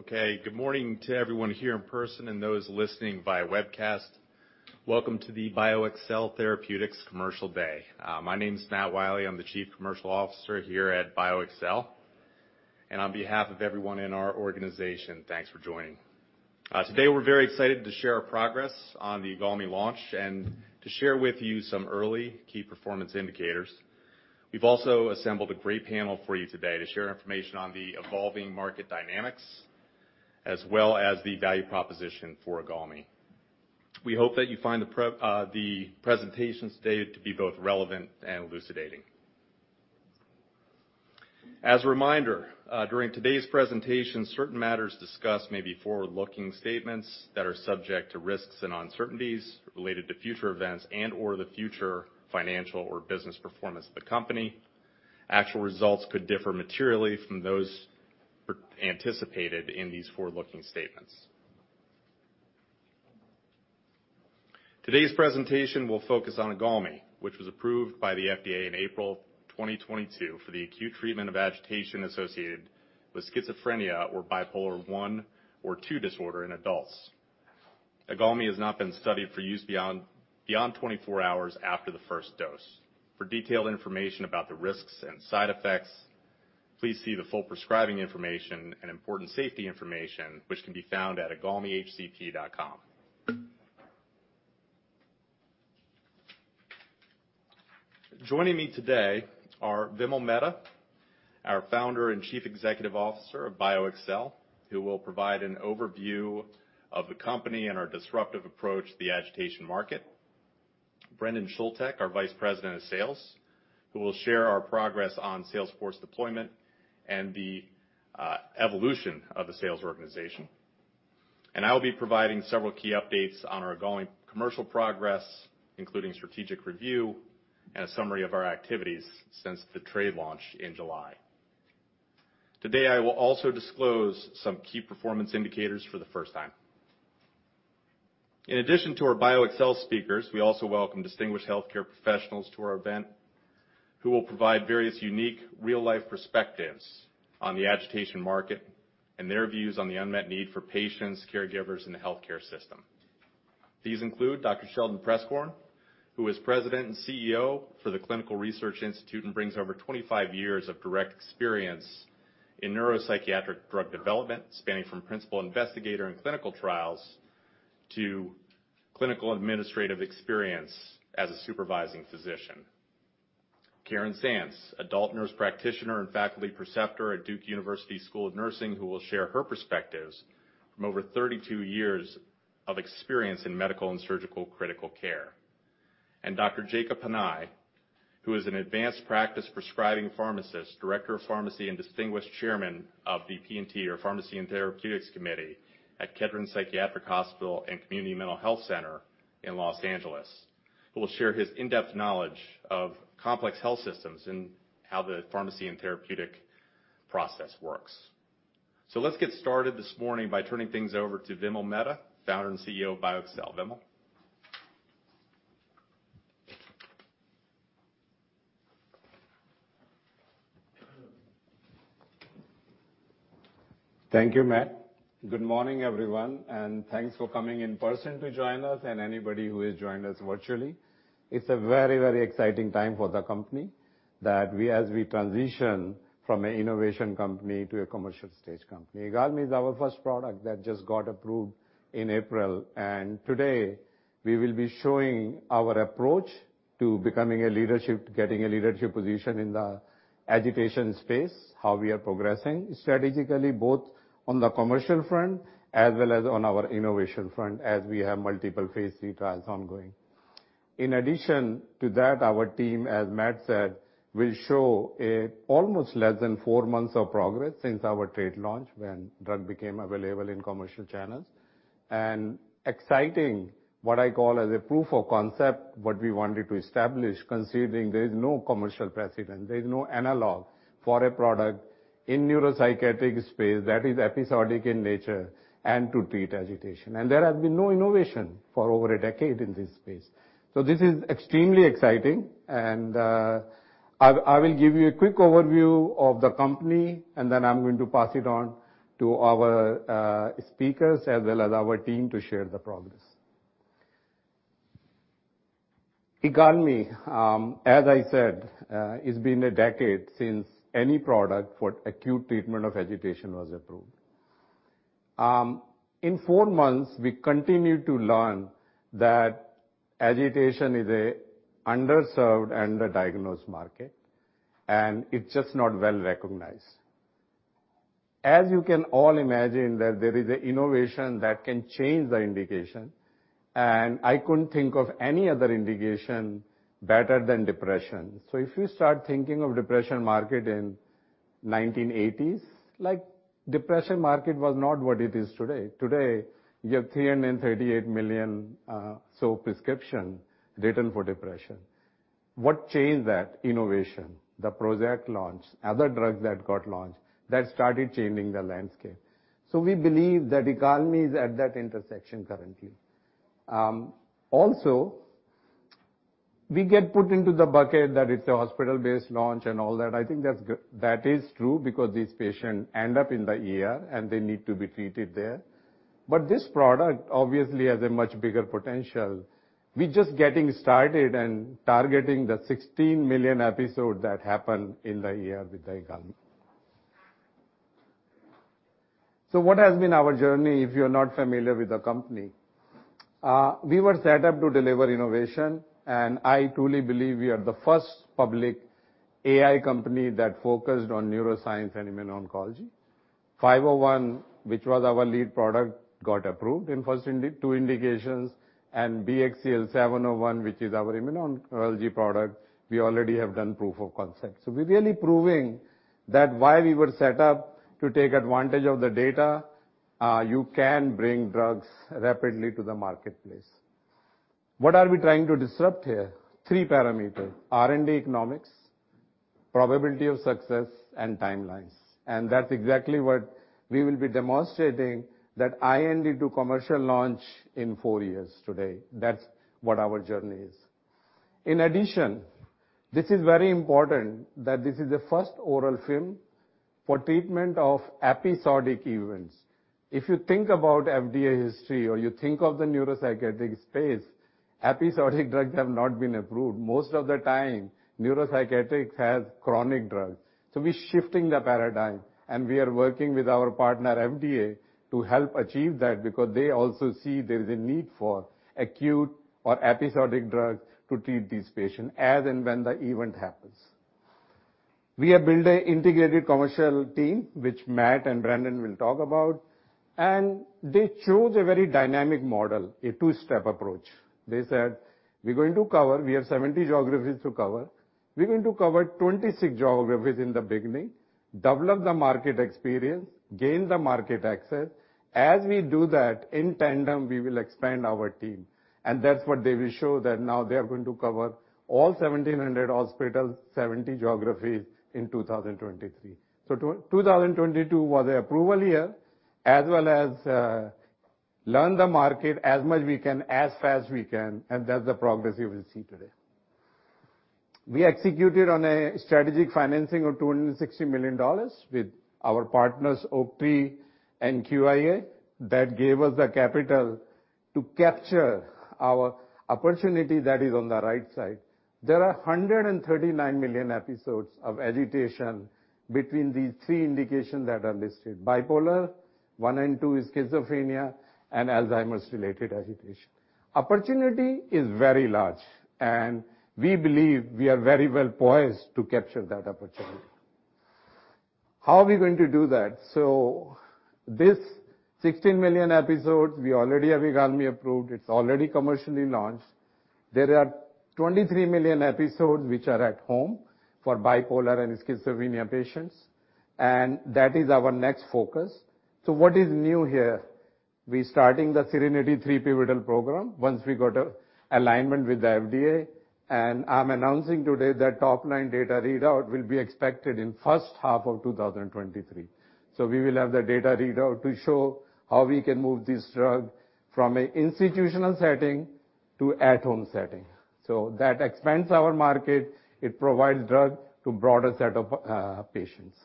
Okay. Good morning to everyone here in person and those listening via webcast. Welcome to the BioXcel Therapeutics Commercial Day. My name is Matt Wiley. I'm the Chief Commercial Officer here at BioXcel. On behalf of everyone in our organization, thanks for joining. Today we're very excited to share our progress on the IGALMI launch and to share with you some early key performance indicators. We've also assembled a great panel for you today to share information on the evolving market dynamics as well as the value proposition for IGALMI. We hope that you find the presentation today to be both relevant and elucidating. As a reminder, during today's presentation, certain matters discussed may be forward-looking statements that are subject to risks and uncertainties related to future events and/or the future financial or business performance of the company. Actual results could differ materially from those anticipated in these forward-looking statements. Today's presentation will focus on IGALMI, which was approved by the FDA in April 2022 for the acute treatment of agitation associated with schizophrenia or bipolar I or II disorder in adults. IGALMI has not been studied for use beyond 24 hours after the first dose. For detailed information about the risks and side effects, please see the full prescribing information and important safety information, which can be found at igalmihcp.com. Joining me today are Vimal Mehta, our Founder and Chief Executive Officer of BioXcel, who will provide an overview of the company and our disruptive approach to the agitation market. Brendan Schulte, our Vice President of Sales, who will share our progress on sales force deployment and the evolution of the sales organization. I will be providing several key updates on our IGALMI commercial progress, including strategic review and a summary of our activities since the trade launch in July. Today, I will also disclose some key performance indicators for the first time. In addition to our BioXcel speakers, we also welcome distinguished healthcare professionals to our event who will provide various unique real-life perspectives on the agitation market and their views on the unmet need for patients, caregivers, and the healthcare system. These include Dr. Sheldon Preskorn, who is President and CEO, WorldWide Clinical Psychopharmacology Consultation, and brings over 25 years of direct experience in neuropsychiatric drug development, spanning from principal investigator in clinical trials to clinical administrative experience as a supervising physician. Karen Sands, Adult Nurse Practitioner and Faculty Preceptor at Duke University School of Nursing, who will share her perspectives from over 32 years of experience in medical and surgical critical care. Dr. Jacob Hanley, who is an Advanced Practice Prescribing Pharmacist, Director of Pharmacy, and distinguished Chairman of the P&T or Pharmacy and Therapeutics Committee at Kedren Acute Psychiatric Hospital and Community Mental Health Center in Los Angeles, who will share his in-depth knowledge of complex health systems and how the pharmacy and therapeutics process works. Let's get started this morning by turning things over to Vimal Mehta, Founder and CEO of BioXcel Therapeutics. Vimal. Thank you, Matt. Good morning, everyone, and thanks for coming in person to join us and anybody who has joined us virtually. It's a very, very exciting time for the company as we transition from an innovation company to a commercial stage company. IGALMI is our first product that just got approved in April. Today we will be showing our approach to getting a leadership position in the agitation space, how we are progressing strategically, both on the commercial front as well as on our innovation front as we have multiple phase III trials ongoing. In addition to that, our team, as Matt said, will show almost less than four months of progress since our trade launch when the drug became available in commercial channels. Exciting, what I call as a proof of concept, what we wanted to establish, considering there is no commercial precedent, there is no analog for a product in neuropsychiatric space that is episodic in nature and to treat agitation. There have been no innovation for over a decade in this space. This is extremely exciting and, I will give you a quick overview of the company, and then I'm going to pass it on to our speakers as well as our team to share the progress. IGALMI, as I said, it's been a decade since any product for acute treatment of agitation was approved. In four months, we continue to learn that agitation is a underserved and under-diagnosed market, and it's just not well-recognized. As you can all imagine that there is an innovation that can change the indication, and I couldn't think of any other indication better than depression. If you start thinking of depression market in 1980s, like depression market was not what it is today. Today, you have over 38 million prescriptions written for depression. What changed that? Innovation. The Prozac launch, other drugs that got launched that started changing the landscape. We believe that IGALMI is at that intersection currently. Also, we get put into the bucket that it's a hospital-based launch and all that. I think that is true, because these patients end up in the ER, and they need to be treated there. But this product obviously has a much bigger potential. We're just getting started and targeting the 16 million episodes that happen in the ER with IGALMI. What has been our journey, if you're not familiar with the company? We were set up to deliver innovation, and I truly believe we are the first public AI company that focused on neuroscience and immuno-oncology. BXCL501, which was our lead product, got approved in first two indications, and BXCL701, which is our immuno-oncology product, we already have done proof of concept. We're really proving why we were set up to take advantage of the data, you can bring drugs rapidly to the marketplace. What are we trying to disrupt here? Three parameters: R&D economics, probability of success, and timelines. That's exactly what we will be demonstrating, that IND to commercial launch in four years today. That's what our journey is. In addition, this is very important that this is the first oral film for treatment of episodic events. If you think about FDA history or you think of the neuropsychiatric space, episodic drugs have not been approved. Most of the time, neuropsychiatry has chronic drugs. We're shifting the paradigm, and we are working with our partner, FDA, to help achieve that because they also see there is a need for acute or episodic drugs to treat these patients as and when the event happens. We have built an integrated commercial team, which Matt and Brendan will talk about, and they chose a very dynamic model, a two-step approach. They said, "We're going to cover. We have 70 geographies to cover. We're going to cover 26 geographies in the beginning, develop the market experience, gain the market access. As we do that, in tandem, we will expand our team. That's what they will show that now they are going to cover all 1,700 hospitals, 70 geographies in 2023. 2022 was an approval year, as well as learn the market as much we can, as fast we can, and that's the progress you will see today. We executed on a strategic financing of $260 million with our partners Oaktree and QIA. That gave us the capital to capture our opportunity that is on the right side. There are 139 million episodes of agitation between these three indications that are listed, bipolar, one in two is schizophrenia, and Alzheimer's-related agitation. Opportunity is very large, and we believe we are very well poised to capture that opportunity. How are we going to do that? This 16 million episodes, we already have IGALMI approved. It's already commercially launched. There are 23 million episodes which are at home for bipolar and schizophrenia patients, and that is our next focus. What is new here? We starting the SERENITY III pivotal program once we got an alignment with the FDA, and I'm announcing today that top-line data readout will be expected in first half of 2023. We will have the data readout to show how we can move this drug from an institutional setting to at-home setting. That expands our market. It provides drug to broader set of patients.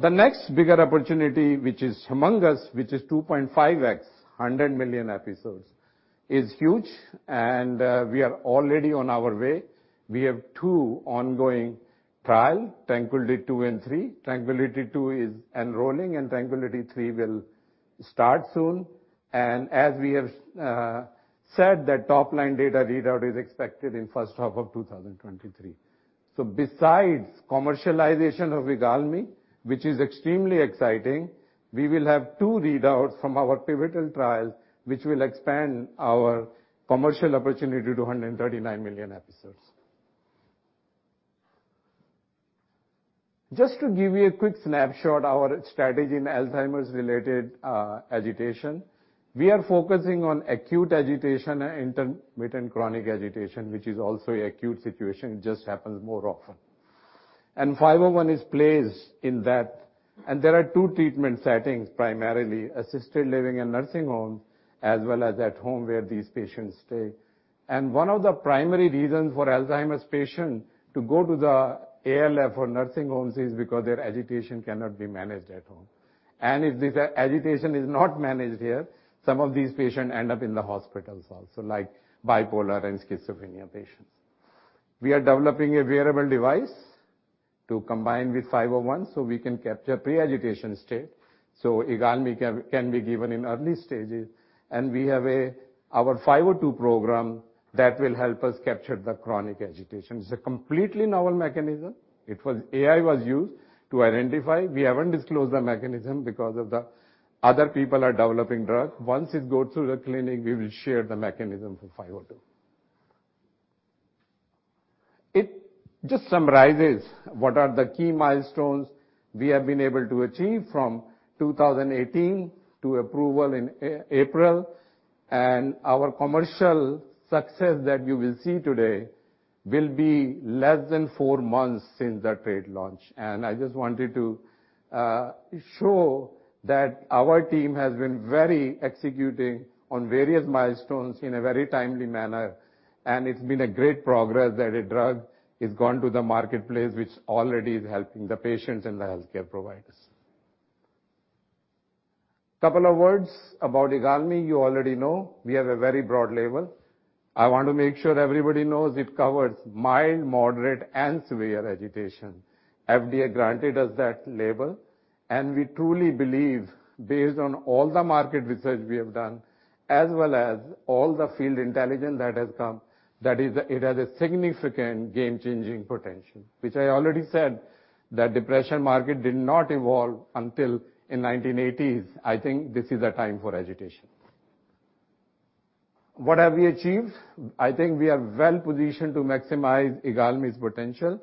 The next bigger opportunity, which is humongous, which is 2.5x 100 million episodes, is huge, and we are already on our way. We have two ongoing trial, TRANQUILITY II and III. TRANQUILITY II is enrolling, and TRANQUILITY III will start soon. As we have said, the top-line data readout is expected in first half of 2023. Besides commercialization of IGALMI, which is extremely exciting, we will have two readouts from our pivotal trials which will expand our commercial opportunity to 139 million episodes. Just to give you a quick snapshot, our strategy in Alzheimer's-related agitation, we are focusing on acute agitation and intermittent chronic agitation, which is also a acute situation. It just happens more often. 501 is placed in that. There are two treatment settings, primarily assisted living and nursing homes, as well as at home, where these patients stay. One of the primary reasons for Alzheimer's patient to go to the ALF or nursing homes is because their agitation cannot be managed at home. If the agitation is not managed here, some of these patients end up in the hospitals also, like bipolar and schizophrenia patients. We are developing a wearable device to combine with BXCL501, so we can capture pre-agitation state, so IGALMI can be given in early stages. We have our BXCL502 program that will help us capture the chronic agitation. It's a completely novel mechanism. It was AI was used to identify. We haven't disclosed the mechanism because of the other people are developing drug. Once it goes through the clinic, we will share the mechanism for BXCL502. It just summarizes what are the key milestones we have been able to achieve from 2018 to approval in April, and our commercial success that you will see today will be less than four months since the launch. I just wanted to show that our team has been very executing on various milestones in a very timely manner, and it's been a great progress that a drug has gone to the marketplace, which already is helping the patients and the healthcare providers. A couple of words about IGALMI. You already know we have a very broad label. I want to make sure everybody knows it covers mild, moderate, and severe agitation. FDA granted us that label, and we truly believe, based on all the market research we have done as well as all the field intelligence that has come, it has a significant game-changing potential, which I already said that depression market did not evolve until in 1980s. I think this is a time for agitation. What have we achieved? I think we are well-positioned to maximize IGALMI's potential.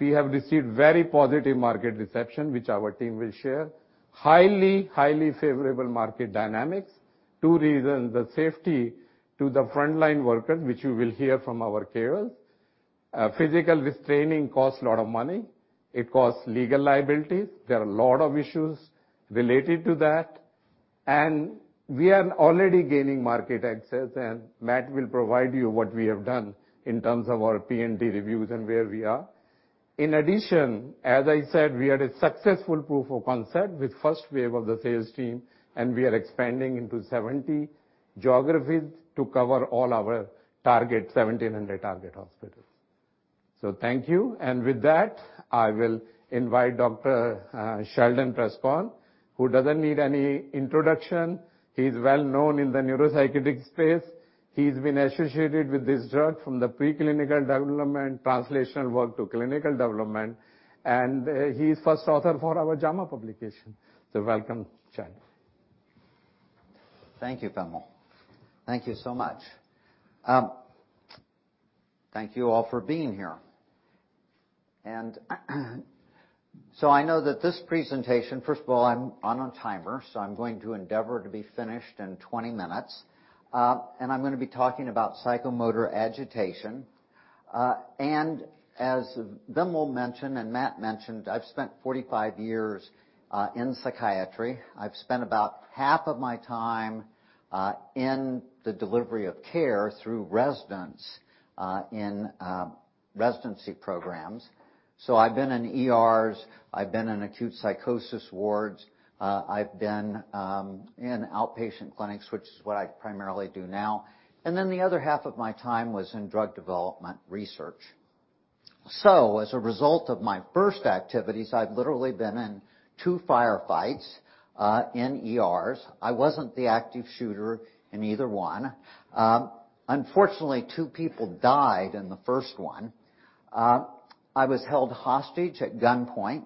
We have received very positive market reception, which our team will share. Highly favorable market dynamics. Two reasons, the safety to the frontline workers, which you will hear from our KOLs. Physical restraining costs a lot of money. It costs legal liabilities. There are a lot of issues related to that. We are already gaining market access, and Matt will provide you what we have done in terms of our P&T reviews and where we are. In addition, as I said, we had a successful proof of concept with first wave of the sales team, and we are expanding into 70 geographies to cover all our 1,700 target hospitals. Thank you. With that, I will invite Dr. Sheldon Preskorn, who doesn't need any introduction. He's well known in the neuropsychiatric space. He's been associated with this drug from the preclinical development, translational work to clinical development, and he's first author for our JAMA publication. Welcome, Sheldon. Thank you, Vimal. Thank you so much. Thank you all for being here. I know that this presentation. First of all, I'm on a timer, so I'm going to endeavor to be finished in 20 minutes. I'm gonna be talking about psychomotor agitation. As Vimal mentioned and Matt mentioned, I've spent 45 years in psychiatry. I've spent about half of my time in the delivery of care through residents in residency programs. I've been in ERs, I've been in acute psychosis wards, I've been in outpatient clinics, which is what I primarily do now. The other half of my time was in drug development research. As a result of my first activities, I've literally been in two firefights in ERs. I wasn't the active shooter in either one. Unfortunately, two people died in the first one. I was held hostage at gunpoint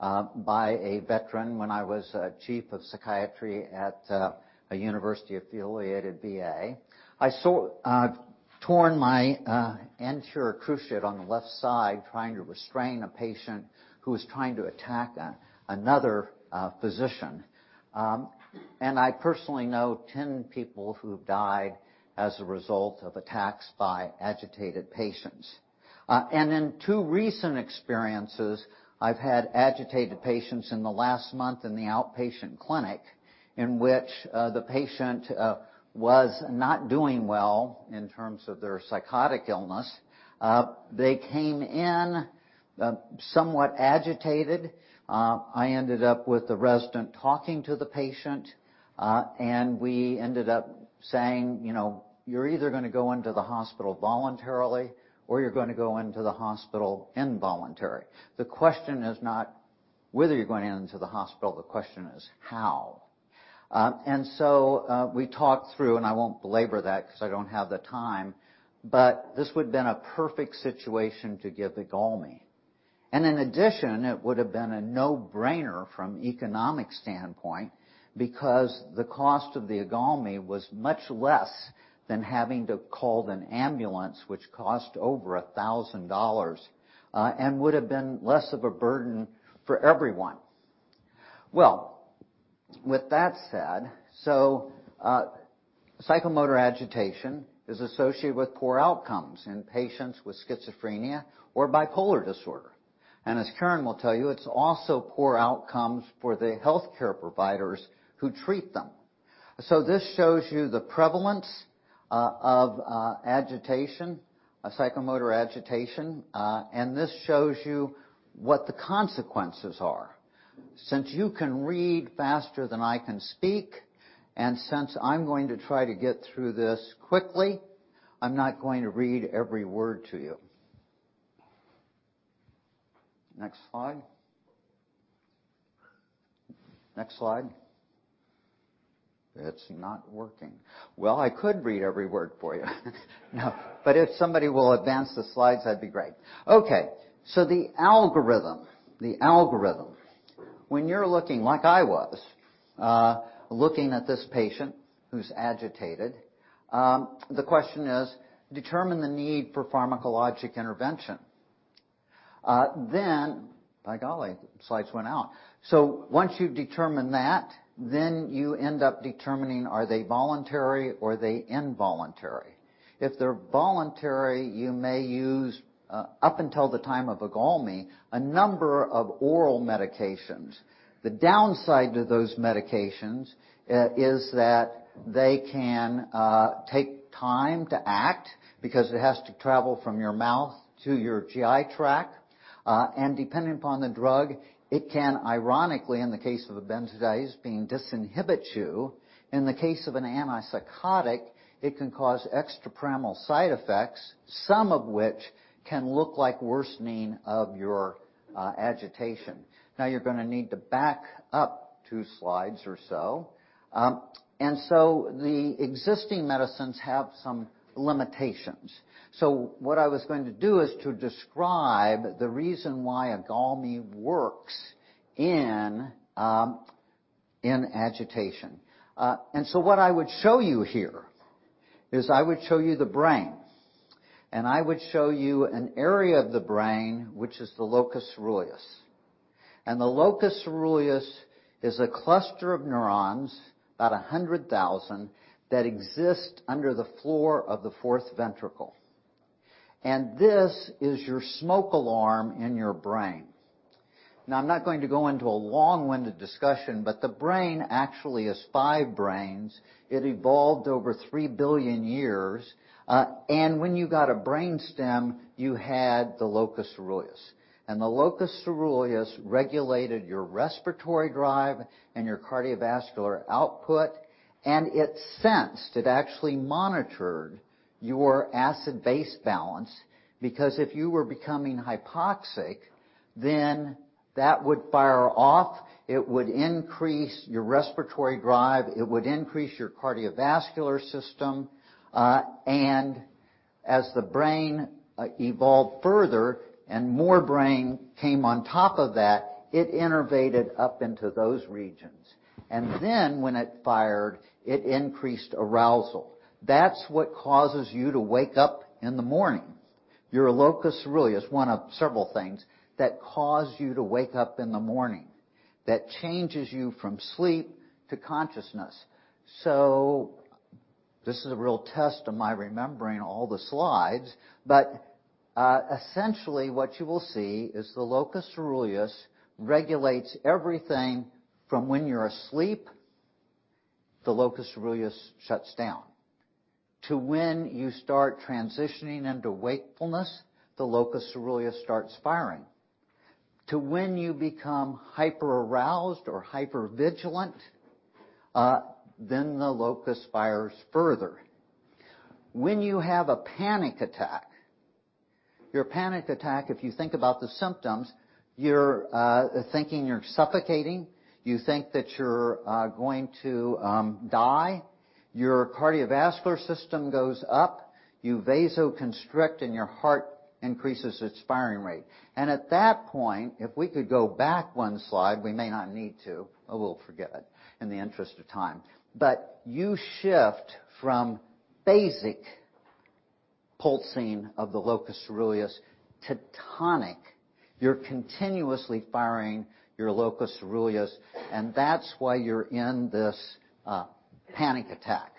by a veteran when I was a chief of psychiatry at a university-affiliated VA. I tore my anterior cruciate on the left side trying to restrain a patient who was trying to attack another physician. I personally know 10 people who have died as a result of attacks by agitated patients. In two recent experiences, I've had agitated patients in the last month in the outpatient clinic in which the patient was not doing well in terms of their psychotic illness. They came in somewhat agitated. I ended up with the resident talking to the patient, and we ended up saying, you know, "You're either gonna go into the hospital voluntarily or you're gonna go into the hospital involuntary. The question is not whether you're going into the hospital, the question is how." We talked through, and I won't belabor that 'cause I don't have the time, but this would've been a perfect situation to give IGALMI. In addition, it would have been a no-brainer from economic standpoint because the cost of the IGALMI was much less than having to call an ambulance, which cost over $1,000, and would have been less of a burden for everyone. Well, with that said, psychomotor agitation is associated with poor outcomes in patients with schizophrenia or bipolar disorder. As Karen will tell you, it's also poor outcomes for the healthcare providers who treat them. This shows you the prevalence of agitation, psychomotor agitation, and this shows you what the consequences are. Since you can read faster than I can speak, and since I'm going to try to get through this quickly, I'm not going to read every word to you. Next slide. Next slide. It's not working. Well, I could read every word for you. No. If somebody will advance the slides, that'd be great. Okay, the algorithm. When you're looking, like I was, looking at this patient who's agitated, the question is determine the need for pharmacologic intervention. By golly, slides went out. Once you've determined that, then you end up determining are they voluntary or are they involuntary. If they're voluntary, you may use up until the time of IGALMI a number of oral medications. The downside to those medications is that they can take time to act because it has to travel from your mouth to your GI tract. Depending upon the drug, it can, ironically, in the case of a benzodiazepine, disinhibit you. In the case of an antipsychotic, it can cause extrapyramidal side effects, some of which can look like worsening of your agitation. Now you're gonna need to back up two slides or so. The existing medicines have some limitations. What I was going to do is to describe the reason why IGALMI works in agitation. What I would show you here is I would show you the brain, and I would show you an area of the brain, which is the locus coeruleus. The locus coeruleus is a cluster of neurons, about 100,000, that exist under the floor of the fourth ventricle. This is your smoke alarm in your brain. Now, I'm not going to go into a long-winded discussion, but the brain actually is five brains. It evolved over 3 billion years, and when you got a brain stem, you had the locus coeruleus. The locus coeruleus regulated your respiratory drive and your cardiovascular output, and it sensed, it actually monitored your acid-base balance because if you were becoming hypoxic, then that would fire off. It would increase your respiratory drive. It would increase your cardiovascular system. As the brain evolved further and more brain came on top of that, it innervated up into those regions. Then when it fired, it increased arousal. That's what causes you to wake up in the morning. Your locus coeruleus, one of several things that cause you to wake up in the morning that changes you from sleep to consciousness. This is a real test of my remembering all the slides, but essentially what you will see is the locus coeruleus regulates everything from when you're asleep, the locus coeruleus shuts down, to when you start transitioning into wakefulness, the locus coeruleus starts firing, to when you become hyperaroused or hypervigilant, then the locus fires further. When you have a panic attack, if you think about the symptoms, you're thinking you're suffocating. You think that you're going to die. Your cardiovascular system goes up. You vasoconstrict, and your heart increases its firing rate. At that point, if we could go back one slide, we may not need to. Oh, we'll forget it in the interest of time. You shift from phasic pulsing of the locus coeruleus to tonic. You're continuously firing your locus coeruleus, and that's why you're in this panic attack.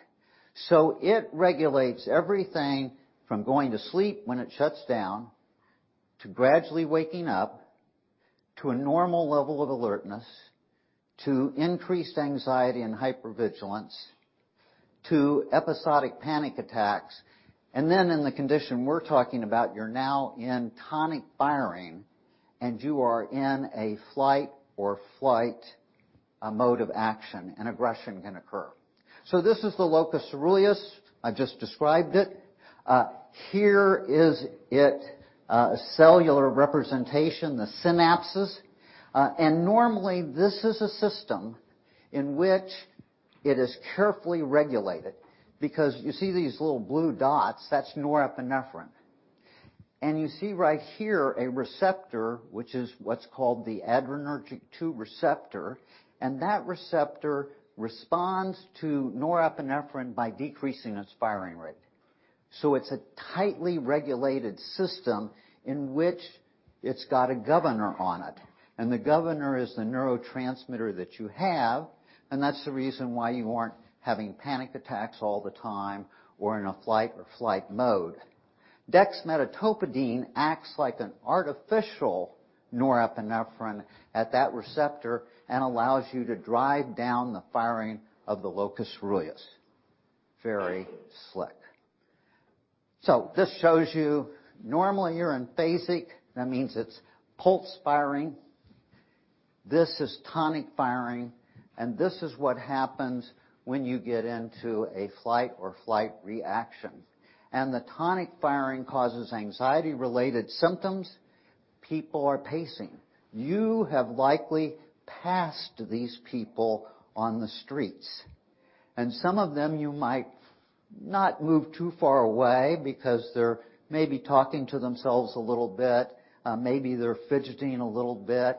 It regulates everything from going to sleep when it shuts down, to gradually waking up, to a normal level of alertness, to increased anxiety and hypervigilance, to episodic panic attacks. Then in the condition we're talking about, you're now in tonic firing, and you are in a flight or flight mode of action, and aggression can occur. This is the locus coeruleus. I've just described it. Here it is, cellular representation, the synapses. Normally this is a system in which it is carefully regulated because you see these little blue dots, that's norepinephrine. You see right here a receptor, which is what's called the alpha-2 adrenergic receptor, and that receptor responds to norepinephrine by decreasing its firing rate. It's a tightly regulated system in which it's got a governor on it, and the governor is the neurotransmitter that you have, and that's the reason why you aren't having panic attacks all the time or in a fight or flight mode. Dexmedetomidine acts like an artificial norepinephrine at that receptor and allows you to drive down the firing of the locus coeruleus. Very slick. This shows you normally you're in phasic. That means it's pulse firing. This is tonic firing. This is what happens when you get into a fight or flight reaction. The tonic firing causes anxiety-related symptoms. People are pacing. You have likely passed these people on the streets, and some of them, you might not move too far away because they're maybe talking to themselves a little bit. Maybe they're fidgeting a little bit.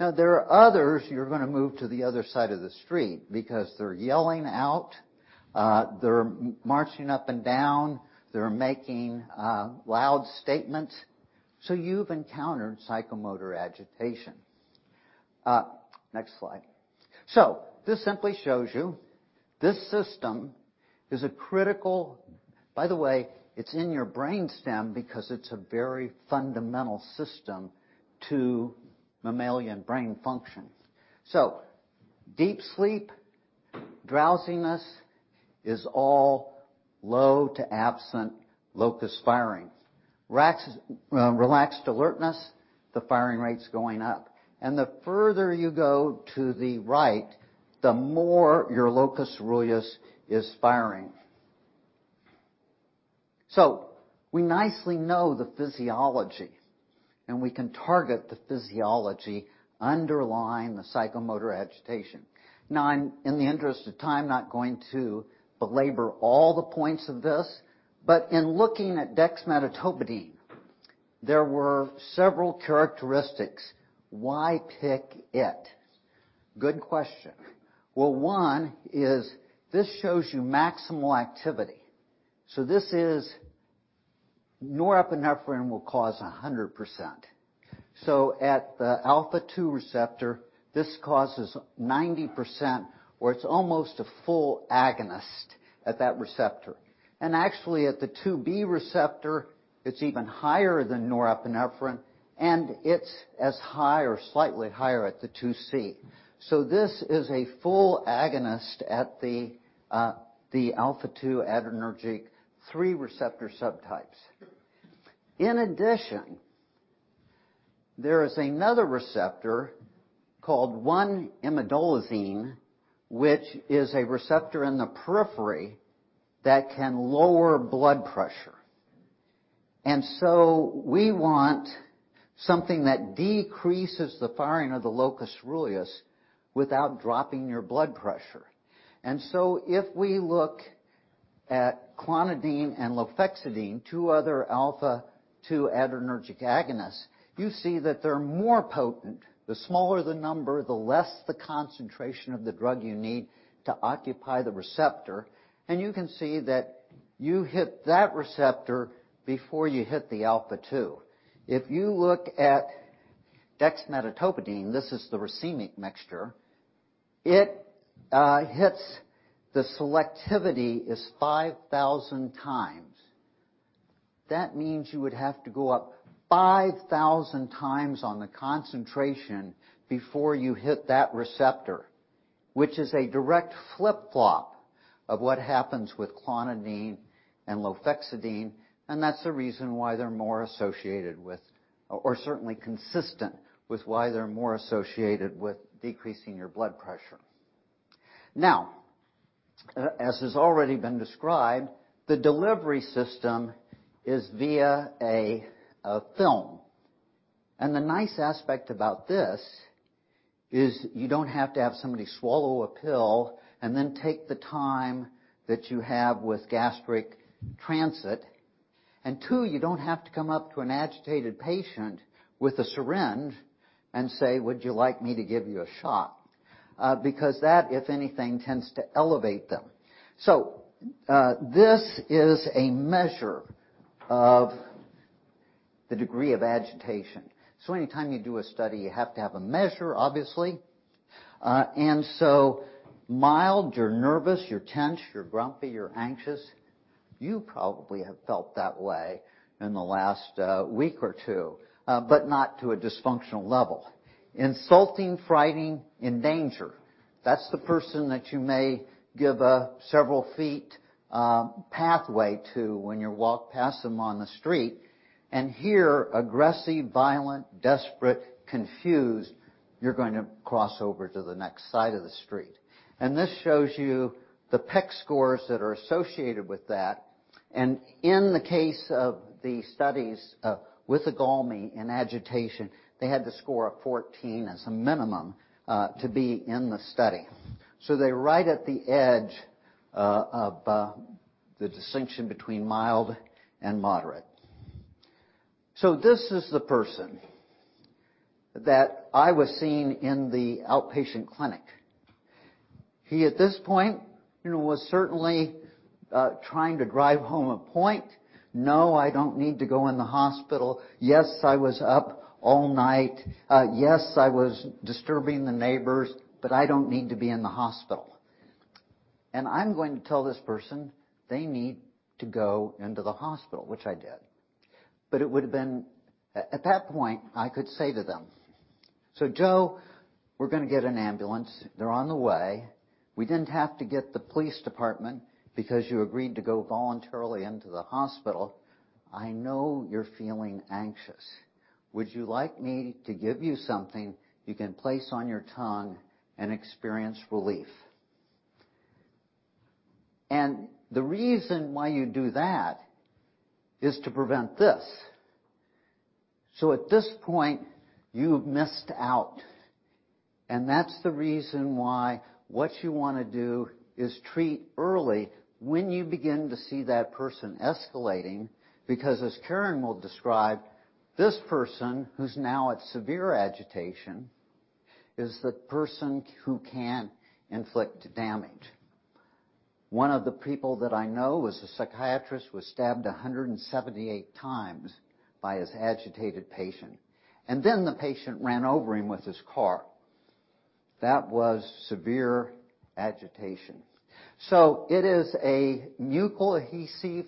Now there are others, you're gonna move to the other side of the street because they're yelling out, they're marching up and down, they're making loud statements. You've encountered psychomotor agitation. Next slide. This simply shows you this system is a critical. By the way, it's in your brainstem because it's a very fundamental system to mammalian brain function. Deep sleep, drowsiness is all low to absent locus firing. Relaxed alertness, the firing rate's going up. The further you go to the right, the more your locus coeruleus is firing. We nicely know the physiology, and we can target the physiology underlying the psychomotor agitation. Now, in the interest of time, not going to belabor all the points of this, but in looking at dexmedetomidine, there were several characteristics. Why pick it? Good question. Well, one is this shows you maximal activity. This is. Norepinephrine will cause 100%. At the alpha-2 receptor, this causes 90%, or it's almost a full agonist at that receptor. Actually at the 2B receptor, it's even higher than norepinephrine, and it's as high or slightly higher at the 2C. This is a full agonist at the alpha-2 adrenergic three receptor subtypes. In addition, there is another receptor called I1 imidazoline, which is a receptor in the periphery that can lower blood pressure. We want something that decreases the firing of the locus coeruleus without dropping your blood pressure. If we look at clonidine and lofexidine, two other alpha-2 adrenergic agonists, you see that they're more potent. The smaller the number, the less the concentration of the drug you need to occupy the receptor. You can see that you hit that receptor before you hit the alpha-2. If you look at dexmedetomidine, this is the racemic mixture. It hits. The selectivity is 5,000 times. That means you would have to go up 5,000 times on the concentration before you hit that receptor, which is a direct flip-flop of what happens with clonidine and lofexidine, and that's the reason why they're more associated with or certainly consistent with why they're more associated with decreasing your blood pressure. Now, as has already been described, the delivery system is via a film. The nice aspect about this is you don't have to have somebody swallow a pill and then take the time that you have with gastric transit. Two, you don't have to come up to an agitated patient with a syringe and say, "Would you like me to give you a shot?" Because that, if anything, tends to elevate them. This is a measure of the degree of agitation. Anytime you do a study, you have to have a measure, obviously. Mild, you're nervous, you're tense, you're grumpy, you're anxious. You probably have felt that way in the last week or two, but not to a dysfunctional level. Insulting, frightening, in danger. That's the person that you may give a several feet pathway to when you walk past them on the street. Here, aggressive, violent, desperate, confused, you're going to cross over to the next side of the street. This shows you the PEC scores that are associated with that. In the case of the studies with IGALMI in agitation, they had to score a 14 as a minimum to be in the study. They're right at the edge of the distinction between mild and moderate. This is the person that I was seeing in the outpatient clinic. He, at this point, you know, was certainly trying to drive home a point. "No, I don't need to go in the hospital. Yes, I was up all night. Yes, I was disturbing the neighbors, but I don't need to be in the hospital." I'm going to tell this person they need to go into the hospital, which I did. It would've been at that point I could say to them, "So, Joe, we're gonna get an ambulance. They're on the way. We didn't have to get the police department because you agreed to go voluntarily into the hospital. I know you're feeling anxious. Would you like me to give you something you can place on your tongue and experience relief?" The reason why you do that is to prevent this. At this point, you've missed out. That's the reason why what you wanna do is treat early when you begin to see that person escalating, because as Karen will describe, this person who's now at severe agitation is the person who can inflict damage. One of the people that I know was a psychiatrist, was stabbed 178 times by his agitated patient, and then the patient ran over him with his car. That was severe agitation. It is a buccal adhesive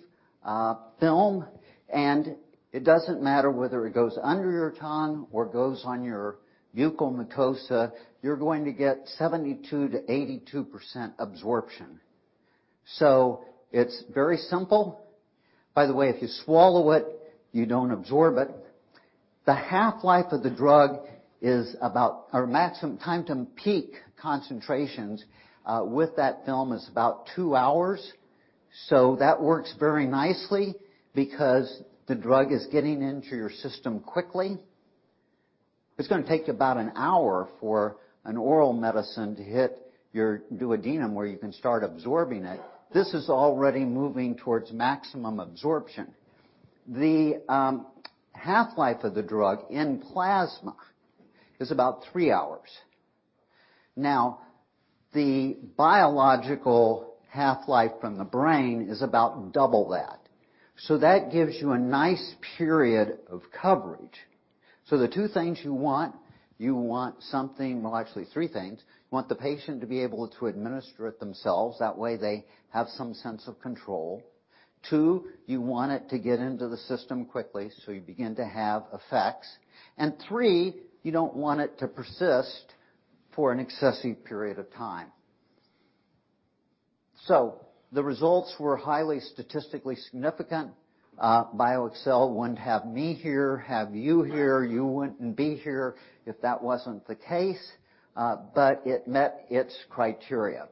film, and it doesn't matter whether it goes under your tongue or goes on your buccal mucosa, you're going to get 72%-82% absorption. It's very simple. By the way, if you swallow it, you don't absorb it. The half-life of the drug or maximum time to peak concentrations with that film is about two hours. That works very nicely because the drug is getting into your system quickly. It's gonna take about an hour for an oral medicine to hit your duodenum, where you can start absorbing it. This is already moving towards maximum absorption. The half-life of the drug in plasma is about three hours. Now, the biological half-life from the brain is about double that. That gives you a nice period of coverage. The two things you want, you want something. Well, actually three things. You want the patient to be able to administer it themselves, that way they have some sense of control. Two, you want it to get into the system quickly, so you begin to have effects. And three, you don't want it to persist for an excessive period of time. The results were highly statistically significant. BioXcel wouldn't have me here, you wouldn't be here if that wasn't the case, but it met its criteria.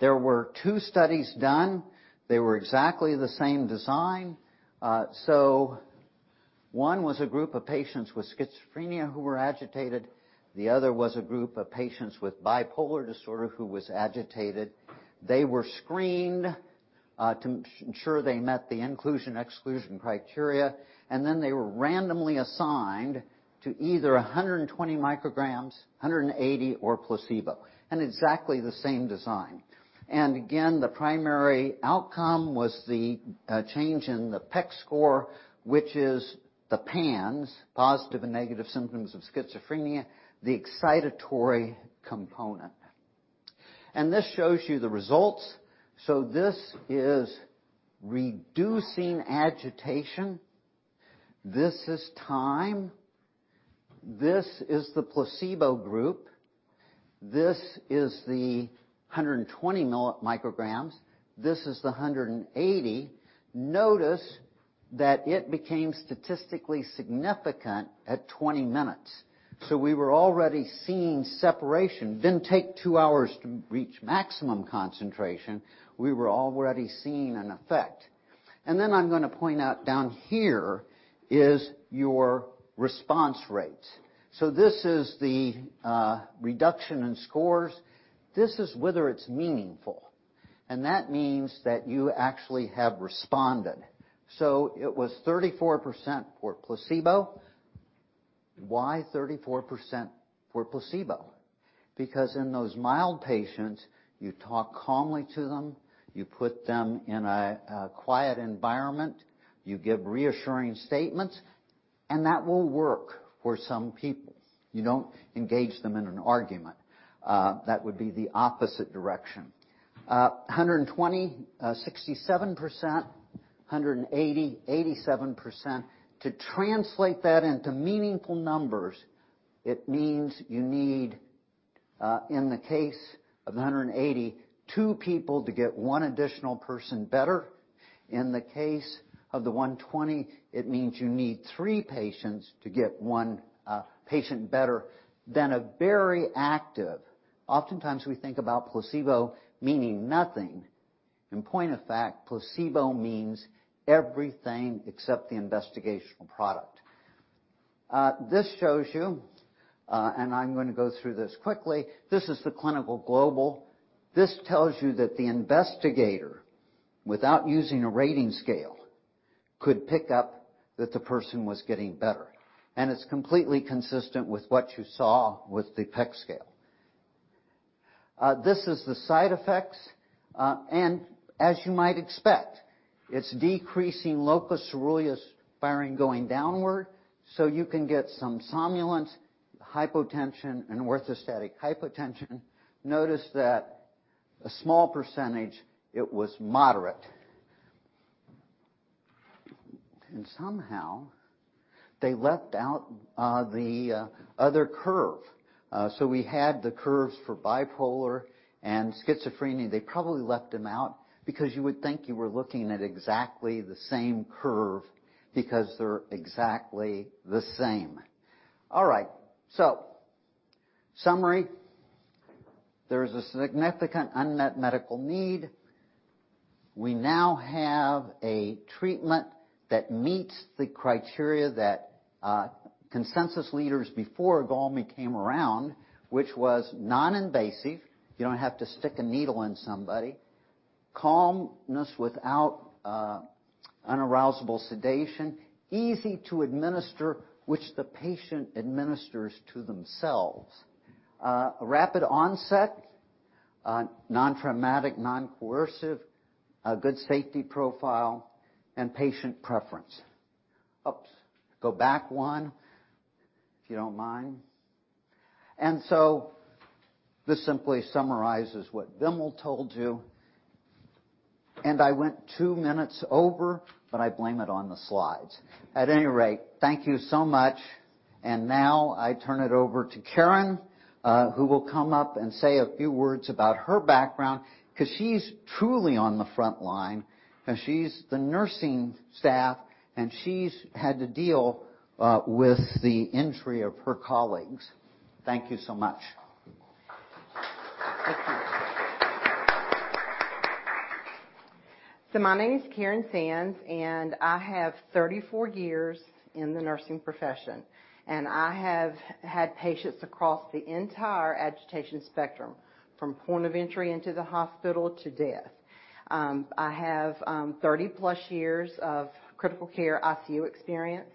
There were two studies done. They were exactly the same design. One was a group of patients with schizophrenia who were agitated. The other was a group of patients with bipolar disorder who was agitated. They were screened to ensure they met the inclusion/exclusion criteria, and then they were randomly assigned to either 120 micrograms, 180 or placebo. Exactly the same design. Again, the primary outcome was the change in the PEC score, which is the PANSS, Positive and Negative Symptoms of Schizophrenia, the excitatory component. This shows you the results. This is reducing agitation. This is time. This is the placebo group. This is the 120 micrograms. This is the 180. Notice that it became statistically significant at 20 minutes. We were already seeing separation. Didn't take two hours to reach maximum concentration. We were already seeing an effect. I'm gonna point out down here is your response rates. This is the reduction in scores. This is whether it's meaningful, and that means that you actually have responded. It was 34% for placebo. Why 34% for placebo? Because in those mild patients, you talk calmly to them, you put them in a quiet environment, you give reassuring statements, and that will work for some people. You don't engage them in an argument. That would be the opposite direction. 120, 67%, 187%. To translate that into meaningful numbers, it means you need, in the case of the 182 people to get one additional person better. In the case of the 120, it means you need three patients to get one patient better. Oftentimes, we think about placebo meaning nothing. In point of fact, placebo means everything except the investigational product. This shows you, and I'm gonna go through this quickly. This is the clinical global. This tells you that the investigator, without using a rating scale, could pick up that the person was getting better. It's completely consistent with what you saw with the PEC scale. This is the side effects. As you might expect, it's decreasing locus coeruleus firing going downward, so you can get some somnolence, hypotension, and orthostatic hypotension. Notice that a small percentage, it was moderate. Somehow they left out the other curve. We had the curves for bipolar and schizophrenia. They probably left them out because you would think you were looking at exactly the same curve because they're exactly the same. All right. Summary. There is a significant unmet medical need. We now have a treatment that meets the criteria that consensus leaders before IGALMI came around, which was non-invasive. You don't have to stick a needle in somebody. Calmness without unarousable sedation, easy to administer, which the patient administers to themselves. Rapid onset, non-traumatic, non-coercive, a good safety profile and patient preference. Oops. Go back one, if you don't mind. This simply summarizes what Vimal told you. I went two minutes over, but I blame it on the slides. At any rate, thank you so much. Now I turn it over to Karen, who will come up and say a few words about her background because she's truly on the front line, and she's the nursing staff, and she's had to deal with the injury of her colleagues. Thank you so much. Thank you. My name is Karen Sands, and I have 34 years in the nursing profession, and I have had patients across the entire agitation spectrum, from point of entry into the hospital to death. I have 30+ years of critical care ICU experience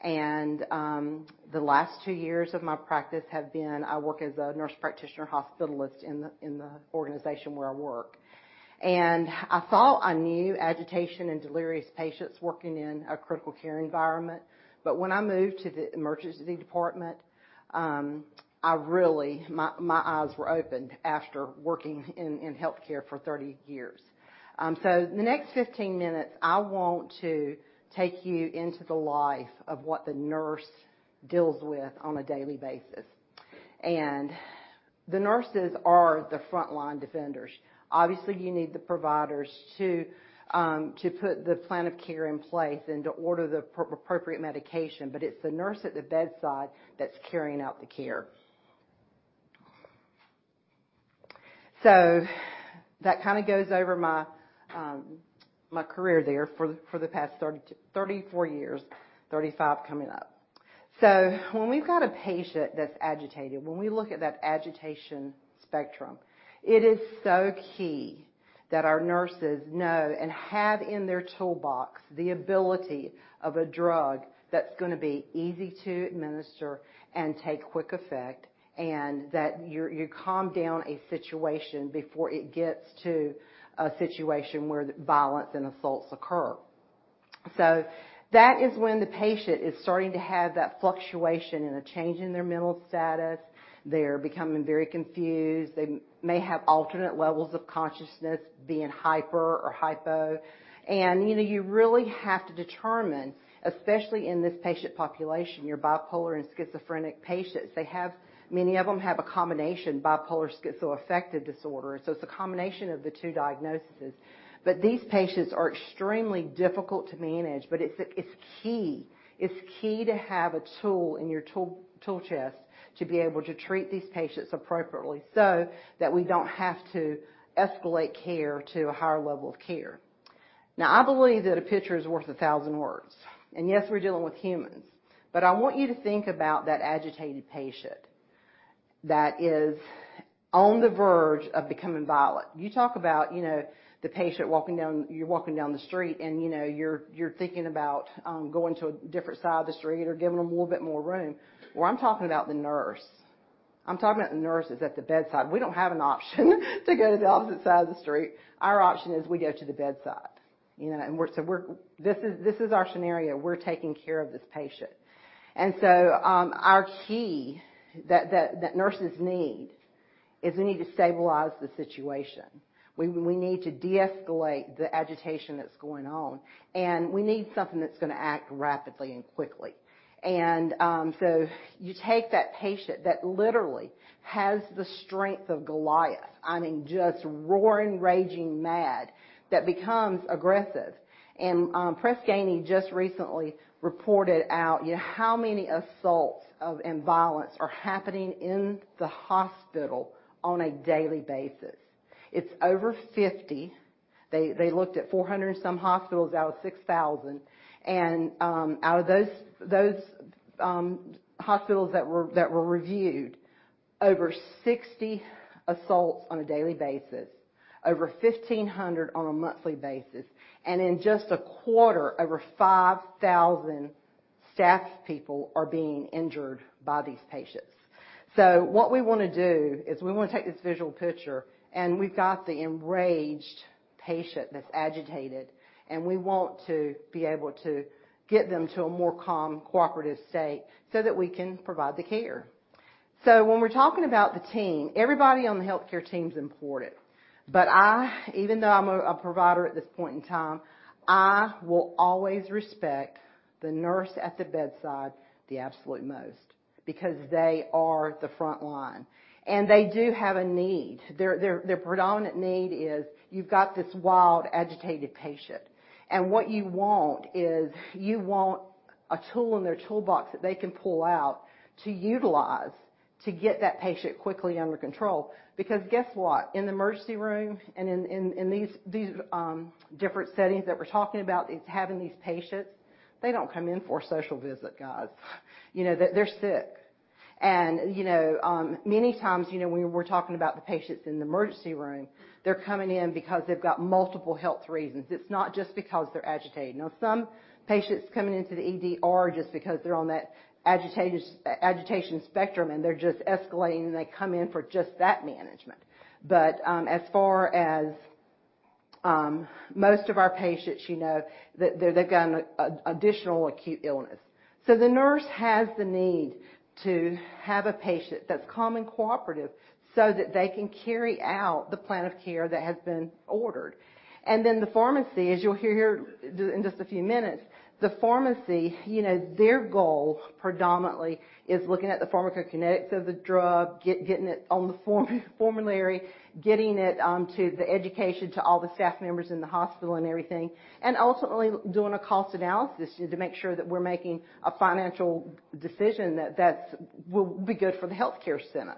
and the last two years of my practice have been I work as a nurse practitioner hospitalist in the organization where I work. I thought I knew agitation and delirious patients working in a critical care environment. When I moved to the emergency department, I really. My eyes were opened after working in healthcare for 30 years. The next 15 minutes, I want to take you into the life of what the nurse deals with on a daily basis. The nurses are the frontline defenders. Obviously, you need the providers to put the plan of care in place and to order the appropriate medication, but it's the nurse at the bedside that's carrying out the care. That kind of goes over my career there for the past 34 years, 35 coming up. When we've got a patient that's agitated, when we look at that agitation spectrum, it is so key that our nurses know and have in their toolbox the ability of a drug that's gonna be easy to administer and take quick effect and that you calm down a situation before it gets to a situation where violence and assaults occur. That is when the patient is starting to have that fluctuation and a change in their mental status. They're becoming very confused. They may have alternate levels of consciousness, being hyper or hypo. You know, you really have to determine, especially in this patient population, your bipolar and schizophrenic patients. They have many of them have a combination bipolar schizoaffective disorder. It's a combination of the two diagnoses. These patients are extremely difficult to manage. It's key. It's key to have a tool in your tool chest to be able to treat these patients appropriately so that we don't have to escalate care to a higher level of care. Now, I believe that a picture is worth a thousand words. Yes, we're dealing with humans, but I want you to think about that agitated patient that is on the verge of becoming violent. You talk about, you know, the patient walking down. You're walking down the street, and, you know, you're thinking about going to a different side of the street or giving them a little bit more room. Well, I'm talking about the nurse. I'm talking about the nurses at the bedside. We don't have an option to go to the opposite side of the street. Our option is we go to the bedside, you know, and this is our scenario. We're taking care of this patient. Our key that the nurses need is we need to stabilize the situation. We need to deescalate the agitation that's going on, and we need something that's gonna act rapidly and quickly. You take that patient that literally has the strength of Goliath, I mean, just roaring, raging mad, that becomes aggressive. Press Ganey just recently reported out, you know, how many assaults and violence are happening in the hospital on a daily basis. It's over 50. They looked at 400 and some hospitals out of 6,000. Out of those hospitals that were reviewed, over 60 assaults on a daily basis, over 1,500 on a monthly basis, and in just a quarter, over 5,000 staff people are being injured by these patients. What we wanna do is we wanna take this visual picture, and we've got the enraged patient that's agitated, and we want to be able to get them to a more calm, cooperative state, so that we can provide the care. When we're talking about the team, everybody on the healthcare team is important. even though I'm a provider at this point in time, I will always respect the nurse at the bedside the absolute most because they are the front line, and they do have a need. Their predominant need is you've got this wild, agitated patient, and what you want is you want a tool in their toolbox that they can pull out to utilize. To get that patient quickly under control. Because guess what? In the emergency room and in these different settings that we're talking about is having these patients, they don't come in for a social visit, guys. You know, they're sick. You know, many times, you know, when we're talking about the patients in the emergency room, they're coming in because they've got multiple health reasons. It's not just because they're agitated. Now, some patients coming into the ED are just because they're on that agitation spectrum, and they're just escalating, and they come in for just that management. As far as most of our patients, you know, they've got an additional acute illness. The nurse has the need to have a patient that's calm and cooperative so that they can carry out the plan of care that has been ordered. Then the pharmacy, as you'll hear here in just a few minutes, the pharmacy, you know, their goal predominantly is looking at the pharmacokinetics of the drug, getting it on the formulary, getting it on to the education to all the staff members in the hospital and everything, and ultimately doing a cost analysis to make sure that we're making a financial decision that will be good for the healthcare center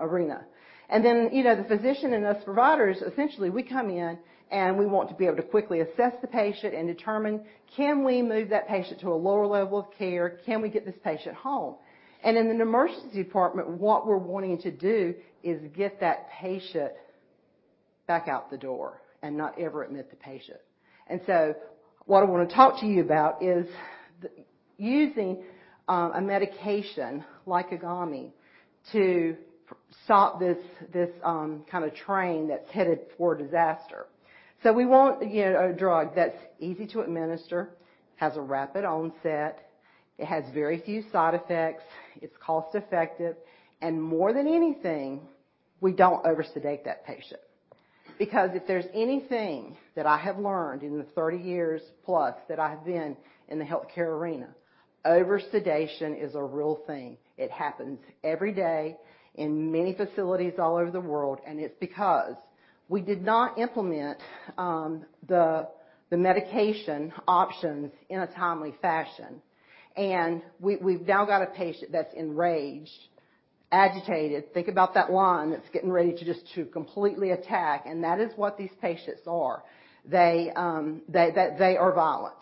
arena. You know, the physician and us providers, essentially, we come in and we want to be able to quickly assess the patient and determine, can we move that patient to a lower level of care? Can we get this patient home? In an emergency department, what we're wanting to do is get that patient back out the door and not ever admit the patient. What I wanna talk to you about is using a medication like IGALMI to stop this kind of train that's headed for disaster. We want, you know, a drug that's easy to administer, has a rapid onset, it has very few side effects, it's cost-effective, and more than anything, we don't oversedate that patient. Because if there's anything that I have learned in the 30 years plus that I have been in the healthcare arena, oversedation is a real thing. It happens every day in many facilities all over the world, and it's because we did not implement the medication options in a timely fashion. We've now got a patient that's enraged, agitated. Think about that lion that's getting ready to just completely attack, and that is what these patients are. They are violent.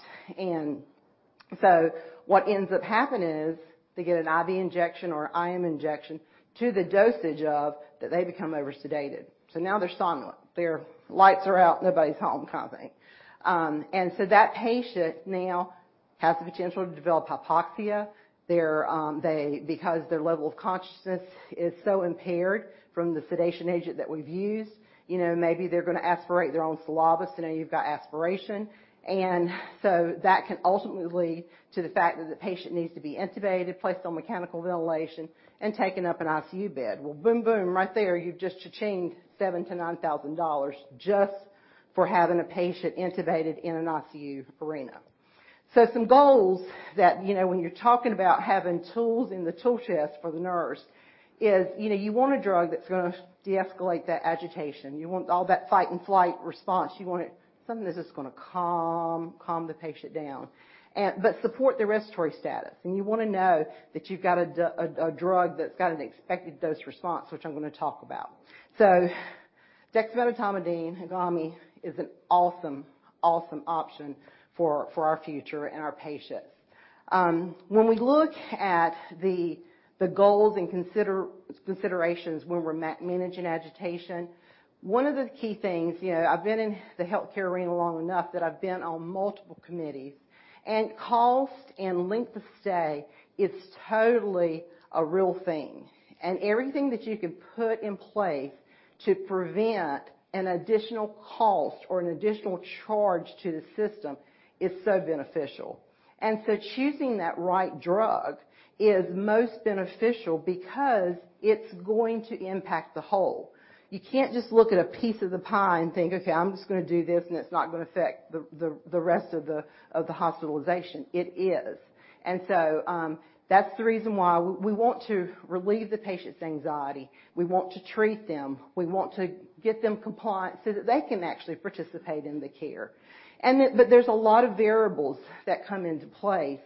What ends up happening is they get an IV injection or IM injection to the dosage of that they become oversedated. Now they're somnolent. Their lights are out, nobody's home kind of thing. That patient now has the potential to develop hypoxia. Because their level of consciousness is so impaired from the sedation agent that we've used, you know, maybe they're gonna aspirate their own saliva, so now you've got aspiration. That can ultimately lead to the fact that the patient needs to be intubated, placed on mechanical ventilation, and taking up an ICU bed. Well, boom, right there, you've just cha-chinged $7,000-$9,000 just for having a patient intubated in an ICU arena. Some goals that, you know, when you're talking about having tools in the tool chest for the nurse is, you know, you want a drug that's gonna deescalate that agitation. You want all that fight and flight response. You want something that's just gonna calm the patient down. But support the respiratory status. You wanna know that you've got a drug that's got an expected dose response, which I'm gonna talk about. Dexmedetomidine, IGALMI, is an awesome option for our future and our patients. When we look at the goals and considerations when we're managing agitation, one of the key things, you know, I've been in the healthcare arena long enough that I've been on multiple committees, and cost and length of stay is totally a real thing. Everything that you can put in place to prevent an additional cost or an additional charge to the system is so beneficial. Choosing that right drug is most beneficial because it's going to impact the whole. You can't just look at a piece of the pie and think, "Okay, I'm just gonna do this, and it's not gonna affect the rest of the hospitalization." It is. That's the reason why we want to relieve the patient's anxiety. We want to treat them. We want to get them compliant so that they can actually participate in the care. There's a lot of variables that come into play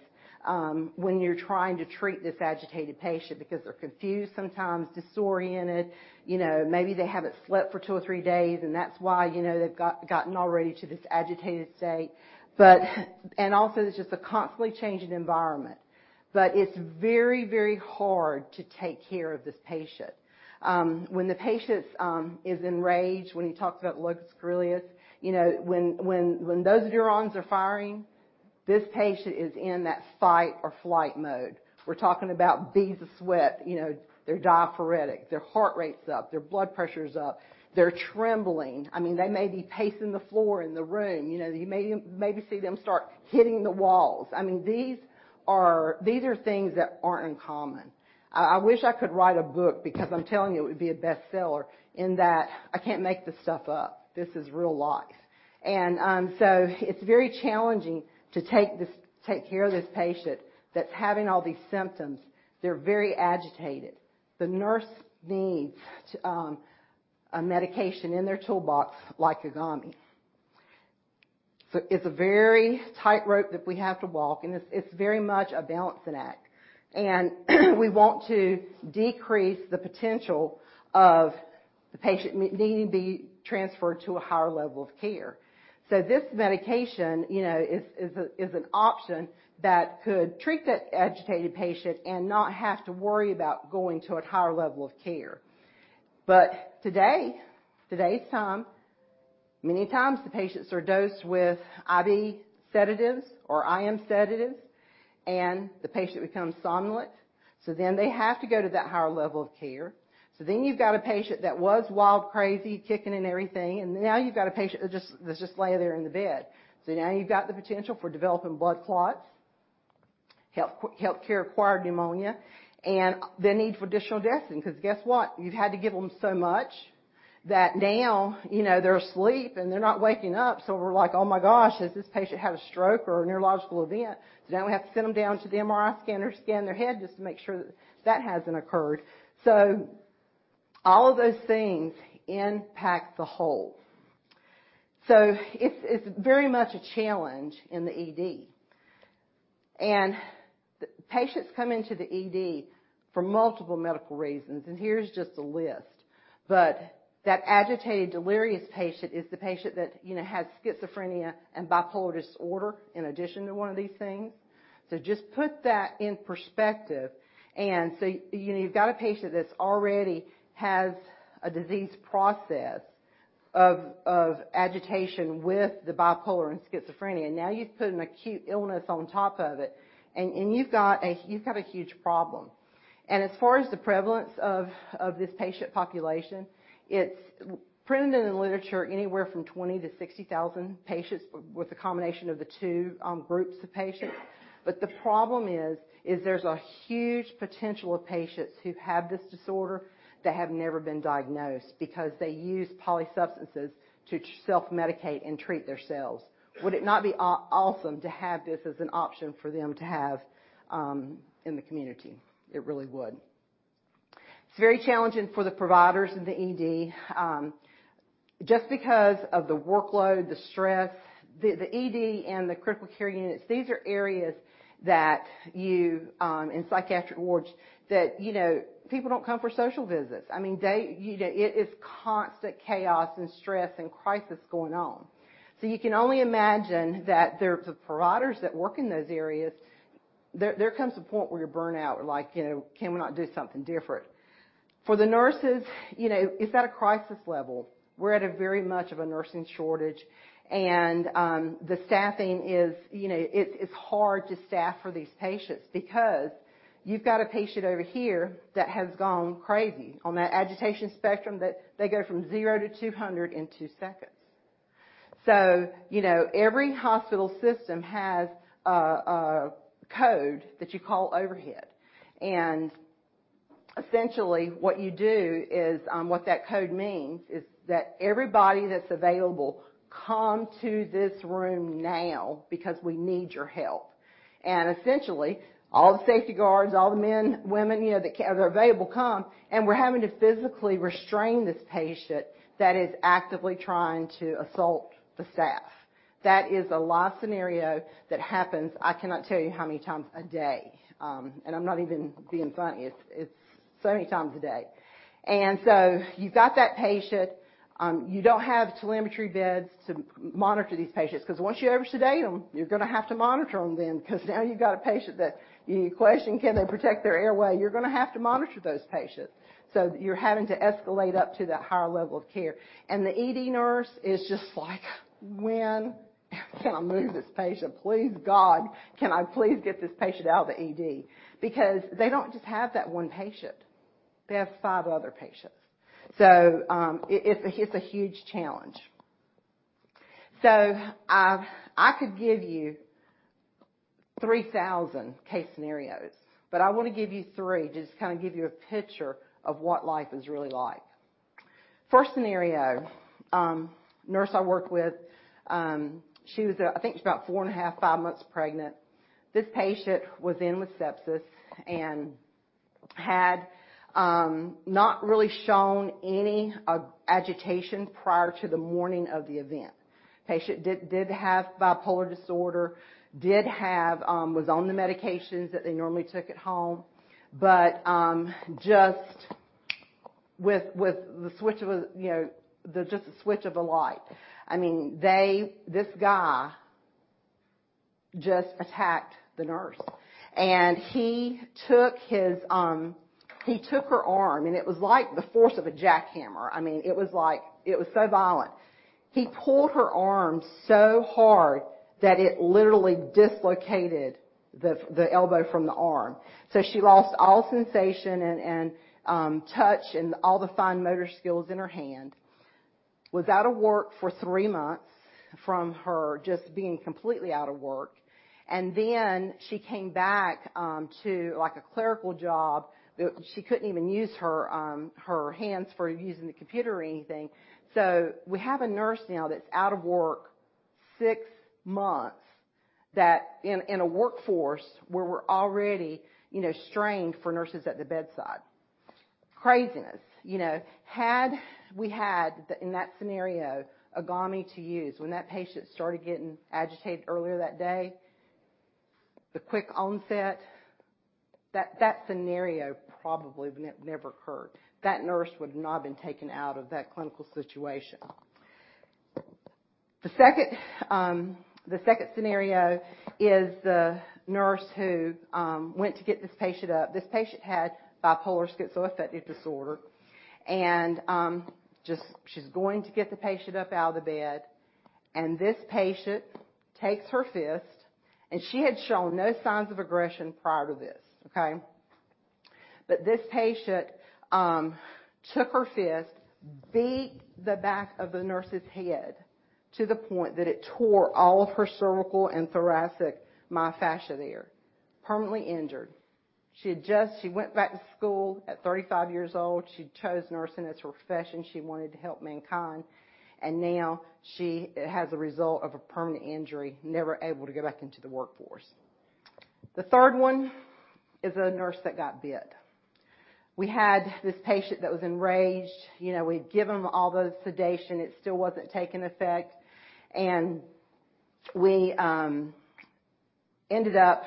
when you're trying to treat this agitated patient because they're confused, sometimes disoriented. You know, maybe they haven't slept for two or three days, and that's why, you know, they've gotten already to this agitated state. It's just a constantly changing environment. It's very, very hard to take care of this patient. When the patient is enraged, when he talks about locus coeruleus, you know, when those neurons are firing, this patient is in that fight or flight mode. We're talking about beads of sweat. You know, they're diaphoretic. Their heart rate's up. Their blood pressure's up. They're trembling. I mean, they may be pacing the floor in the room. You know, you may maybe see them start hitting the walls. I mean, these are things that aren't uncommon. I wish I could write a book because I'm telling you, it would be a bestseller in that I can't make this stuff up. This is real life. It's very challenging to take care of this patient that's having all these symptoms. They're very agitated. The nurse needs a medication in their toolbox like IGALMI. It's a very tightrope that we have to walk, and it's very much a balancing act. We want to decrease the potential of the patient needing to be transferred to a higher level of care. This medication, you know, is an option that could treat the agitated patient and not have to worry about going to a higher level of care. Today, today's time, many times the patients are dosed with IV sedatives or IM sedatives, and the patient becomes somnolent. They have to go to that higher level of care. You've got a patient that was wild crazy, kicking and everything, and now you've got a patient that just, that's just laying there in the bed. Now you've got the potential for developing blood clots, healthcare-acquired pneumonia, and the need for additional dosing. Because guess what? You've had to give them so much that now, you know, they're asleep, and they're not waking up. We're like, "Oh my gosh, has this patient had a stroke or a neurological event?" Now we have to send them down to the MRI scanner to scan their head just to make sure that that hasn't occurred. All of those things impact the whole. It's very much a challenge in the ED. The patients come into the ED for multiple medical reasons, and here's just a list. That agitated, delirious patient is the patient that, you know, has schizophrenia and bipolar disorder in addition to one of these things. Just put that in perspective. You, you've got a patient that's already has a disease process of agitation with the bipolar and schizophrenia. Now you've put an acute illness on top of it and you've got a huge problem. As far as the prevalence of this patient population, it's printed in the literature anywhere from 20,000-60,000 patients with a combination of the two groups of patients. But the problem is there's a huge potential of patients who have this disorder that have never been diagnosed because they use polysubstances to self-medicate and treat their selves. Would it not be awesome to have this as an option for them to have in the community? It really would. It's very challenging for the providers in the ED just because of the workload, the stress. The ED and the critical care units, these are areas in psychiatric wards that, you know, people don't come for social visits. I mean, they. You know, it is constant chaos and stress and crisis going on. You can only imagine that there, the providers that work in those areas, there comes a point where you're burnt out, like, you know, can we not do something different? For the nurses, you know, it's at a crisis level. We're at a very much of a nursing shortage, and the staffing is, you know, it's hard to staff for these patients because you've got a patient over here that has gone crazy. On that agitation spectrum that they go from zero to 200 in two seconds. You know, every hospital system has a code that you call overhead. Essentially, what you do is, what that code means is that everybody that's available, come to this room now because we need your help. Essentially, all the safety guards, all the men, women, you know, that are available come, and we're having to physically restrain this patient that is actively trying to assault the staff. That is a live scenario that happens, I cannot tell you how many times a day. I'm not even being funny. It's so many times a day. You've got that patient. You don't have telemetry beds to monitor these patients, because once you oversedate them, you're gonna have to monitor them then. Because now you've got a patient that you question, can they protect their airway? You're gonna have to monitor those patients. You're having to escalate up to that higher level of care. The ED nurse is just like, "When can I move this patient? Please, God, can I please get this patient out of the ED?" Because they don't just have that one patient. They have five other patients. It's a huge challenge. I could give you 3,000 case scenarios, but I wanna give you three just to kind of give you a picture of what life is really like. First scenario, nurse I work with, I think she was about four and a half, five months pregnant. This patient was in with sepsis and had not really shown any agitation prior to the morning of the event. Patient did have bipolar disorder, was on the medications that they normally took at home, but just with the switch of a light, you know. I mean, this guy just attacked the nurse. He took her arm, and it was like the force of a jackhammer. I mean, it was so violent. He pulled her arm so hard that it literally dislocated the elbow from the arm. She lost all sensation and touch and all the fine motor skills in her hand. Was out of work for three months from her just being completely out of work. She came back to like a clerical job. She couldn't even use her hands for using the computer or anything. We have a nurse now that's out of work six months, in a workforce where we're already strained for nurses at the bedside. Craziness. Had we had IGALMI to use in that scenario when that patient started getting agitated earlier that day, the quick onset, that scenario probably never occurred. That nurse would not been taken out of that clinical situation. The second scenario is the nurse who went to get this patient up. This patient had bipolar schizoaffective disorder, and just she's going to get the patient up out of the bed, and this patient takes her fist, and she had shown no signs of aggression prior to this. Okay? This patient took her fist, beat the back of the nurse's head to the point that it tore all of her cervical and thoracic myofascia there. Permanently injured. She went back to school at 35 years old. She chose nursing as her profession. She wanted to help mankind, and now she has a result of a permanent injury, never able to go back into the workforce. The third one is a nurse that got bit. We had this patient that was enraged. You know, we'd given him all the sedation. It still wasn't taking effect. We ended up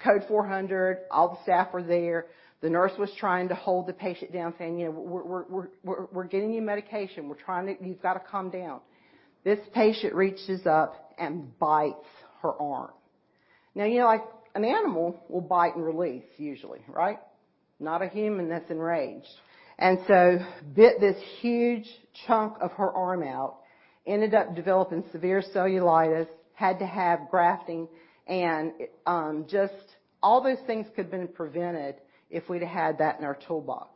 code 400. All the staff were there. The nurse was trying to hold the patient down, saying, "You know, we're getting you medication. We're trying to. You've got to calm down." This patient reaches up and bites her arm. Now, you know, like an animal will bite and release usually, right? Not a human that's enraged. Bit this huge chunk of her arm out, ended up developing severe cellulitis. Had to have grafting and just all those things could have been prevented if we'd had that in our toolbox.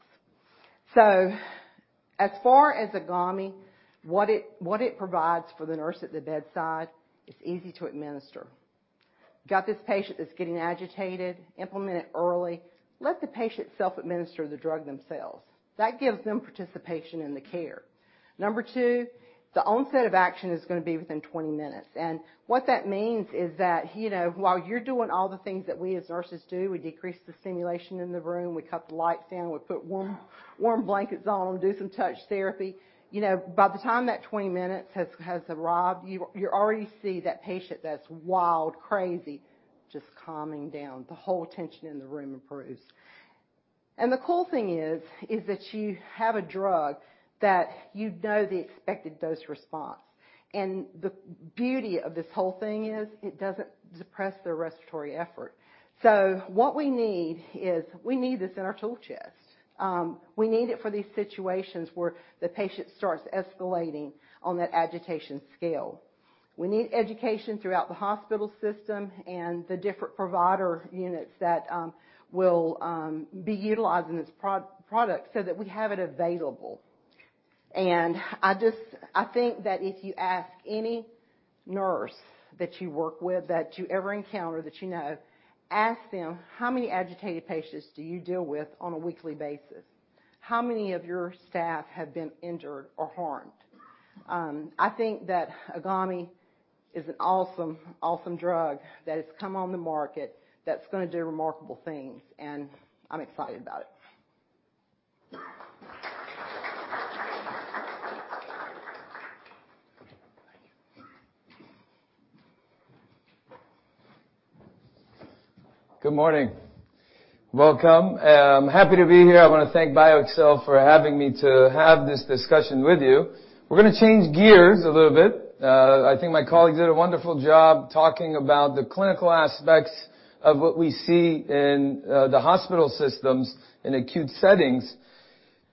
As far as IGALMI, what it provides for the nurse at the bedside, it's easy to administer. Got this patient that's getting agitated, implement it early, let the patient self-administer the drug themselves. That gives them participation in the care. Number two, the onset of action is gonna be within 20 minutes. What that means is that, you know, while you're doing all the things that we as nurses do, we decrease the stimulation in the room, we cut the lights down, we put warm blankets on them, do some touch therapy. You know, by the time that 20 minutes has arrived, you already see that patient that's wild, crazy, just calming down. The whole tension in the room improves. The cool thing is that you have a drug that you know the expected dose-response. The beauty of this whole thing is it doesn't depress their respiratory effort. What we need is this in our tool chest. We need it for these situations where the patient starts escalating on that agitation scale. We need education throughout the hospital system and the different provider units that will be utilizing this product so that we have it available. I think that if you ask any nurse that you work with, that you ever encounter, that you know, ask them, "How many agitated patients do you deal with on a weekly basis? How many of your staff have been injured or harmed?" I think that IGALMI is an awesome drug that has come on the market that's gonna do remarkable things, and I'm excited about it. Good morning. Welcome. Happy to be here. I wanna thank BioXcel for having me to have this discussion with you. We're gonna change gears a little bit. I think my colleagues did a wonderful job talking about the clinical aspects of what we see in the hospital systems in acute settings.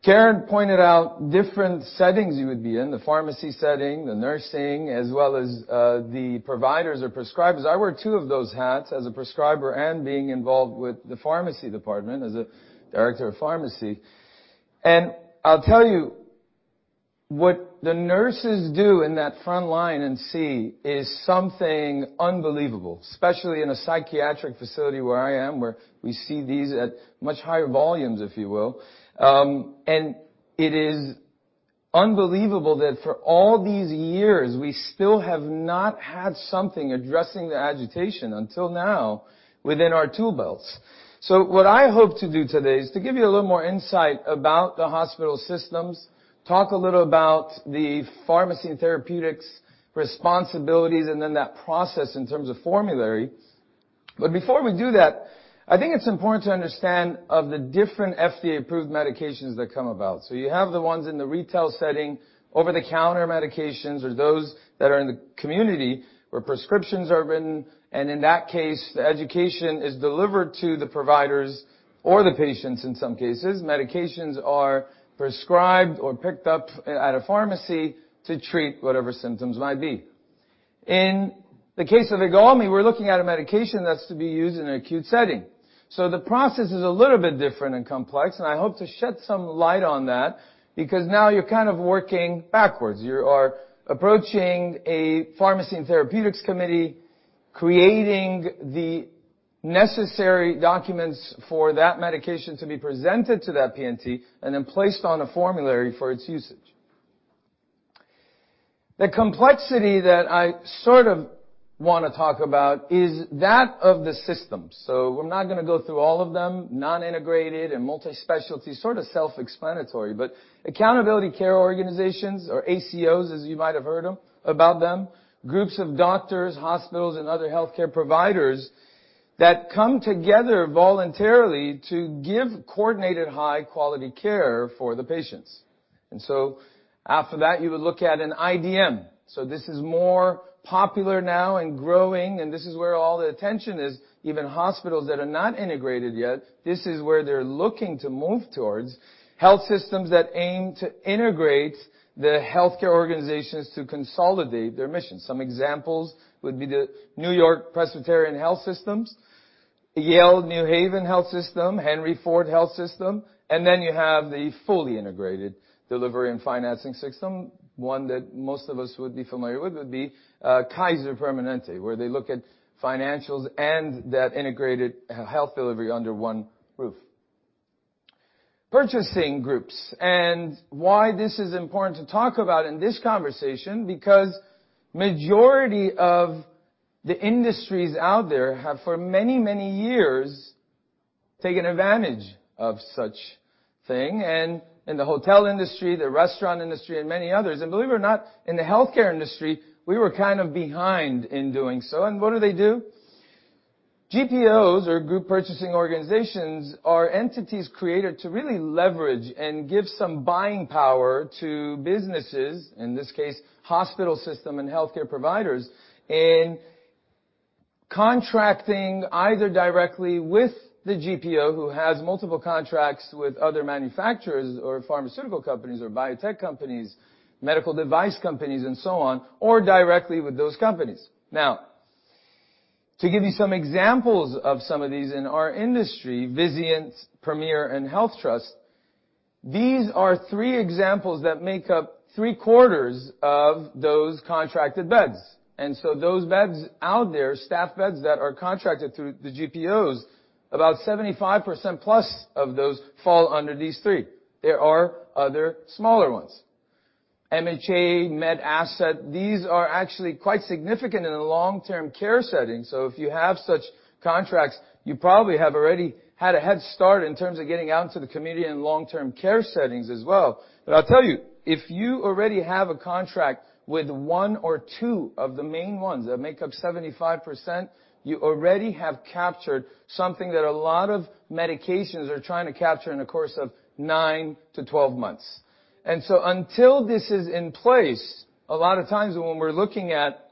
Karen pointed out different settings you would be in, the pharmacy setting, the nursing, as well as the providers or prescribers. I wear two of those hats as a prescriber and being involved with the pharmacy department as a director of pharmacy. I'll tell you what the nurses do in that front line and see is something unbelievable, especially in a psychiatric facility where I am, where we see these at much higher volumes, if you will. It is unbelievable that for all these years, we still have not had something addressing the agitation until now within our tool belts. What I hope to do today is to give you a little more insight about the hospital systems, talk a little about the Pharmacy and Therapeutics responsibilities, and then that process in terms of formulary. Before we do that, I think it's important to understand of the different FDA-approved medications that come about. You have the ones in the retail setting, over-the-counter medications, or those that are in the community where prescriptions are written, and in that case, the education is delivered to the providers or the patients, in some cases. Medications are prescribed or picked up at a pharmacy to treat whatever symptoms might be. In the case of IGALMI, we're looking at a medication that's to be used in an acute setting. The process is a little bit different and complex, and I hope to shed some light on that because now you're kind of working backwards. You are approaching a pharmacy and therapeutics committee, creating the necessary documents for that medication to be presented to that P&T and then placed on a formulary for its usage. The complexity that I sort of wanna talk about is that of the system. We're not gonna go through all of them, non-integrated and multi-specialty, sorta self-explanatory. Accountability Care Organizations or ACOs, as you might have heard about them, groups of doctors, hospitals, and other healthcare providers that come together voluntarily to give coordinated high-quality care for the patients. After that, you would look at an IDN. This is more popular now and growing, and this is where all the attention is. Even hospitals that are not integrated yet, this is where they're looking to move towards. Health systems that aim to integrate the healthcare organizations to consolidate their mission. Some examples would be the NewYork-Presbyterian Healthcare System, Yale New Haven Health System, Henry Ford Health, and then you have the fully integrated delivery and financing system. One that most of us would be familiar with would be Kaiser Permanente, where they look at financials and that integrated health delivery under one roof. Purchasing groups, and why this is important to talk about in this conversation, because majority of the industries out there have for many, many years taken advantage of such thing. In the hotel industry, the restaurant industry, and many others. Believe it or not, in the healthcare industry, we were kind of behind in doing so. What do they do? GPOs or Group Purchasing Organizations are entities created to really leverage and give some buying power to businesses, in this case, hospital systems and healthcare providers, in contracting either directly with the GPO, who has multiple contracts with other manufacturers or pharmaceutical companies or biotech companies, medical device companies, and so on, or directly with those companies. Now, to give you some examples of some of these in our industry, Vizient, Premier, and HealthTrust, these are three examples that make up three-quarters of those contracted beds. Those beds out there, staffed beds that are contracted through the GPOs, about 75%+ of those fall under these three. There are other smaller ones. MHA, MedAssets, these are actually quite significant in the long-term care setting. If you have such contracts, you probably have already had a head start in terms of getting out into the community in long-term care settings as well. I'll tell you, if you already have a contract with one or two of the main ones that make up 75%, you already have captured something that a lot of medications are trying to capture in the course of nine-12 months. Until this is in place, a lot of times when we're looking at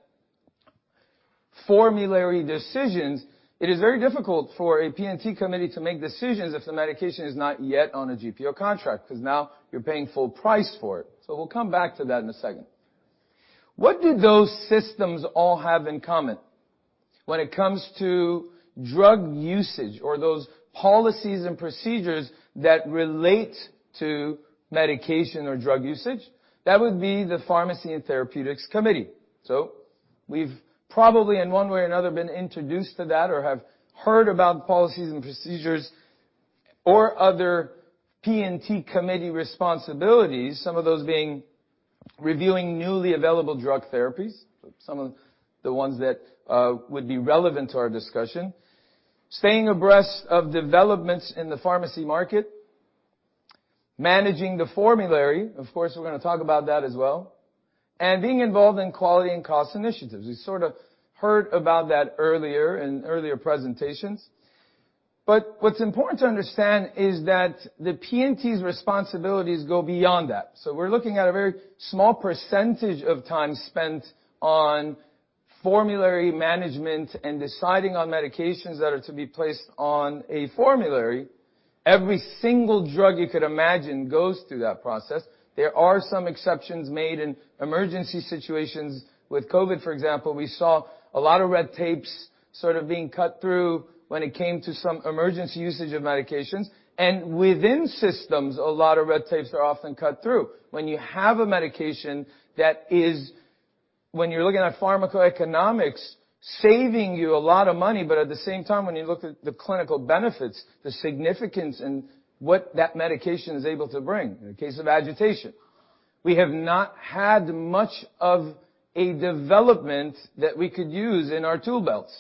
formulary decisions, it is very difficult for a P&T committee to make decisions if the medication is not yet on a GPO contract, 'cause now you're paying full price for it. We'll come back to that in a second. What do those systems all have in common when it comes to drug usage or those policies and procedures that relate to medication or drug usage? That would be the Pharmacy and Therapeutics Committee. We've probably, in one way or another, been introduced to that or have heard about policies and procedures or other P&T committee responsibilities, some of those being reviewing newly available drug therapies. Some of the ones that would be relevant to our discussion. Staying abreast of developments in the pharmacy market. Managing the formulary. Of course, we're gonna talk about that as well. Being involved in quality and cost initiatives. We sort of heard about that earlier in earlier presentations. What's important to understand is that the P&T's responsibilities go beyond that. We're looking at a very small percentage of time spent on formulary management and deciding on medications that are to be placed on a formulary. Every single drug you could imagine goes through that process. There are some exceptions made in emergency situations. With COVID, for example, we saw a lot of red tape sort of being cut through when it came to some emergency usage of medications. Within systems, a lot of red tape are often cut through. When you have a medication. When you're looking at pharmacoeconomics, saving you a lot of money, but at the same time, when you look at the clinical benefits, the significance and what that medication is able to bring. In the case of agitation, we have not had much of a development that we could use in our tool belts.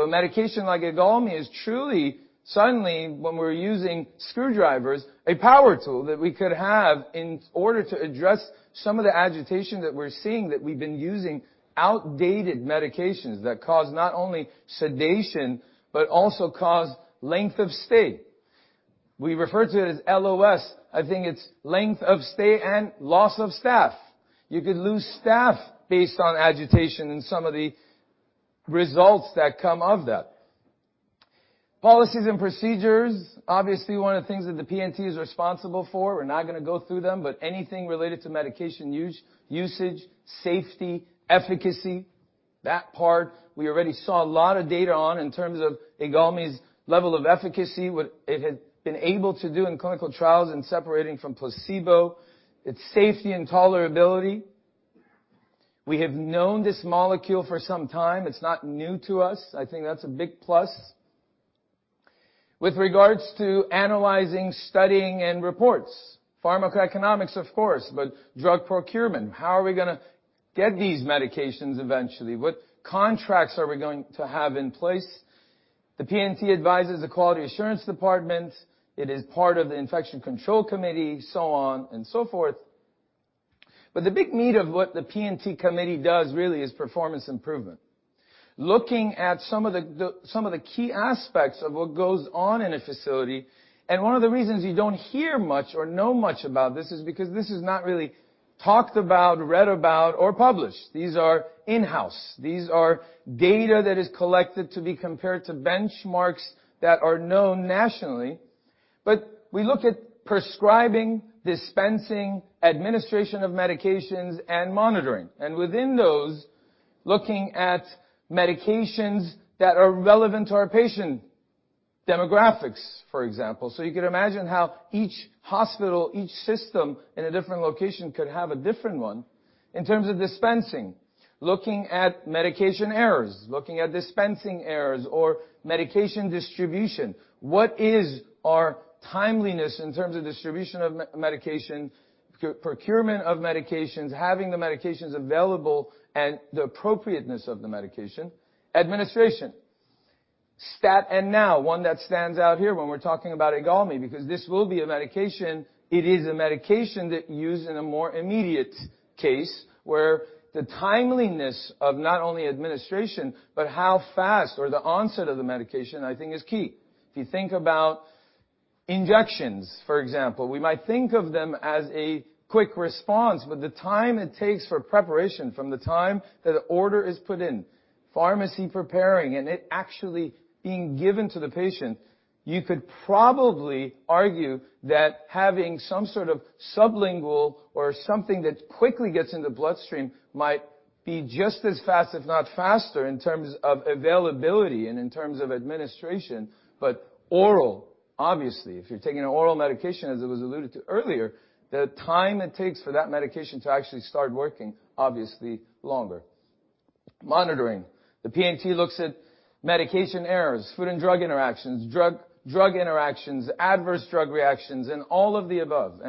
A medication like IGALMI is truly, suddenly, when we're using screwdrivers, a power tool that we could have in order to address some of the agitation that we're seeing that we've been using outdated medications that cause not only sedation but also cause length of stay. We refer to it as LOS. I think it's length of stay and loss of staff. You could lose staff based on agitation and some of the results that come of that. Policies and procedures, obviously, one of the things that the P&T is responsible for. We're not gonna go through them, but anything related to medication usage, safety, efficacy. That part, we already saw a lot of data on in terms of IGALMI's level of efficacy, what it has been able to do in clinical trials and separating from placebo, its safety and tolerability. We have known this molecule for some time. It's not new to us. I think that's a big plus. With regards to analyzing, studying, and reports. Pharmacoeconomics, of course, but drug procurement, how are we gonna get these medications eventually? What contracts are we going to have in place? The P&T advises the quality assurance department. It is part of the infection control committee, so on and so forth. The big meat of what the P&T committee does really is performance improvement. Looking at some of the key aspects of what goes on in a facility, and one of the reasons you don't hear much or know much about this is because this is not really talked about, read about, or published. These are in-house. These are data that is collected to be compared to benchmarks that are known nationally. We look at prescribing, dispensing, administration of medications, and monitoring. Within those, looking at medications that are relevant to our patient demographics, for example. You can imagine how each hospital, each system in a different location could have a different one. In terms of dispensing, looking at medication errors, looking at dispensing errors or medication distribution. What is our timeliness in terms of distribution of medication, procurement of medications, having the medications available, and the appropriateness of the medication. Administration. Stat and now, one that stands out here when we're talking about IGALMI, because this will be a medication. It is a medication that used in a more immediate case, where the timeliness of not only administration, but how fast or the onset of the medication, I think is key. If you think about injections, for example. We might think of them as a quick response, but the time it takes for preparation from the time that an order is put in, pharmacy preparing, and it actually being given to the patient, you could probably argue that having some sort of sublingual or something that quickly gets in the bloodstream might be just as fast, if not faster, in terms of availability and in terms of administration. Oral, obviously, if you're taking an oral medication, as it was alluded to earlier, the time it takes for that medication to actually start working, obviously longer. Monitoring. The P&T looks at medication errors, food and drug interactions, drug-drug interactions, adverse drug reactions, and all of the above.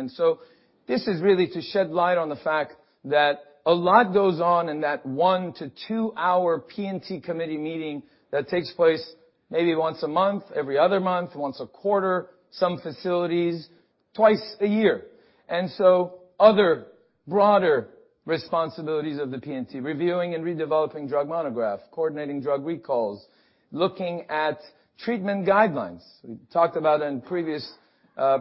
This is really to shed light on the fact that a lot goes on in that one-two-hour P&T committee meeting that takes place maybe once a month, every other month, once a quarter, some facilities twice a year. Other broader responsibilities of the P&T. Reviewing and redeveloping drug monograph, coordinating drug recalls, looking at treatment guidelines. We talked about in previous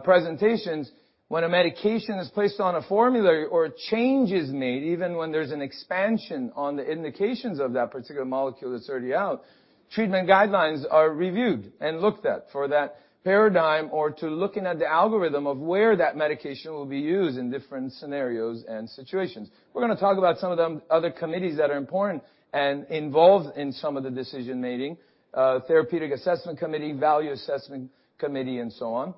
presentations, when a medication is placed on a formulary or a change is made, even when there's an expansion on the indications of that particular molecule that's already out, treatment guidelines are reviewed and looked at for that paradigm or to looking at the algorithm of where that medication will be used in different scenarios and situations. We're gonna talk about some of them other committees that are important and involved in some of the decision-making, therapeutic assessment committee, value assessment committee, and so on.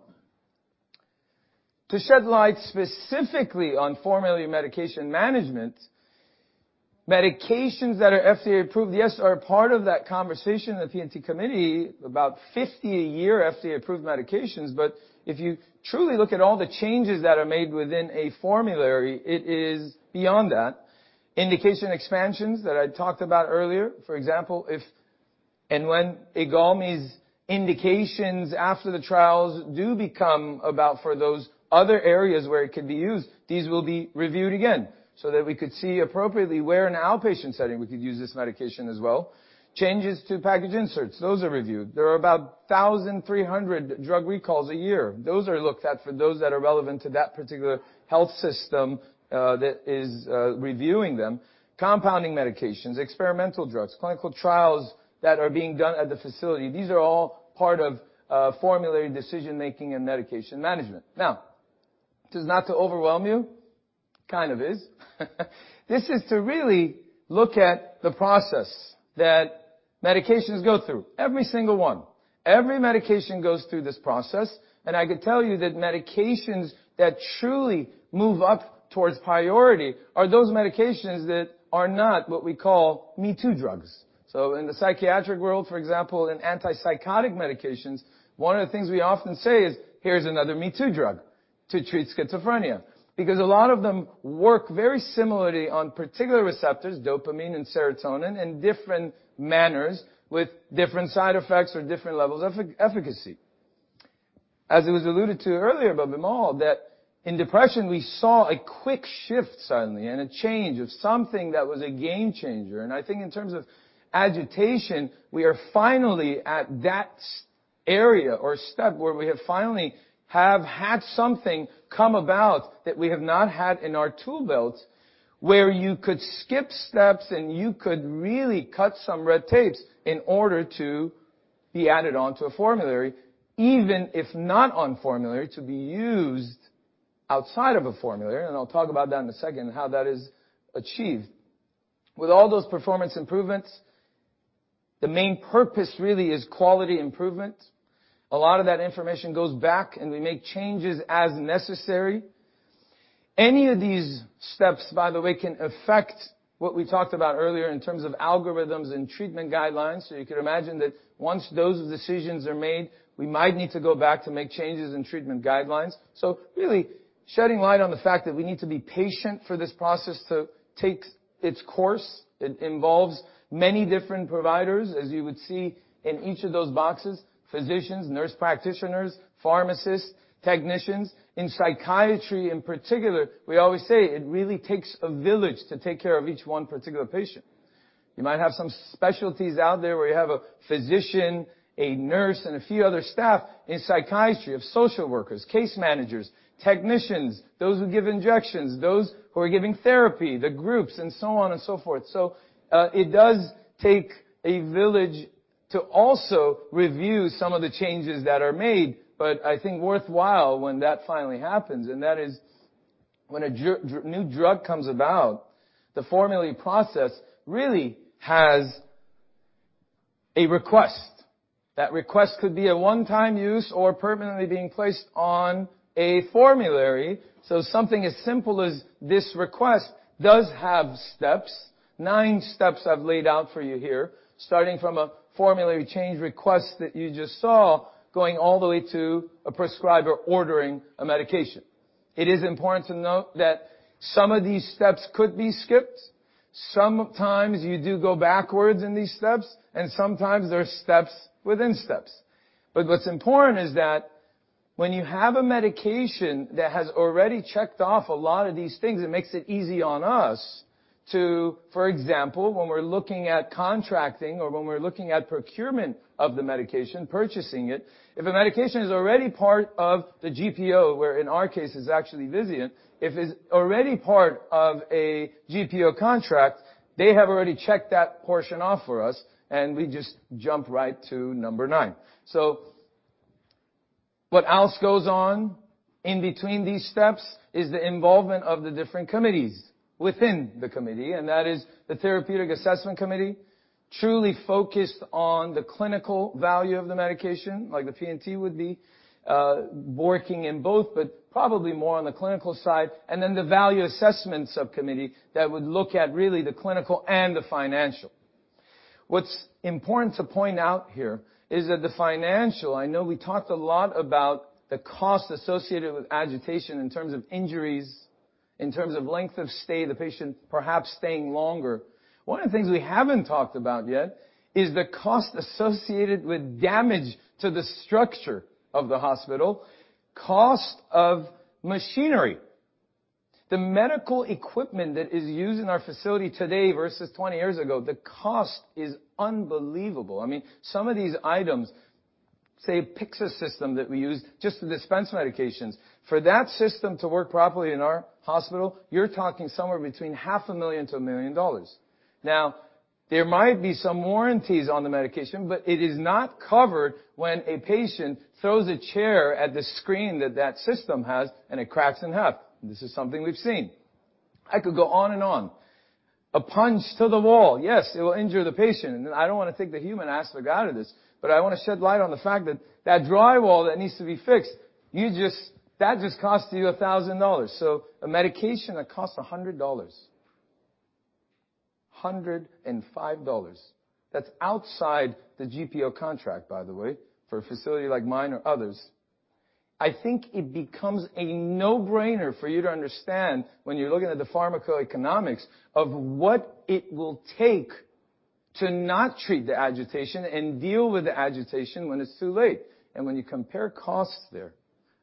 To shed light specifically on formulary medication management, medications that are FDA-approved, yes, are a part of that conversation, the P&T committee, about 50 a year FDA-approved medications. If you truly look at all the changes that are made within a formulary, it is beyond that. Indication expansions that I talked about earlier. For example, if and when IGALMI's indications after the trials do become approved for those other areas where it could be used, these will be reviewed again so that we could see appropriately where in an outpatient setting we could use this medication as well. Changes to package inserts, those are reviewed. There are about 1,300 drug recalls a year. Those are looked at for those that are relevant to that particular health system, that is reviewing them. Compounding medications, experimental drugs, clinical trials that are being done at the facility. These are all part of formulary decision-making and medication management. Now, this is not to overwhelm you. Kind of is. This is to really look at the process that medications go through, every single one. Every medication goes through this process, and I can tell you that medications that truly move up towards priority are those medications that are not what we call me-too drugs. In the psychiatric world, for example, in antipsychotic medications, one of the things we often say is, "Here's another me-too drug to treat schizophrenia." Because a lot of them work very similarly on particular receptors, dopamine and serotonin, in different manners with different side effects or different levels of efficacy. As it was alluded to earlier by Vimal, that in depression, we saw a quick shift suddenly and a change of something that was a game-changer. I think in terms of agitation, we are finally at that stage or step where we have finally had something come about that we have not had in our tool belt, where you could skip steps and you could really cut some red tapes in order to be added onto a formulary, even if not on formulary, to be used outside of a formulary. I'll talk about that in a second, how that is achieved. With all those performance improvements, the main purpose really is quality improvement. A lot of that information goes back, and we make changes as necessary. Any of these steps, by the way, can affect what we talked about earlier in terms of algorithms and treatment guidelines. You can imagine that once those decisions are made, we might need to go back to make changes in treatment guidelines. Really shedding light on the fact that we need to be patient for this process to take its course. It involves many different providers, as you would see in each of those boxes, physicians, nurse practitioners, pharmacists, technicians. In psychiatry, in particular, we always say it really takes a village to take care of each one particular patient. You might have some specialties out there where you have a physician, a nurse, and a few other staff. In psychiatry, you have social workers, case managers, technicians, those who give injections, those who are giving therapy, the groups, and so on and so forth. It does take a village to also review some of the changes that are made, but I think worthwhile when that finally happens, and that is when a new drug comes about. The formulary process really has a request. That request could be a one-time use or permanently being placed on a formulary. Something as simple as this request does have steps. Nine steps I've laid out for you here, starting from a formulary change request that you just saw, going all the way to a prescriber ordering a medication. It is important to note that some of these steps could be skipped. Sometimes you do go backwards in these steps, and sometimes there are steps within steps. What's important is that when you have a medication that has already checked off a lot of these things, it makes it easy on us to, for example, when we're looking at contracting or when we're looking at procurement of the medication, purchasing it. If a medication is already part of the GPO, where in our case, it's actually Vizient. If it's already part of a GPO contract, they have already checked that portion off for us, and we just jump right to number nine. What else goes on in between these steps is the involvement of the different committees within the committee, and that is the therapeutic assessment committee, truly focused on the clinical value of the medication, like the P&T would be, working in both, but probably more on the clinical side, and then the value assessment subcommittee that would look at really the clinical and the financial. What's important to point out here is that the financial. I know we talked a lot about the cost associated with agitation in terms of injuries, in terms of length of stay, the patient perhaps staying longer. One of the things we haven't talked about yet is the cost associated with damage to the structure of the hospital, cost of machinery. The medical equipment that is used in our facility today versus 20 years ago, the cost is unbelievable. I mean, some of these items, say, a Pyxis system that we use just to dispense medications. For that system to work properly in our hospital, you're talking somewhere between half a million to $1 million dollars. Now, there might be some warranties on the medication, but it is not covered when a patient throws a chair at the screen that system has, and it cracks in half. This is something we've seen. I could go on and on. A punch to the wall, yes, it will injure the patient. I don't wanna take the human aspect out of this, but I wanna shed light on the fact that that drywall that needs to be fixed, that just costs you $1,000. A medication that costs $100, $105. That's outside the GPO contract, by the way, for a facility like mine or others. I think it becomes a no-brainer for you to understand when you're looking at the pharmacoeconomics of what it will take to not treat the agitation and deal with the agitation when it's too late. When you compare costs there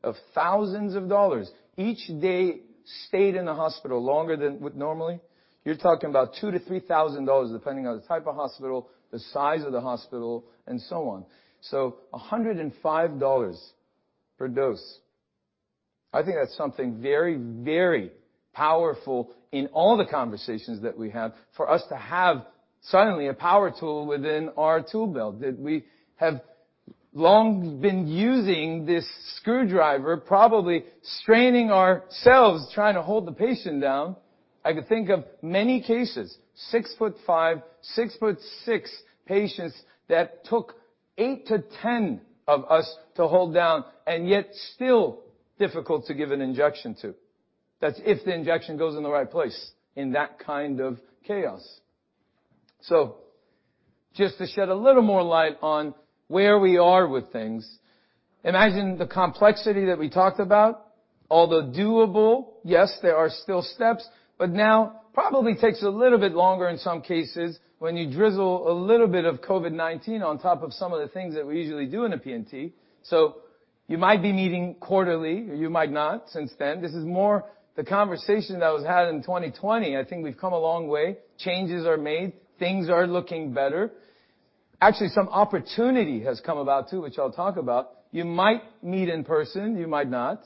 of thousands of dollars, each day stayed in the hospital longer than would normally, you're talking about $2,000-$3,000, depending on the type of hospital, the size of the hospital, and so on. $105 per dose. I think that's something very, very powerful in all the conversations that we have for us to have suddenly a power tool within our tool belt. That we have long been using this screwdriver, probably straining ourselves trying to hold the patient down. I can think of many cases, 6-ft-5, 6-ft-6 patients that took eight to 10 of us to hold down, and yet still difficult to give an injection to. That's if the injection goes in the right place in that kind of chaos. Just to shed a little more light on where we are with things, imagine the complexity that we talked about, although doable. Yes, there are still steps, but now probably takes a little bit longer in some cases when you drizzle a little bit of COVID-19 on top of some of the things that we usually do in a P&T. You might be meeting quarterly, or you might not since then. This is more the conversation that was had in 2020. I think we've come a long way. Changes are made. Things are looking better. Actually, some opportunity has come about too, which I'll talk about. You might meet in person. You might not.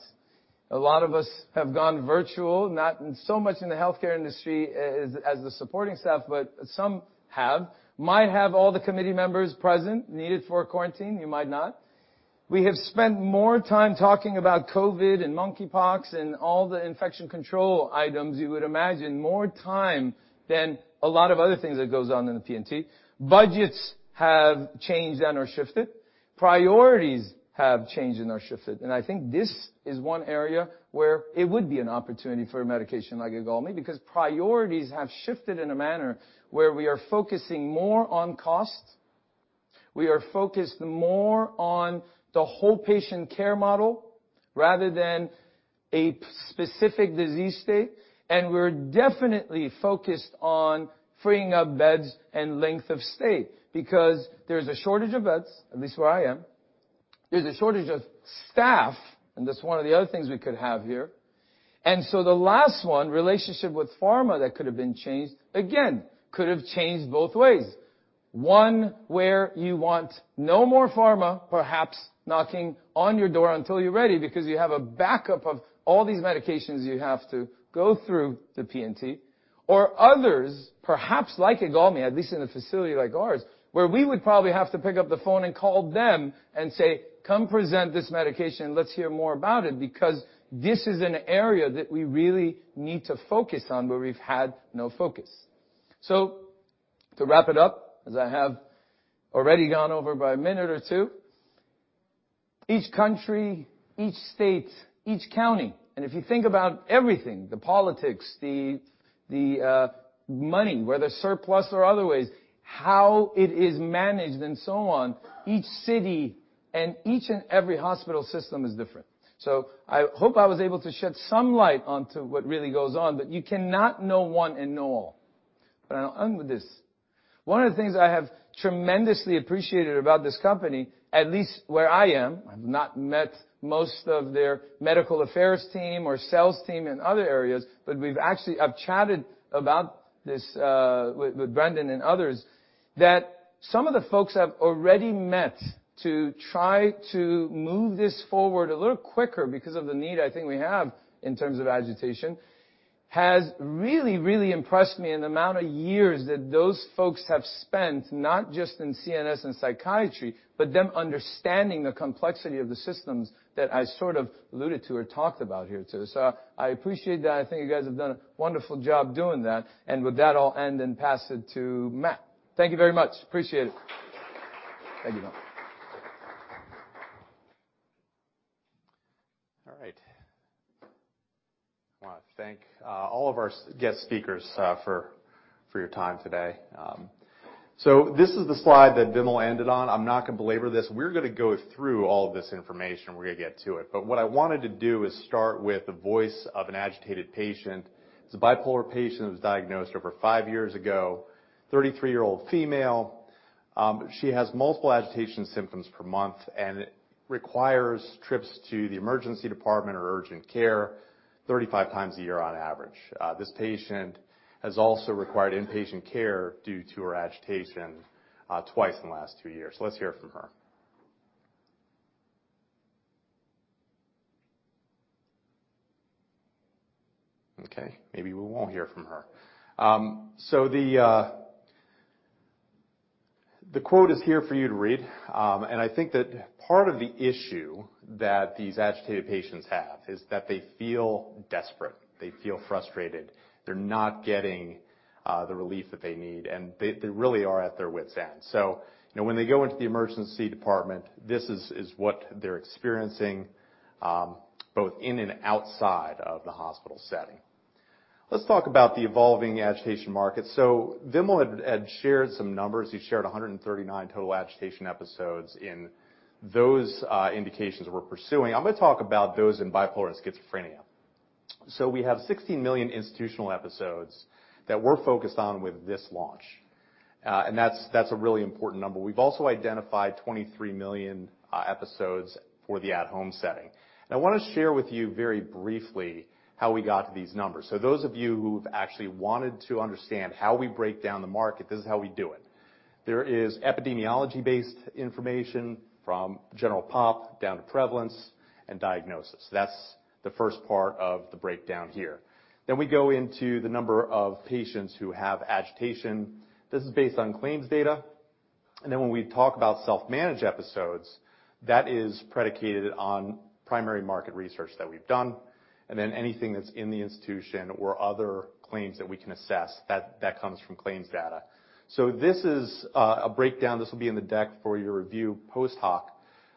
A lot of us have gone virtual, not so much in the healthcare industry as in the supporting staff, but some have. Might have all the committee members present needed for quarantine. You might not. We have spent more time talking about COVID and monkeypox and all the infection control items you would imagine, more time than a lot of other things that goes on in the P&T. Budgets have changed and are shifted. Priorities have changed and are shifted. I think this is one area where it would be an opportunity for a medication like IGALMI because priorities have shifted in a manner where we are focusing more on cost. We are focused more on the whole patient care model rather than a specific disease state. We're definitely focused on freeing up beds and length of stay because there's a shortage of beds, at least where I am. There's a shortage of staff, and that's one of the other things we could have here. The last one, relationship with pharma that could have been changed, again, could have changed both ways. One where you want no more pharma perhaps knocking on your door until you're ready because you have a backup of all these medications you have to go through the P&T. Or others, perhaps like IGALMI, at least in a facility like ours, where we would probably have to pick up the phone and call them and say, "Come present this medication. Let's hear more about it," because this is an area that we really need to focus on where we've had no focus. To wrap it up, as I have already gone over by a minute or two, each country, each state, each county, and if you think about everything, the politics, the money, whether surplus or other ways, how it is managed and so on, each city and every hospital system is different. I hope I was able to shed some light onto what really goes on, but you cannot know one and know all. I'll end with this. One of the things I have tremendously appreciated about this company, at least where I am, I've not met most of their medical affairs team or sales team in other areas, but we've actually. I've chatted about this with Brendan and others, that some of the folks I've already met to try to move this forward a little quicker because of the need I think we have in terms of agitation has really impressed me in the amount of years that those folks have spent not just in CNS and psychiatry, but them understanding the complexity of the systems that I sort of alluded to or talked about here today. I appreciate that. I think you guys have done a wonderful job doing that. With that, I'll end and pass it to Matt. Thank you very much. Appreciate it. Thank you, Matt. All right. I want to thank all of our guest speakers for your time today. This is the slide that Vimal ended on. I'm not going to belabor this. We're going to go through all of this information. We're going to get to it. What I wanted to do is start with the voice of an agitated patient. It's a bipolar patient that was diagnosed over five years ago, 33-year-old female. She has multiple agitation symptoms per month and requires trips to the emergency department or urgent care 35 times a year on average. This patient has also required inpatient care due to her agitation twice in the last two years. Let's hear from her. Okay, maybe we won't hear from her. The quote is here for you to read. I think that part of the issue that these agitated patients have is that they feel desperate. They feel frustrated. They're not getting the relief that they need, and they really are at their wit's end. You know, when they go into the emergency department, this is what they're experiencing, both in and outside of the hospital setting. Let's talk about the evolving agitation market. Vimal had shared some numbers. He shared 139 total agitation episodes in those indications we're pursuing. I'm gonna talk about those in bipolar and schizophrenia. We have 16 million institutional episodes that we're focused on with this launch. And that's a really important number. We've also identified 23 million episodes for the at-home setting. I want to share with you very briefly how we got to these numbers. Those of you who've actually wanted to understand how we break down the market, this is how we do it. There is epidemiology-based information from general pop down to prevalence and diagnosis. That's the first part of the breakdown here. We go into the number of patients who have agitation. This is based on claims data. When we talk about self-managed episodes, that is predicated on primary market research that we've done, and then anything that's in the institution or other claims that we can assess, that comes from claims data. This is a breakdown. This will be in the deck for your review post-hoc,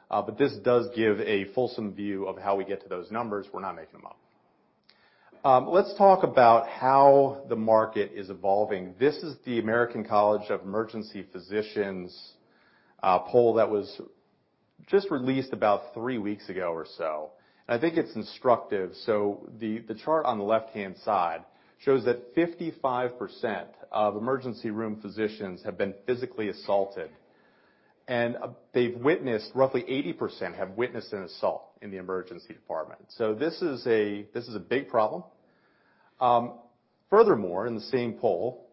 but this does give a fulsome view of how we get to those numbers. We're not making them up. Let's talk about how the market is evolving. This is the American College of Emergency Physicians poll that was just released about three weeks ago or so. I think it's instructive. The chart on the left-hand side shows that 55% of emergency room physicians have been physically assaulted, and they've witnessed roughly 80% have witnessed an assault in the emergency department. This is a big problem. Furthermore, in the same poll,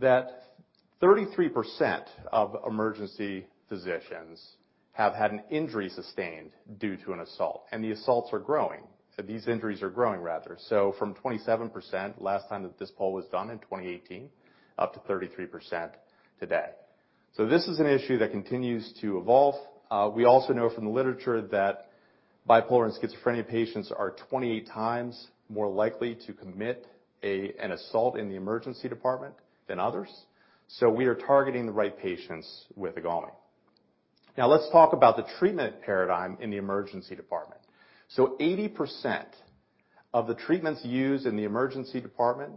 33% of emergency physicians have had an injury sustained due to an assault, and the assaults are growing. These injuries are growing rather. From 27% last time that this poll was done in 2018, up to 33% today. This is an issue that continues to evolve. We also know from the literature that Bipolar and schizophrenia patients are 28 times more likely to commit an assault in the emergency department than others. We are targeting the right patients with IGALMI. Now let's talk about the treatment paradigm in the emergency department. 80% of the treatments used in the emergency department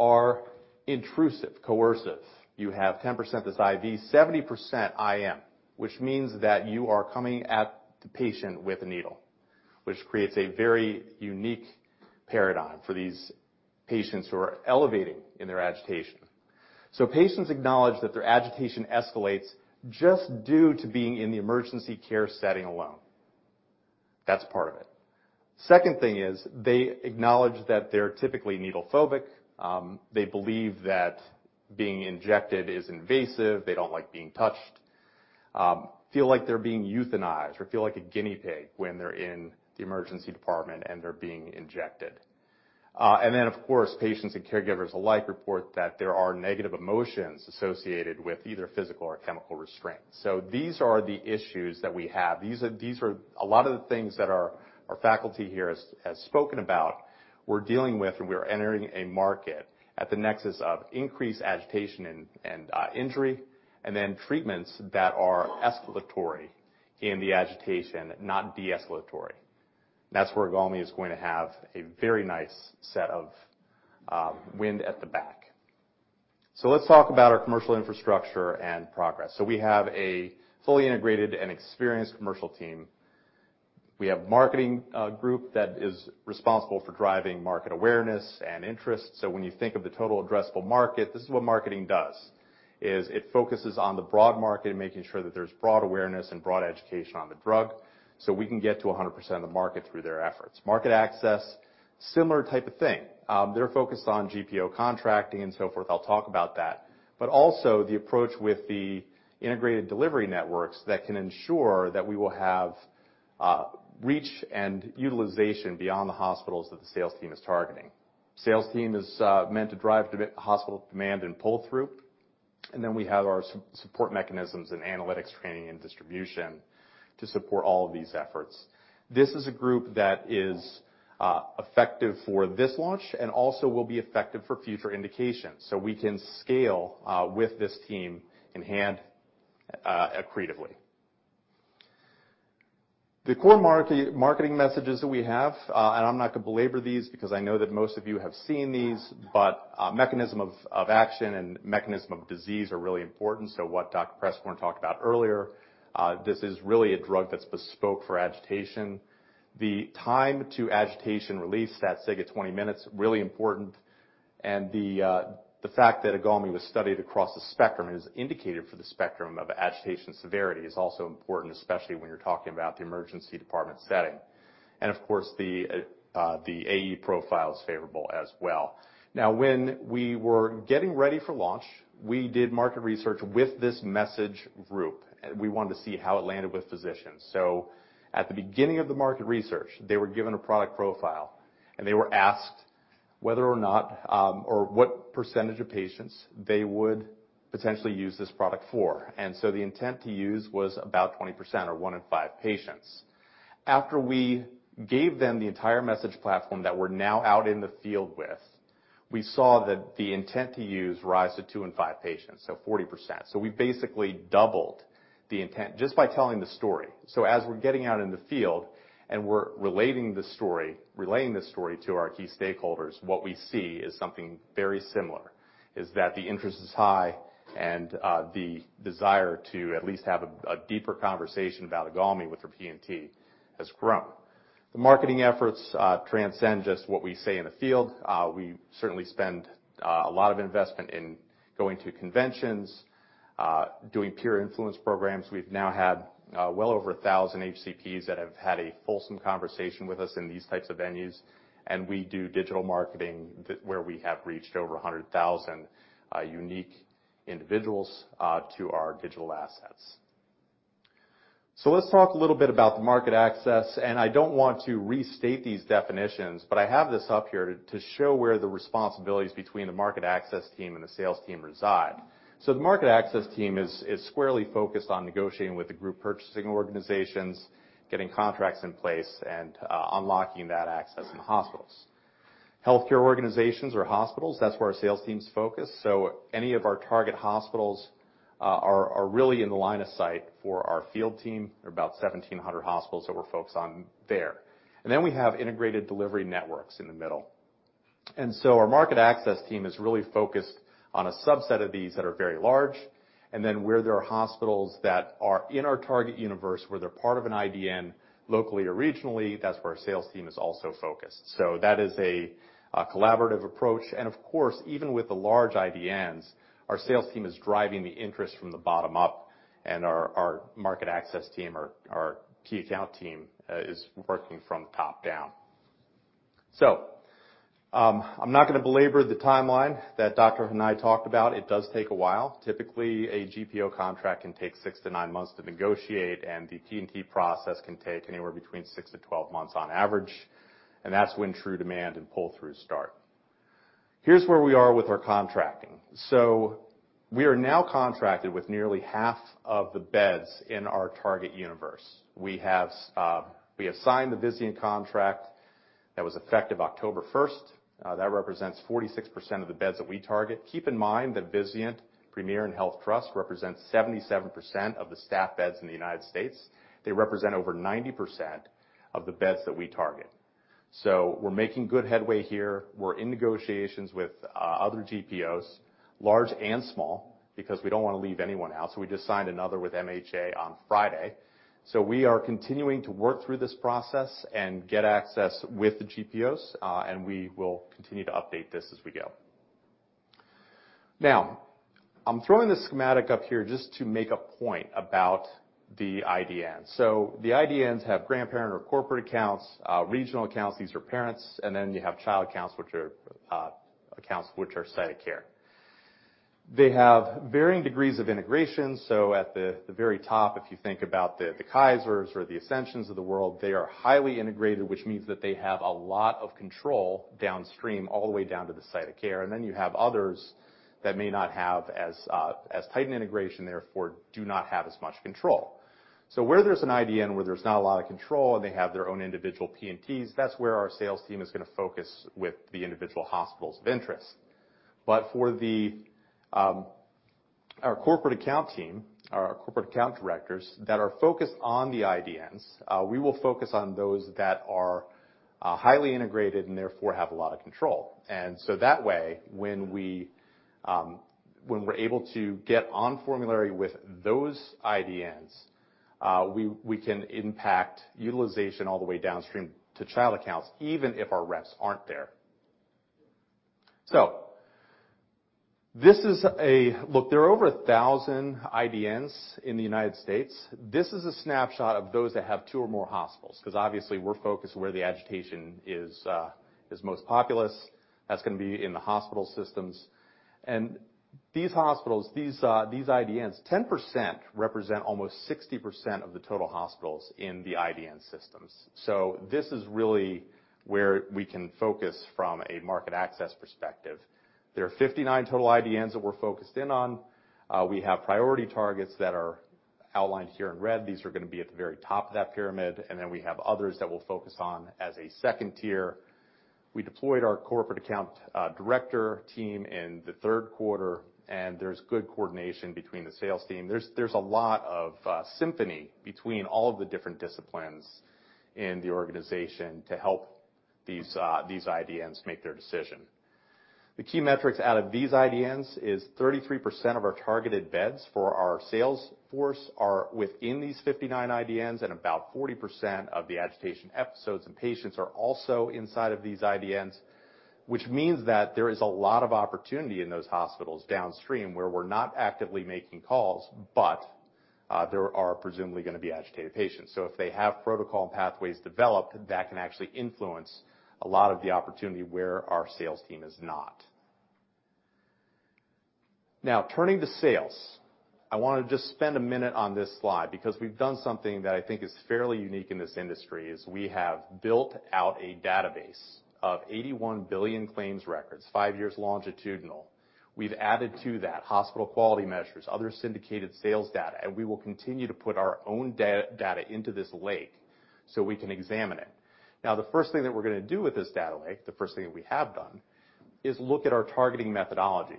are intrusive, coercive. You have 10% that's IV, 70% IM, which means that you are coming at the patient with a needle, which creates a very unique paradigm for these patients who are elevating in their agitation. Patients acknowledge that their agitation escalates just due to being in the emergency care setting alone. That's part of it. Second thing is they acknowledge that they're typically needle phobic. They believe that being injected is invasive. They don't like being touched, feel like they're being euthanized or feel like a guinea pig when they're in the emergency department and they're being injected. Then of course, patients and caregivers alike report that there are negative emotions associated with either physical or chemical restraint. These are the issues that we have. These are a lot of the things that our faculty here has spoken about. We're dealing with, and we are entering a market at the nexus of increased agitation and injury, and then treatments that are escalatory in the agitation, not de-escalatory. That's where IGALMI is going to have a very nice set of wind at the back. Let's talk about our commercial infrastructure and progress. We have a fully integrated and experienced commercial team. We have marketing group that is responsible for driving market awareness and interest. When you think of the total addressable market, this is what marketing does, is it focuses on the broad market and making sure that there's broad awareness and broad education on the drug, so we can get to 100% of the market through their efforts. Market access, similar type of thing. They're focused on GPO contracting and so forth. I'll talk about that. Also the approach with the integrated delivery networks that can ensure that we will have reach and utilization beyond the hospitals that the sales team is targeting. Sales team is meant to drive hospital demand and pull-through. Then we have our support mechanisms and analytics training and distribution to support all of these efforts. This is a group that is effective for this launch and also will be effective for future indications. We can scale with this team in hand accretively. The core marketing messages that we have and I'm not gonna belabor these because I know that most of you have seen these, but mechanism of action and mechanism of disease are really important. What Dr. Preskorn talked about earlier this is really a drug that's bespoke for agitation. The time to agitation release, that CGI at 20 minutes, really important. The fact that IGALMI was studied across the spectrum is indicated for the spectrum of agitation severity is also important, especially when you're talking about the emergency department setting. Of course, the AE profile is favorable as well. Now, when we were getting ready for launch, we did market research with this message group. We wanted to see how it landed with physicians. At the beginning of the market research, they were given a product profile, and they were asked whether or not, or what percentage of patients they would potentially use this product for. The intent to use was about 20% or one in five patients. After we gave them the entire message platform that we're now out in the field with, we saw that the intent to use rise to two in five patients, so 40%. We basically doubled the intent just by telling the story. As we're getting out in the field and we're relaying the story to our key stakeholders, what we see is something very similar, is that the interest is high and the desire to at least have a deeper conversation about IGALMI with their P&T has grown. The marketing efforts transcend just what we say in the field. We certainly spend a lot of investment in going to conventions, doing peer influence programs. We've now had well over 1,000 HCPs that have had a fulsome conversation with us in these types of venues. We do digital marketing where we have reached over 100,000 unique individuals to our digital assets. Let's talk a little bit about the market access, and I don't want to restate these definitions, but I have this up here to show where the responsibilities between the market access team and the sales team reside. The market access team is squarely focused on negotiating with the group purchasing organizations, getting contracts in place, and unlocking that access in hospitals. Healthcare organizations or hospitals, that's where our sales team's focused. Any of our target hospitals are really in the line of sight for our field team. There are about 1,700 hospitals that we're focused on there. Then we have integrated delivery networks in the middle. Our market access team is really focused on a subset of these that are very large. Then where there are hospitals that are in our target universe, where they're part of an IDN, locally or regionally, that's where our sales team is also focused. That is a collaborative approach. Of course, even with the large IDNs, our sales team is driving the interest from the bottom up, and our market access team, our key account team, is working from top down. I'm not gonna belabor the timeline that Dr. Hanley talked about. It does take a while. Typically, a GPO contract can take six-nine months to negotiate, and the P&T process can take anywhere between six-12 months on average, and that's when true demand and pull-through start. Here's where we are with our contracting. We are now contracted with nearly half of the beds in our target universe. We have signed the Vizient contract that was effective October 1st. That represents 46% of the beds that we target. Keep in mind that Vizient, Premier, and HealthTrust represent 77% of the staffed beds in the United States. They represent over 90% of the beds that we target. We're making good headway here. We're in negotiations with other GPOs, large and small, because we don't wanna leave anyone out. We just signed another with MHA on Friday. We are continuing to work through this process and get access with the GPOs, and we will continue to update this as we go. Now, I'm throwing this schematic up here just to make a point about the IDN. The IDNs have grandparent or corporate accounts, regional accounts, these are parents, and then you have child accounts, which are site of care. They have varying degrees of integration. At the very top, if you think about the Kaisers or the Ascensions of the world, they are highly integrated, which means that they have a lot of control downstream all the way down to the site of care. Then you have others that may not have as tight an integration, therefore do not have as much control. Where there's an IDN, there's not a lot of control, and they have their own individual P&Ts, that's where our sales team is gonna focus with the individual hospitals of interest. For our corporate account team, our corporate account directors that are focused on the IDNs, we will focus on those that are highly integrated and therefore have a lot of control. That way, when we're able to get on formulary with those IDNs, we can impact utilization all the way downstream to child accounts, even if our reps aren't there. This is a snapshot of those that have two or more hospitals, 'cause obviously we're focused where the agitation is most populous. That's gonna be in the hospital systems. These hospitals, these IDNs, 10% represent almost 60% of the total hospitals in the IDN systems. This is really where we can focus from a market access perspective. There are 59 total IDNs that we're focused in on. We have priority targets that are outlined here in red. These are gonna be at the very top of that pyramid. We have others that we'll focus on as a second tier. We deployed our corporate account director team in the third quarter, and there's good coordination between the sales team. There's a lot of synergy between all of the different disciplines in the organization to help these IDNs make their decision. The key metrics out of these IDNs is 33% of our targeted beds for our sales force are within these 59 IDNs, and about 40% of the agitation episodes and patients are also inside of these IDNs, which means that there is a lot of opportunity in those hospitals downstream where we're not actively making calls, but there are presumably gonna be agitated patients. If they have protocol and pathways developed, that can actually influence a lot of the opportunity where our sales team is not. Now, turning to sales, I wanna just spend a minute on this slide because we've done something that I think is fairly unique in this industry, is we have built out a database of 81 billion claims records, five years longitudinal. We've added to that hospital quality measures, other syndicated sales data, and we will continue to put our own data into this lake so we can examine it. Now, the first thing that we're gonna do with this data lake, the first thing that we have done, is look at our targeting methodology.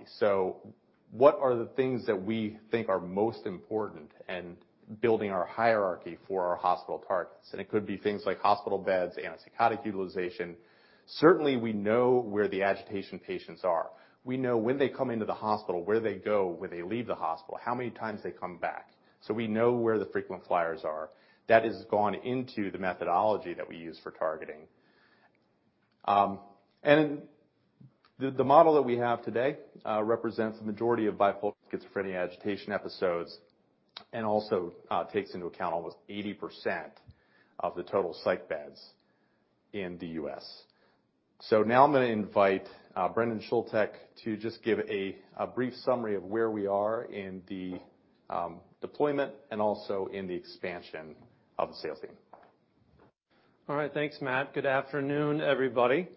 What are the things that we think are most important in building our hierarchy for our hospital targets? It could be things like hospital beds, antipsychotic utilization. Certainly, we know where the agitation patients are. We know when they come into the hospital, where they go, where they leave the hospital, how many times they come back. We know where the frequent flyers are. That has gone into the methodology that we use for targeting. The model that we have today represents the majority of bipolar and schizophrenia agitation episodes and also takes into account almost 80% of the total psych beds in the U.S. Now I'm gonna invite Brendan Schulte to just give a brief summary of where we are in the deployment and also in the expansion of the sales team. All right. Thanks, Matt. Good afternoon, everybody.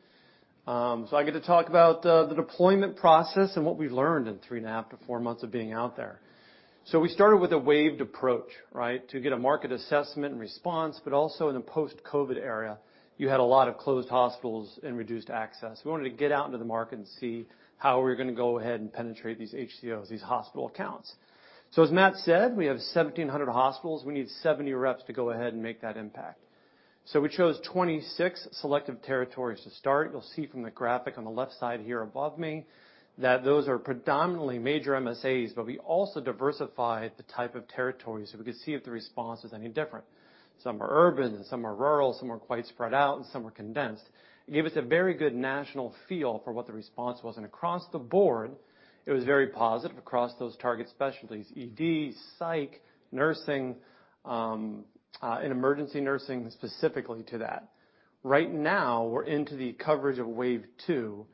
I get to talk about the deployment process and what we learned in three and a half to four months of being out there. We started with a wave approach, right? To get a market assessment and response, but also in a post-COVID era, you had a lot of closed hospitals and reduced access. We wanted to get out into the market and see how we're gonna go ahead and penetrate these HCOs, these hospital accounts. As Matt said, we have 1,700 hospitals. We need 70 reps to go ahead and make that impact. We chose 26 selective territories to start. You'll see from the graphic on the left side here above me that those are predominantly major MSAs, but we also diversified the type of territories so we could see if the response is any different. Some are urban, some are rural, some are quite spread out, and some are condensed. It gave us a very good national feel for what the response was. Across the board, it was very positive across those target specialties: ED, psych, nursing, and emergency nursing specifically to that. Right now, we're into the coverage of wave two,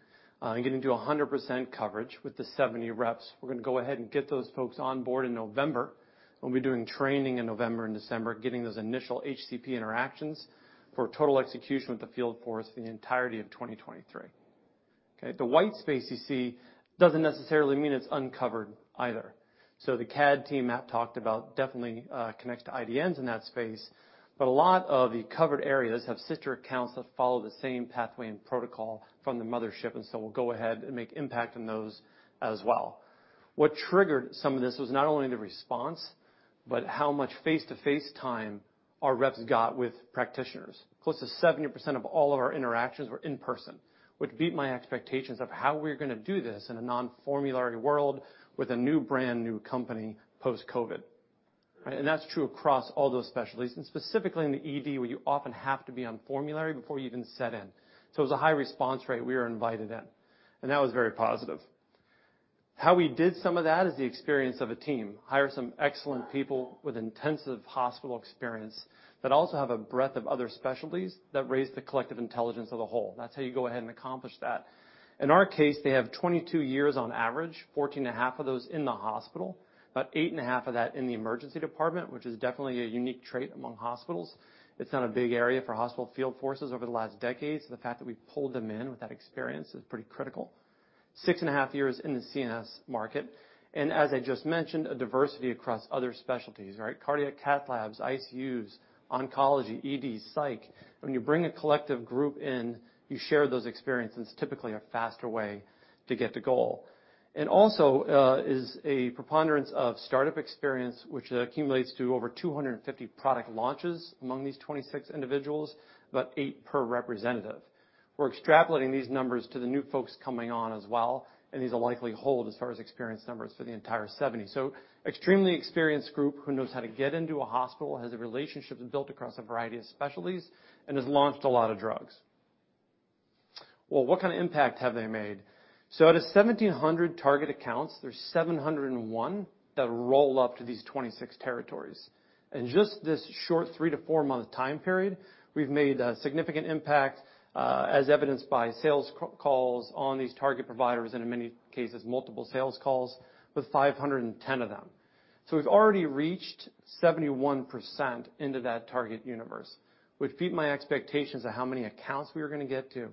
and getting to 100% coverage with the 70 reps. We're gonna go ahead and get those folks on board in November. We'll be doing training in November and December, getting those initial HCP interactions for total execution with the field force for the entirety of 2023. Okay. The white space you see doesn't necessarily mean it's uncovered either. The CAD team Matt talked about definitely connects to IDNs in that space, but a lot of the covered areas have sister accounts that follow the same pathway and protocol from the mothership, and so we'll go ahead and make impact on those as well. What triggered some of this was not only the response but how much face-to-face time our reps got with practitioners. Close to 70% of all of our interactions were in-person, which beat my expectations of how we're gonna do this in a non-formulary world with a new brand, new company post-COVID, right? That's true across all those specialties, and specifically in the ED, where you often have to be on formulary before you even get in. It was a high response rate. We were invited in, and that was very positive. How we did some of that is the experience of a team. Hire some excellent people with intensive hospital experience, but also have a breadth of other specialties that raise the collective intelligence of the whole. That's how you go ahead and accomplish that. In our case, they have 22 years on average, 14.5 of those in the hospital, about eight and a half of that in the emergency department, which is definitely a unique trait among hospitals. It's not a big area for hospital field forces over the last decade, so the fact that we pulled them in with that experience is pretty critical. six and a half years in the CNS market, and as I just mentioned, a diversity across other specialties, right? Cardiac cath labs, ICUs, oncology, ED, psych. When you bring a collective group in, you share those experiences. Typically a faster way to get to goal. is a preponderance of startup experience, which accumulates to over 250 product launches among these 26 individuals, about eight per representative. We're extrapolating these numbers to the new folks coming on as well, and these will likely hold as far as experience numbers for the entire 70. Extremely experienced group who knows how to get into a hospital, has relationships built across a variety of specialties, and has launched a lot of drugs. Well, what kind of impact have they made? Out of 1,700 target accounts, there's 701 that roll up to these 26 territories. In just this short three- to four-month time period, we've made a significant impact, as evidenced by sales calls on these target providers, and in many cases, multiple sales calls with 510 of them. We've already reached 71% into that target universe, which beat my expectations of how many accounts we were gonna get to.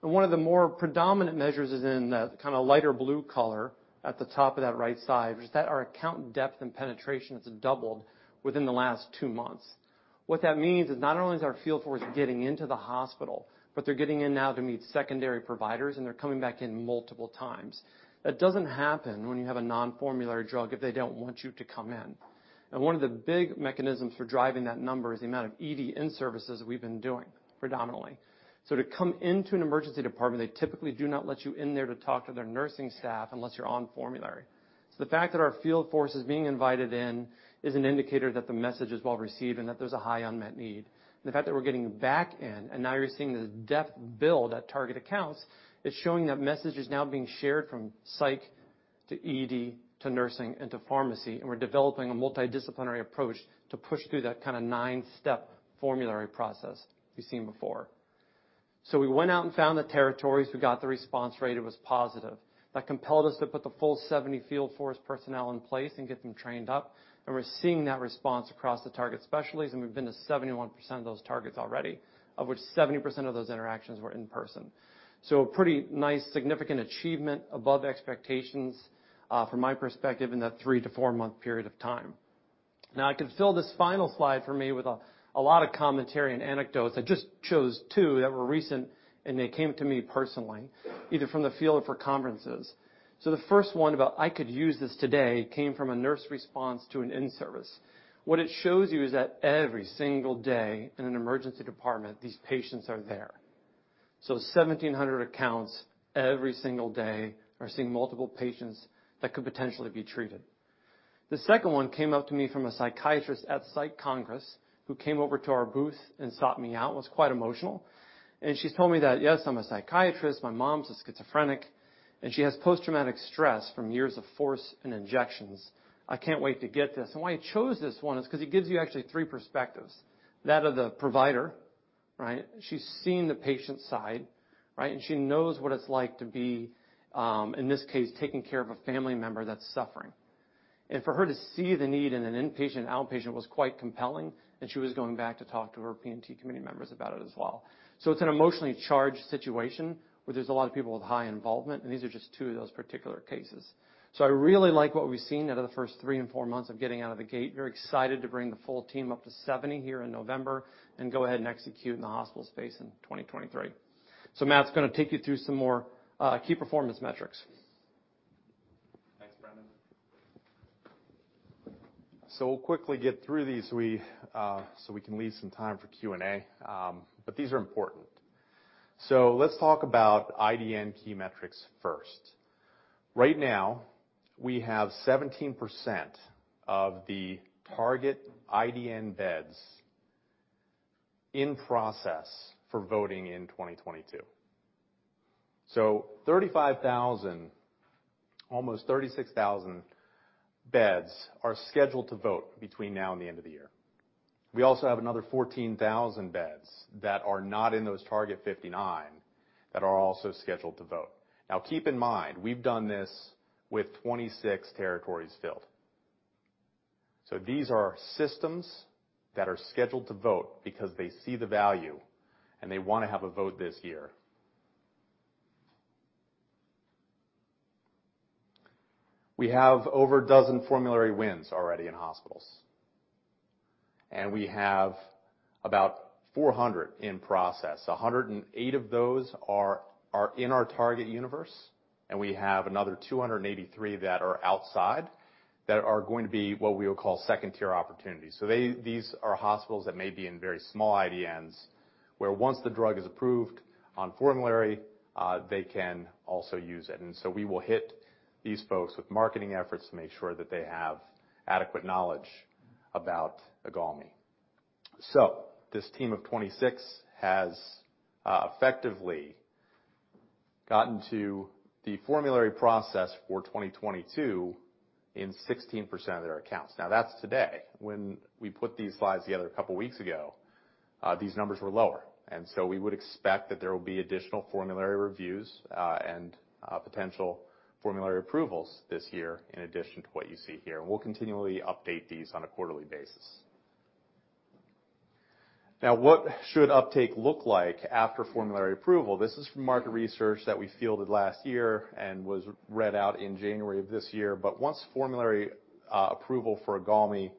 One of the more predominant measures is in the kinda lighter blue color at the top of that right side, which is that our account depth and penetration has doubled within the last two months. What that means is not only is our field force getting into the hospital, but they're getting in now to meet secondary providers, and they're coming back in multiple times. That doesn't happen when you have a non-formulary drug if they don't want you to come in. One of the big mechanisms for driving that number is the amount of ED in-services we've been doing predominantly. To come into an emergency department, they typically do not let you in there to talk to their nursing staff unless you're on formulary. The fact that our field force is being invited in is an indicator that the message is well received and that there's a high unmet need. The fact that we're getting back in, and now you're seeing the depth build at target accounts, it's showing that message is now being shared from psych to ED to nursing and to pharmacy, and we're developing a multidisciplinary approach to push through that kinda nine-step formulary process we've seen before. We went out and found the territories. We got the response rate. It was positive. That compelled us to put the full 70 field force personnel in place and get them trained up, and we're seeing that response across the target specialties, and we've been to 71% of those targets already, of which 70% of those interactions were in person. A pretty nice significant achievement above expectations, from my perspective in that three- to four-month period of time. Now, I can fill this final slide for me with a lot of commentary and anecdotes. I just chose two that were recent, and they came to me personally, either from the field or for conferences. The first one about, "I could use this today," came from a nurse response to an in-service. What it shows you is that every single day in an emergency department, these patients are there. 1,700 accounts every single day are seeing multiple patients that could potentially be treated. The second one came up to me from a psychiatrist at Psych Congress who came over to our booth and sought me out, was quite emotional, and she's told me that, "Yes, I'm a psychiatrist. My mom's a schizophrenic, and she has post-traumatic stress from years of force and injections. I can't wait to get this." Why I chose this one is 'cause it gives you actually three perspectives. That of the provider, right? She's seen the patient side, right? She knows what it's like to be, in this case, taking care of a family member that's suffering. For her to see the need in an inpatient and outpatient was quite compelling, and she was going back to talk to her P&T committee members about it as well. It's an emotionally charged situation where there's a lot of people with high involvement, and these are just two of those particular cases. I really like what we've seen out of the first three and four months of getting out of the gate. Very excited to bring the full team up to 70 here in November and go ahead and execute in the hospital space in 2023. Matt's gonna take you through some more key performance metrics. Thanks, Brendan. We'll quickly get through these so we can leave some time for Q&A. But these are important. Let's talk about IDN key metrics first. Right now, we have 17% of the target IDN beds in process for voting in 2022. 35,000, almost 36,000 beds are scheduled to vote between now and the end of the year. We also have another 14,000 beds that are not in those target 59 that are also scheduled to vote. Now, keep in mind, we've done this with 26 territories filled. These are systems that are scheduled to vote because they see the value, and they wanna have a vote this year. We have over a dozen formulary wins already in hospitals. We have about 400 in process. 108 of those are in our target universe, and we have another 283 that are outside, that are going to be what we would call second-tier opportunities. These are hospitals that may be in very small IDNs, where once the drug is approved on formulary, they can also use it. We will hit these folks with marketing efforts to make sure that they have adequate knowledge about IGALMI. This team of 26 has effectively gotten to the formulary process for 2022 in 16% of their accounts. That's today. When we put these slides together a couple weeks ago, these numbers were lower. We would expect that there will be additional formulary reviews and potential formulary approvals this year in addition to what you see here. We'll continually update these on a quarterly basis. Now, what should uptake look like after formulary approval? This is from market research that we fielded last year and was read out in January of this year. Once formulary approval for IGALMI,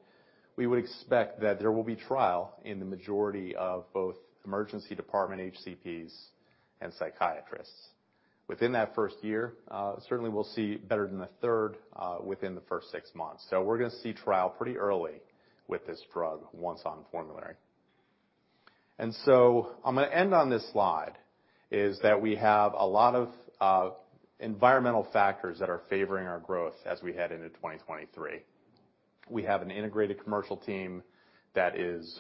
we would expect that there will be trial in the majority of both emergency department HCPs and psychiatrists. Within that first year, certainly we'll see better than a third within the first six months. We're gonna see trial pretty early with this drug once on formulary. I'm gonna end on this slide, is that we have a lot of environmental factors that are favoring our growth as we head into 2023. We have an integrated commercial team that is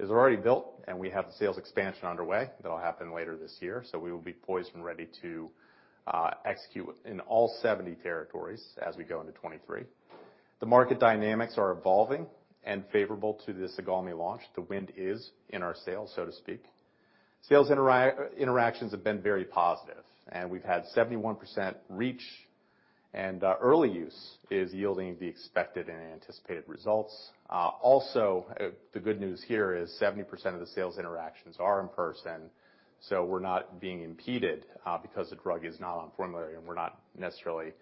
already built, and we have the sales expansion underway that'll happen later this year. We will be poised and ready to execute in all 70 territories as we go into 2023. The market dynamics are evolving and favorable to this IGALMI launch. The wind is in our sails, so to speak. Sales interactions have been very positive, and we've had 71% reach, and early use is yielding the expected and anticipated results. Also, the good news here is 70% of the sales interactions are in person, so we're not being impeded because the drug is not on formulary, and we're not necessarily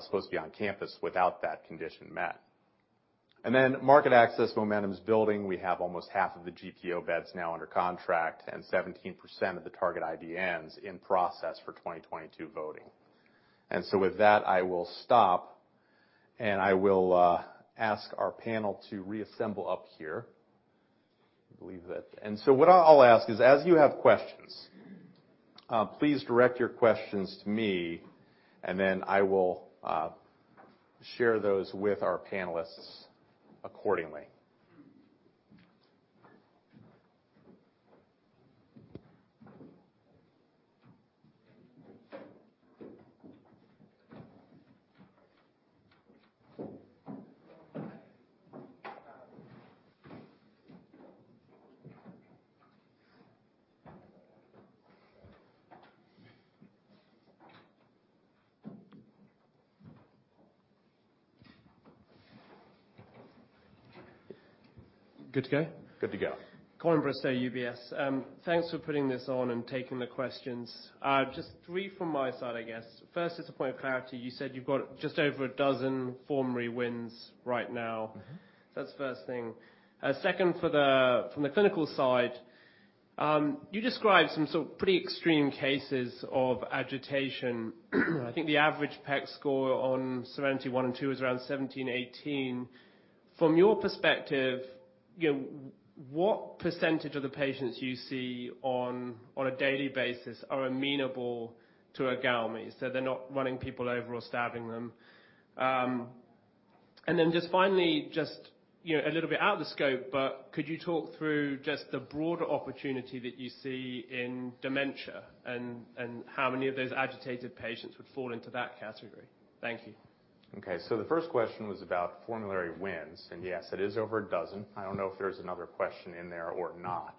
supposed to be on campus without that condition met. Market access momentum's building. We have almost half of the GPO beds now under contract and 17% of the target IDNs in process for 2022 voting. With that, I will stop, and I will ask our panel to reassemble up here. I believe that what I'll ask is, as you have questions, please direct your questions to me, and then I will share those with our panelists accordingly. Good to go? Good to go. Colin Bristow, UBS. Thanks for putting this on and taking the questions. Just three from my side, I guess. First, as a point of clarity, you said you've got just over a dozen formulary wins right now. Mm-hmm. That's the first thing. Second, from the clinical side, you described some sort of pretty extreme cases of agitation. I think the average PEC score on SERENITY I and II is around 17, 18. From your perspective, you know, what percentage of the patients you see on a daily basis are amenable to IGALMI, so they're not running people over or stabbing them? And then just finally, just, you know, a little bit out of the scope, but could you talk through just the broader opportunity that you see in dementia and how many of those agitated patients would fall into that category? Thank you. Okay. The first question was about formulary wins, and yes, it is over a dozen. I don't know if there's another question in there or not.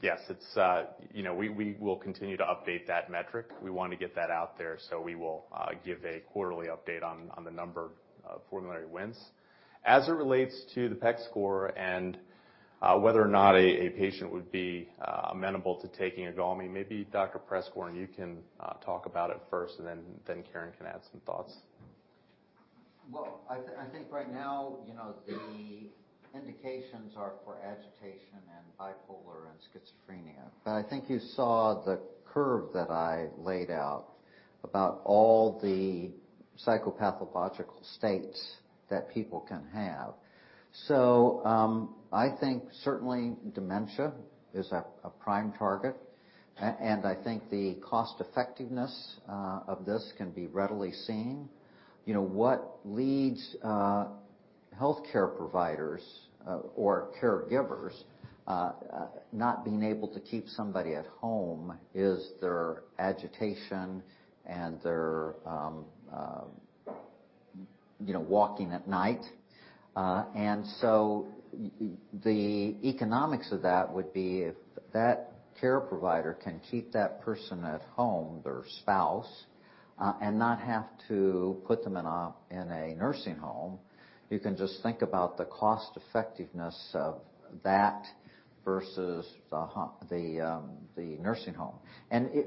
Yes, it's. We will continue to update that metric. We want to get that out there, so we will give a quarterly update on the number of formulary wins. As it relates to the PEC score and whether or not a patient would be amenable to taking IGALMI, maybe Dr. Preskorn, you can talk about it first, and then Karen can add some thoughts. Well, I think right now, you know, the indications are for agitation and bipolar and schizophrenia. I think you saw the curve that I laid out about all the psychopathological states that people can have. I think certainly dementia is a prime target. I think the cost-effectiveness of this can be readily seen. You know, what leads healthcare providers or caregivers not being able to keep somebody at home is their agitation and their, you know, walking at night. The economics of that would be if that care provider can keep that person at home, their spouse, and not have to put them in a nursing home. You can just think about the cost-effectiveness of that versus the nursing home.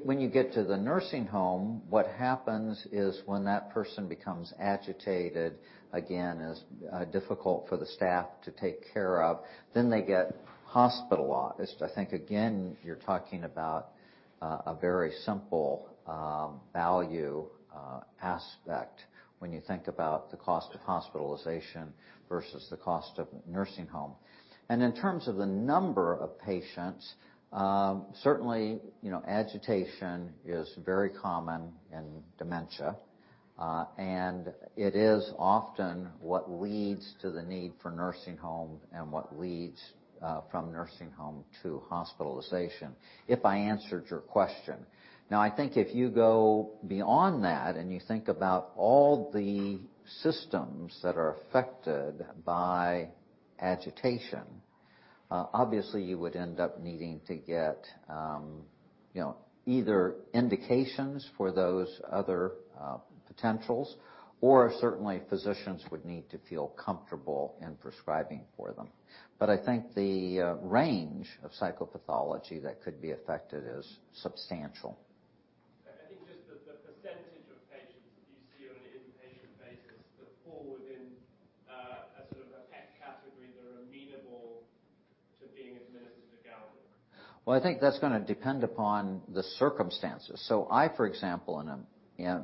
When you get to the nursing home, what happens is when that person becomes agitated again is difficult for the staff to take care of, then they get hospitalized. I think again, you're talking about a very simple value aspect when you think about the cost of hospitalization versus the cost of nursing home. In terms of the number of patients, certainly, you know, agitation is very common in dementia, and it is often what leads to the need for nursing home and what leads from nursing home to hospitalization. If I answered your question. Now, I think if you go beyond that and you think about all the systems that are affected by agitation, obviously you would end up needing to get, you know, either indications for those other potentials or certainly physicians would need to feel comfortable in prescribing for them. I think the range of psychopathology that could be affected is substantial. I think just the percentage of patients that you see on an inpatient basis that fall within a sort of a PEC category that are amenable to being administered with IGALMI. Well, I think that's gonna depend upon the circumstances. I, for example,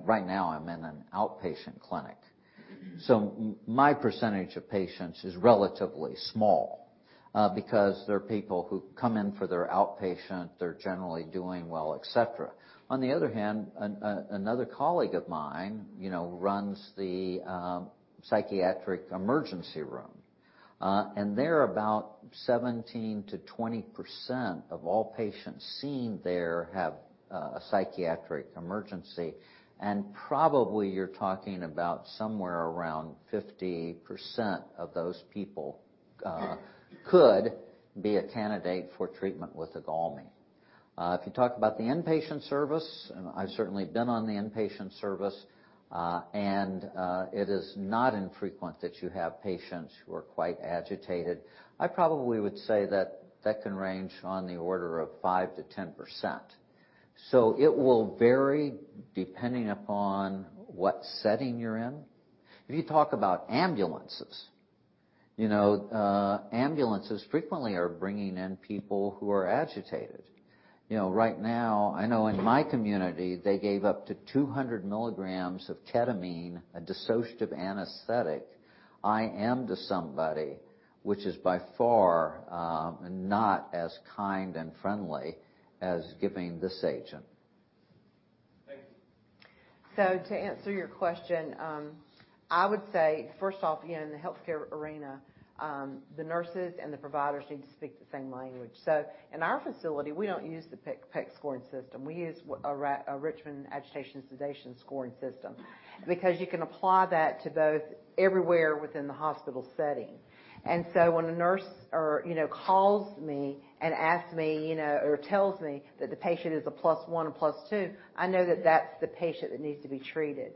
right now I'm in an outpatient clinic. My percentage of patients is relatively small, because there are people who come in for their outpatient, they're generally doing well, et cetera. On the other hand, another colleague of mine runs the psychiatric emergency room. They're about 17%-20% of all patients seen there have a psychiatric emergency, and probably you're talking about somewhere around 50% of those people could be a candidate for treatment with IGALMI. If you talk about the inpatient service, and I've certainly been on the inpatient service, it is not infrequent that you have patients who are quite agitated. I probably would say that that can range on the order of 5%-10%. It will vary depending upon what setting you're in. If you talk about ambulances, you know, ambulances frequently are bringing in people who are agitated. You know, right now, I know in my community, they gave up to 200 mg of ketamine, a dissociative anesthetic, IM to somebody, which is by far, not as kind and friendly as giving this agent. Thank you. To answer your question, I would say, first off, you know, in the healthcare arena, the nurses and the providers need to speak the same language. In our facility, we don't use the PEC scoring system. We use a Richmond Agitation-Sedation Scale scoring system. Because you can apply that to both everywhere within the hospital setting. When a nurse or, you know, calls me and asks me, you know, or tells me that the patient is a plus one or plus two, I know that that's the patient that needs to be treated.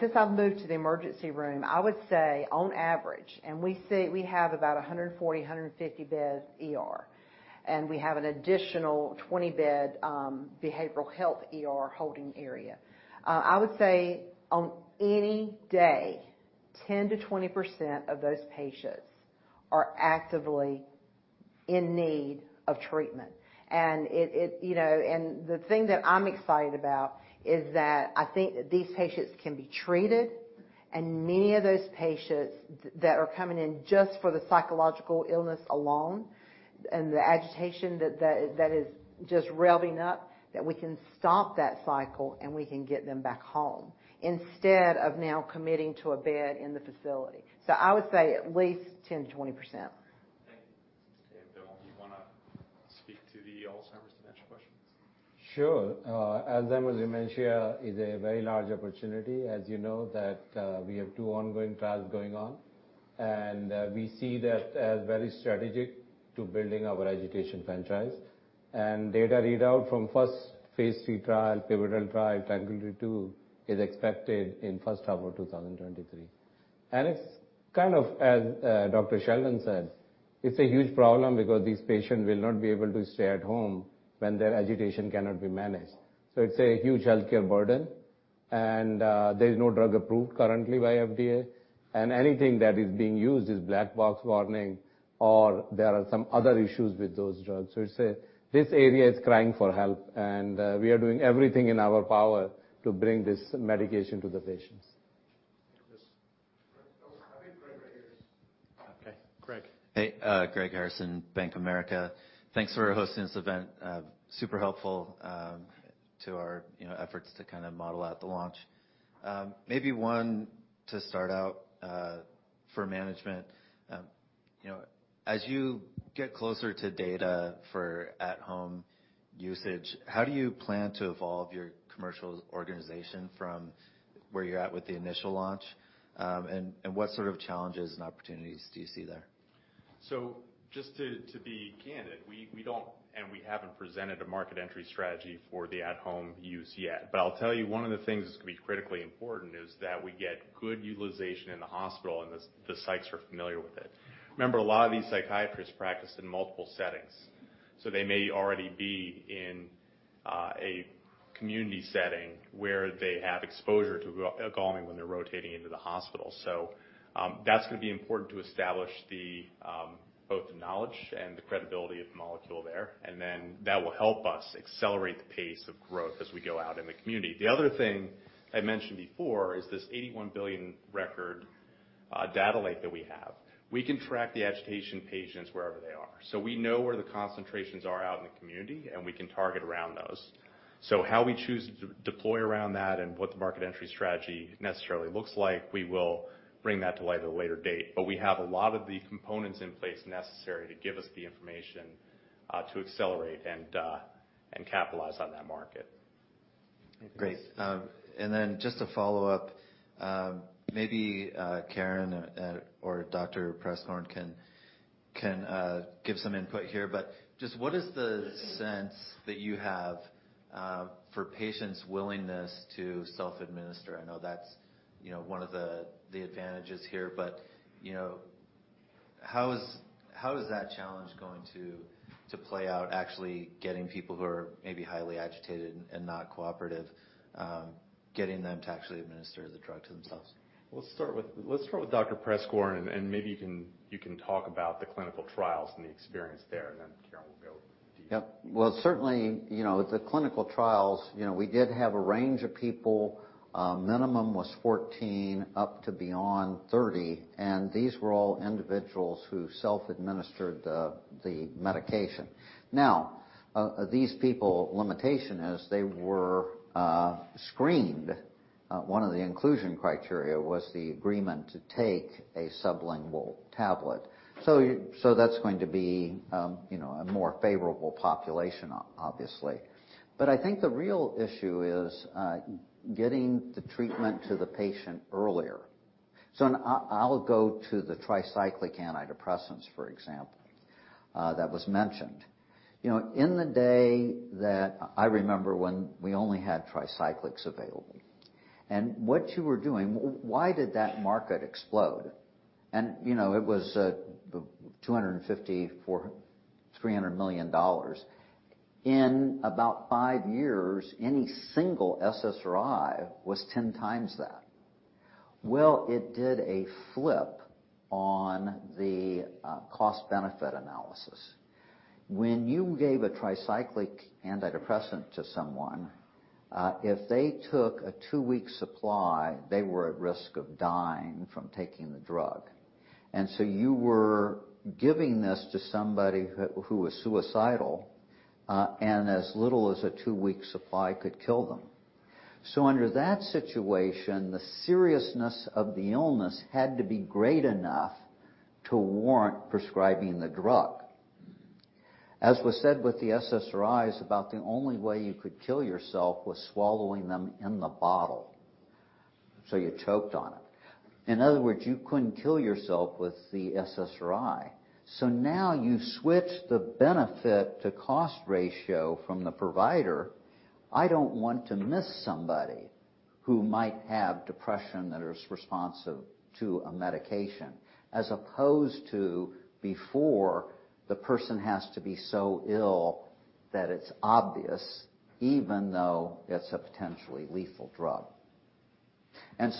Since I've moved to the emergency room, I would say on average, and we see we have about a 140-150-bed ER, and we have an additional 20-bed behavioral health ER holding area. I would say on any day, 10%-20% of those patients are actively in need of treatment. It, you know, the thing that I'm excited about is that I think these patients can be treated, and many of those patients that are coming in just for the psychological illness alone and the agitation that that is just revving up, that we can stop that cycle and we can get them back home instead of now committing to a bed in the facility. I would say at least 10%-20%. Thank you. Okay. Vimal, do you wanna speak to the Alzheimer's dimension questions? Sure. Alzheimer's and dementia is a very large opportunity. As you know that, we have two ongoing trials going on. We see that as very strategic to building our agitation franchise. Data readout from first phase III trial, pivotal trial TRANQUILITY II, is expected in first half of 2023. It's kind of as Dr. Preskorn said, it's a huge problem because these patients will not be able to stay at home when their agitation cannot be managed. It's a huge healthcare burden, and there's no drug approved currently by FDA. Anything that is being used is black box warning, or there are some other issues with those drugs. This area is crying for help, and we are doing everything in our power to bring this medication to the patients. Chris. I think Greg right here. Okay. Greg. Hey, Greg Harrison, Bank of America. Thanks for hosting this event. Super helpful to our, you know, efforts to kinda model out the launch. Maybe one to start out for management. You know, as you get closer to data for at-home usage, how do you plan to evolve your commercial organization from where you're at with the initial launch? And what sort of challenges and opportunities do you see there? Just to be candid, we don't and we haven't presented a market entry strategy for the at-home use yet. I'll tell you one of the things that's gonna be critically important is that we get good utilization in the hospital, and the sites are familiar with it. Remember, a lot of these psychiatrists practice in multiple settings, so they may already be in a community setting where they have exposure to IGALMI when they're rotating into the hospital. That's gonna be important to establish both the knowledge and the credibility of the molecule there, and then that will help us accelerate the pace of growth as we go out in the community. The other thing I mentioned before is this 81 billion record data lake that we have. We can track the agitation patients wherever they are. We know where the concentrations are out in the community, and we can target around those. How we choose to deploy around that and what the market entry strategy necessarily looks like, we will bring that to light at a later date. We have a lot of the components in place necessary to give us the information to accelerate and capitalize on that market. Great. Then just to follow up, maybe Karen or Dr. Preskorn can give some input here, but just what is the sense that you have for patients' willingness to self-administer? I know that's, you know, one of the advantages here, but, you know, how is that challenge going to play out, actually getting people who are maybe highly agitated and not cooperative, getting them to actually administer the drug to themselves? Let's start with Dr. Preskorn, and maybe you can talk about the clinical trials and the experience there, and then Karen will go deeper. Yep. Well, certainly, you know, the clinical trials, you know, we did have a range of people. Minimum was 14 up to beyond 30, and these were all individuals who self-administered the medication. Now, these people's limitation is they were screened. One of the inclusion criteria was the agreement to take a sublingual tablet. So that's going to be, you know, a more favorable population obviously. But I think the real issue is getting the treatment to the patient earlier. I'll go to the tricyclic antidepressants, for example, that was mentioned. You know, in the days that I remember when we only had tricyclics available. What you were doing, why did that market explode? You know, it was $250 million-$300 million. In about five years, any single SSRI was 10x that. Well, it did a flip on the cost-benefit analysis. When you gave a tricyclic antidepressant to someone, if they took a two-week supply, they were at risk of dying from taking the drug. You were giving this to somebody who was suicidal, and as little as a two-week supply could kill them. Under that situation, the seriousness of the illness had to be great enough to warrant prescribing the drug. As was said with the SSRIs, about the only way you could kill yourself was swallowing them in the bottle, so you choked on it. In other words, you couldn't kill yourself with the SSRI. Now you switch the benefit to cost ratio from the provider. I don't want to miss somebody who might have depression that is responsive to a medication as opposed to before the person has to be so ill that it's obvious, even though it's a potentially lethal drug.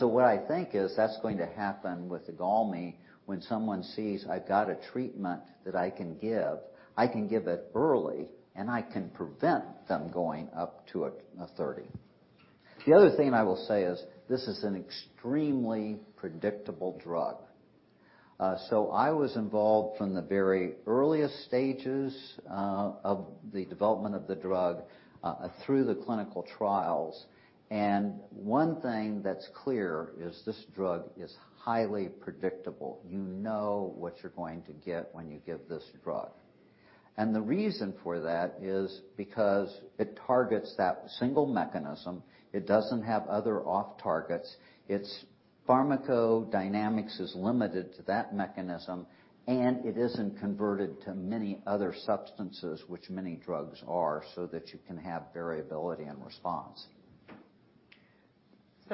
What I think is that's going to happen with the IGALMI when someone sees I've got a treatment that I can give, I can give it early, and I can prevent them going up to a 30. The other thing I will say is this is an extremely predictable drug. I was involved from the very earliest stages of the development of the drug through the clinical trials. One thing that's clear is this drug is highly predictable. You know what you're going to get when you give this drug. The reason for that is because it targets that single mechanism. It doesn't have other off-targets. Its pharmacodynamics is limited to that mechanism, and it isn't converted to many other substances which many drugs are, so that you can have variability and response. Okay.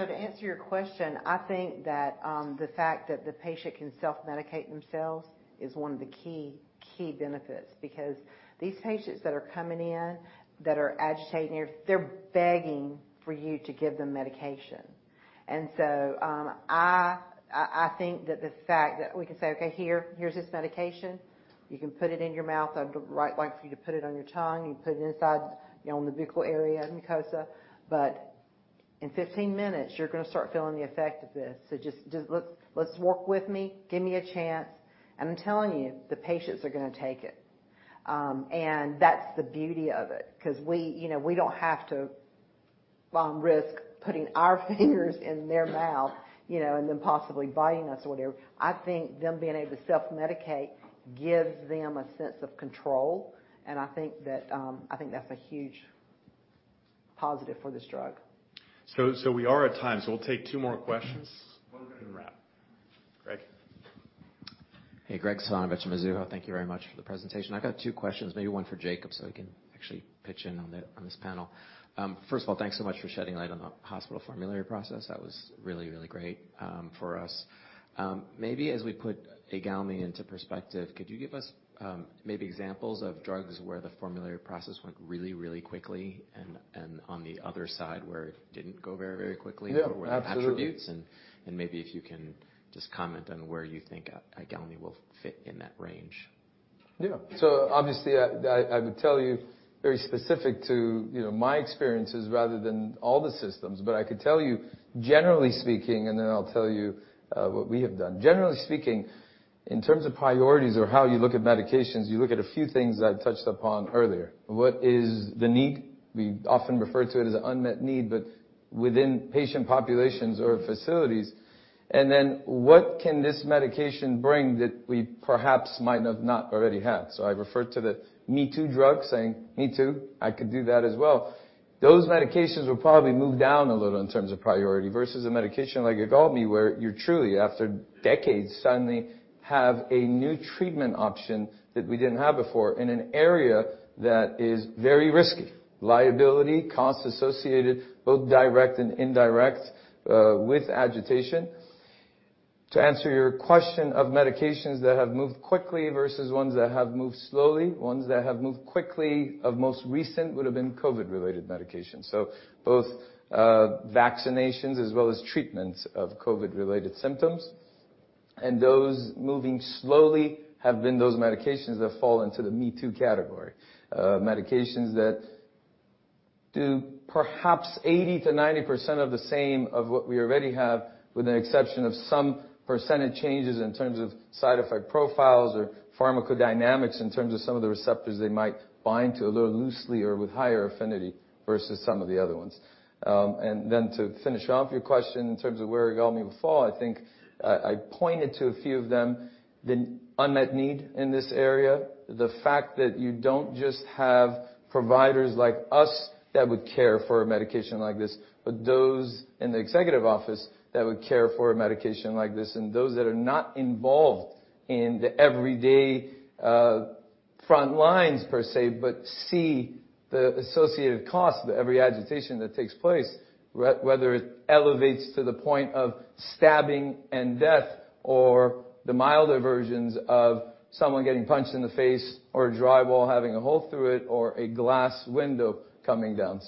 To answer your question, I think that the fact that the patient can self-medicate themselves is one of the key benefits because these patients that are coming in that are agitated, they're begging for you to give them medication. I think that the fact that we can say, "Okay, here's this medication. You can put it in your mouth. I'd like for you to put it on your tongue, and you put it inside, you know, in the buccal area and mucosa. But in 15 minutes, you're gonna start feeling the effect of this. So just let's work with me. Give me a chance." And I'm telling you, the patients are gonna take it. That's the beauty of it because we, you know, we don't have to risk putting our fingers in their mouth, you know, and them possibly biting us or whatever. I think them being able to self-medicate gives them a sense of control, and I think that's a huge positive for this drug. We are at time, so we'll take two more questions and wrap. Graig? Hey, Graig Suvannavejh from Mizuho. Thank you very much for the presentation. I've got two questions, maybe one for Jacob so he can actually pitch in on this panel. First of all, thanks so much for shedding light on the hospital formulary process. That was really great for us. Maybe as we put IGALMI into perspective, could you give us maybe examples of drugs where the formulary process went really quickly and on the other side, where it didn't go very quickly? Yeah, absolutely. What were the attributes? Maybe if you can just comment on where you think IGALMI will fit in that range. Yeah. Obviously I would tell you very specific to, you know, my experiences rather than all the systems, but I could tell you generally speaking, and then I'll tell you what we have done. Generally speaking, in terms of priorities or how you look at medications, you look at a few things that I touched upon earlier. What is the need? We often refer to it as unmet need, but within patient populations or facilities. Then, what can this medication bring that we perhaps might not have not already had? I referred to the me-too drug saying, "Me too. I could do that as well." Those medications will probably move down a little in terms of priority versus a medication like IGALMI, where you truly, after decades, suddenly have a new treatment option that we didn't have before in an area that is very risky. Liability, costs associated, both direct and indirect, with agitation. To answer your question of medications that have moved quickly versus ones that have moved slowly. Ones that have moved quickly of most recent would have been COVID-related medications, so both, vaccinations as well as treatments of COVID-related symptoms. Those moving slowly have been those medications that fall into the me too category. Medications that do perhaps 80%-90% of the same of what we already have, with the exception of some percentage changes in terms of side effect profiles or pharmacodynamics in terms of some of the receptors they might bind to a little loosely or with higher affinity versus some of the other ones. To finish off your question in terms of where IGALMI will fall, I think I pointed to a few of them. The unmet need in this area, the fact that you don't just have providers like us that would care for a medication like this, but those in the executive office that would care for a medication like this and those that are not involved in the everyday, front lines per se, but see the associated cost of every agitation that takes place, whether it elevates to the point of stabbing and death or the milder versions of someone getting punched in the face or a drywall having a hole through it or a glass window coming down.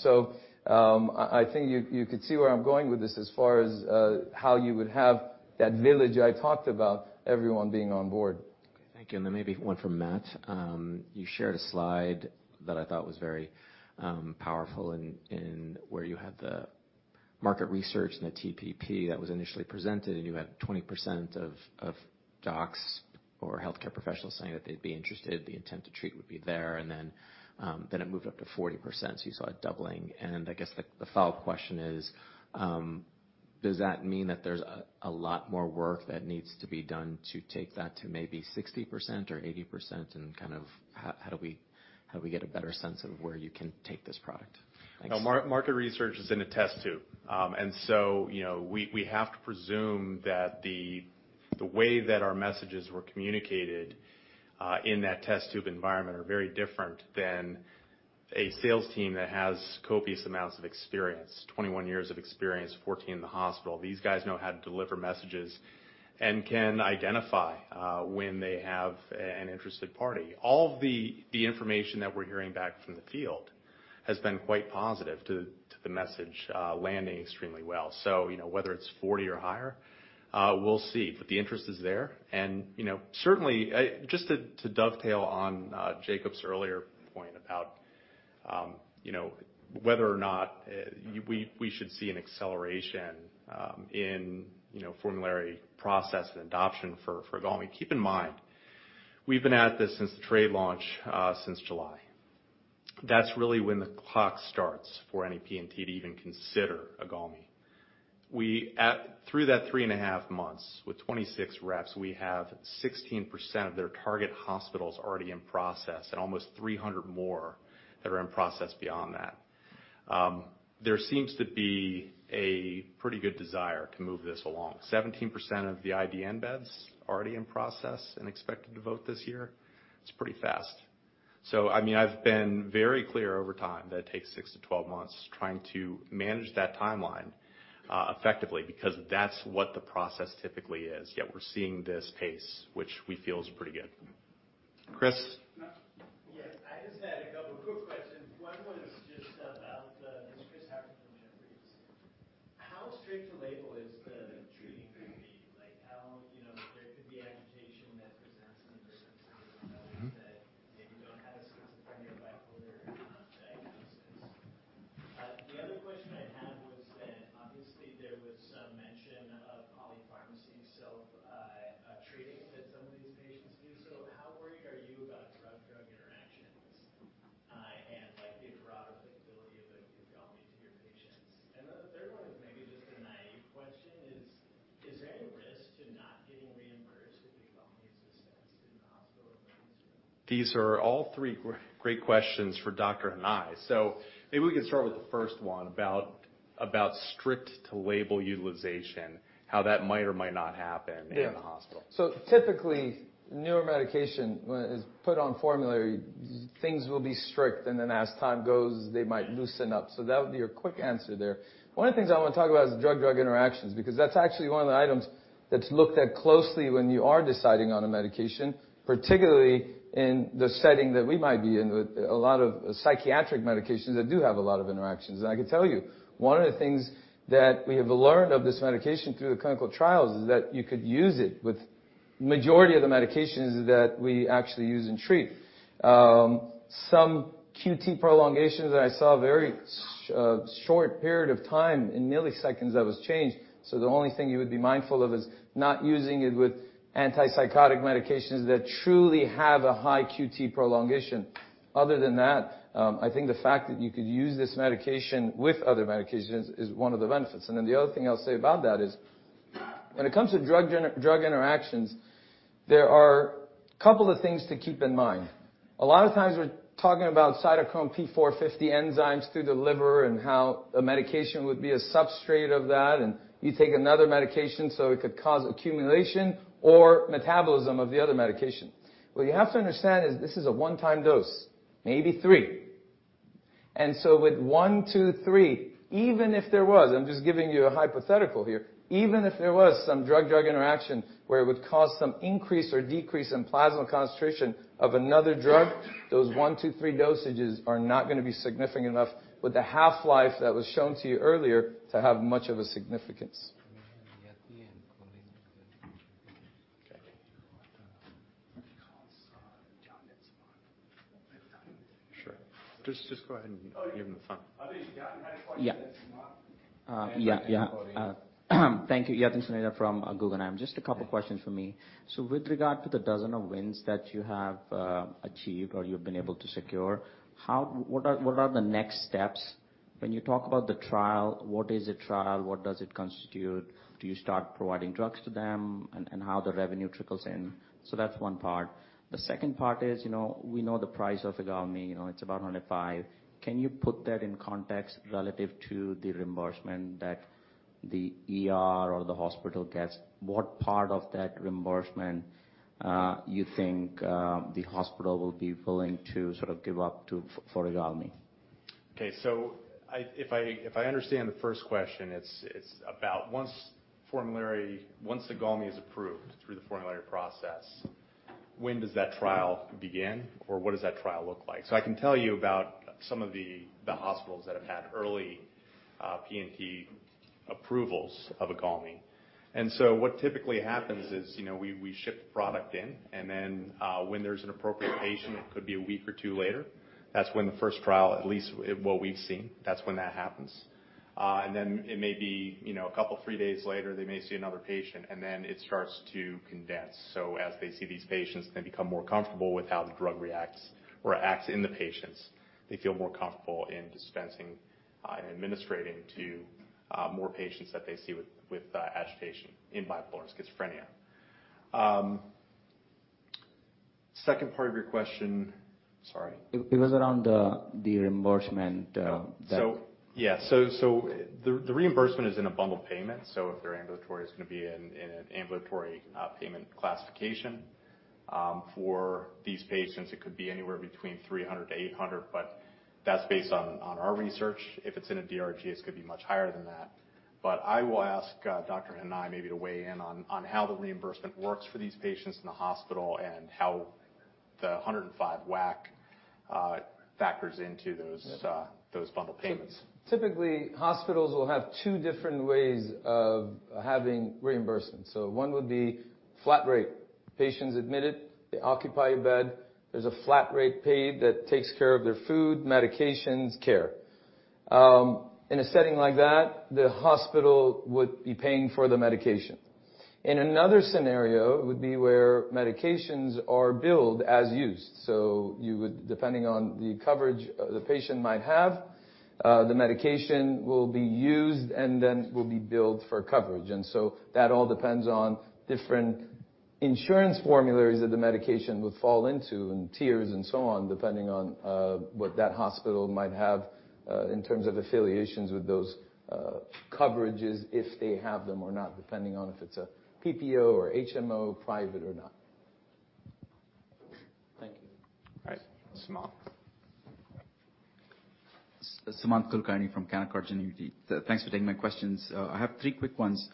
I think you could see where I'm going with this as far as, how you would have that village I talked about, everyone being on board. Thank you. Then maybe one from Matt. You shared a slide that I thought was very powerful and where you had the market research and the TPP that was initially presented, and you had 20% of docs or healthcare professionals saying that they'd be interested, the intent to treat would be there. Then it moved up to 40%, so you saw a doubling. I guess the follow-up question is, does that mean that there's a lot more work that needs to be done to take that to maybe 60% or 80%? Kind of, how do we get a better sense of where you can take this product? Thanks. No. Market research is in a test tube. We have to presume that the way that our messages were communicated in that test tube environment are very different than a sales team that has copious amounts of experience, 21 years of experience, 14 in the hospital. These guys know how to deliver messages and can identify when they have an interested party. All the information that we're hearing back from the field has been quite positive to the message landing extremely well. Whether it's 40 or higher, we'll see. The interest is there. Certainly, just to dovetail on Jacob's earlier point about whether or not we should see an acceleration in formulary process and adoption for IGALMI. Keep in mind, we've been at this since the trade launch, since July. That's really when the clock starts for any P&T to even consider IGALMI. Through that three and a half months, with 26 reps, we have 16% of their target hospitals already in process and almost 300 more that are in process beyond that. There seems to be a pretty good desire to move this along. 17% of the IDN beds already in process and expected to vote this year. It's pretty fast. I mean, I've been very clear over time that it takes six-12 months trying to manage that timeline, effectively because that's what the process typically is. Yet we're seeing this pace which we feel is pretty good. Chris? Matt. in the setting that we might be in with a lot of psychiatric medications that do have a lot of interactions. I can tell you, one of the things that we have learned of this medication through the clinical trials is that you could use it with majority of the medications that we actually use and treat. Some QT prolongations that I saw very short period of time in milliseconds that was changed. The only thing you would be mindful of is not using it with antipsychotic medications that truly have a high QT prolongation. Other than that, I think the fact that you could use this medication with other medications is one of the benefits. The other thing I'll say about that is, when it comes to drug interactions, there are a couple of things to keep in mind. A lot of times we're talking about cytochrome P450 enzymes through the liver and how a medication would be a substrate of that, and you take another medication, so it could cause accumulation or metabolism of the other medication. What you have to understand is this is a one-time dose, maybe three. With one, two, three, even if there was, I'm just giving you a hypothetical here, even if there was some drug-drug interaction where it would cause some increase or decrease in plasma concentration of another drug, those one, two, three dosages are not gonna be significant enough with the half-life that was shown to you earlier to have much of a significance. Okay. Sure. Just go ahead and give him the phone. I think Yatin had a question. Yeah. Thank you. Yatin Suneja from Guggenheim. Just a couple questions for me. With regard to the dozen of wins that you have achieved or you've been able to secure, what are the next steps? When you talk about the trial, what is a trial? What does it constitute? Do you start providing drugs to them? And how the revenue trickles in. That's one part. The second part is, you know, we know the price of IGALMI, you know, it's about $105. Can you put that in context relative to the reimbursement that the ER or the hospital gets? What part of that reimbursement, you think, the hospital will be willing to sort of give up to for IGALMI? Okay. If I understand the first question, it's about once IGALMI is approved through the formulary process, when does that trial begin or what does that trial look like? I can tell you about some of the hospitals that have had early P&T approvals of IGALMI. What typically happens is, you know, we ship the product in and then when there's an appropriate patient, it could be a week or two later. That's when the first trial, at least what we've seen. That's when that happens. And then it may be, you know, a couple, three days later, they may see another patient and then it starts to condense. As they see these patients and become more comfortable with how the drug reacts or acts in the patients, they feel more comfortable in dispensing and administering to more patients that they see with agitation in bipolar and schizophrenia. Second part of your question. Sorry. It was around the reimbursement that. The reimbursement is in a bundled payment. If they're ambulatory, it's gonna be in an ambulatory payment classification. For these patients, it could be anywhere between $300-$800, but that's based on our research. If it's in a DRG, it could be much higher than that. I will ask Dr. Hanley maybe to weigh in on how the reimbursement works for these patients in the hospital and how the $105 WAC factors into those. Yeah. Those bundled payments. Typically, hospitals will have two different ways of having reimbursement. One would be flat rate. Patient's admitted, they occupy a bed, there's a flat rate paid that takes care of their food, medications, care. In a setting like that, the hospital would be paying for the medication. In another scenario, it would be where medications are billed as used. Depending on the coverage the patient might have, the medication will be used and then will be billed for coverage. That all depends on different insurance formularies that the medication would fall into and tiers and so on, depending on what that hospital might have in terms of affiliations with those coverages if they have them or not, depending on if it's a PPO or HMO, private or not. Thank you. All right. Sumant. Sumant Kulkarni from Canaccord Genuity. Thanks for taking my questions. I have three quick ones.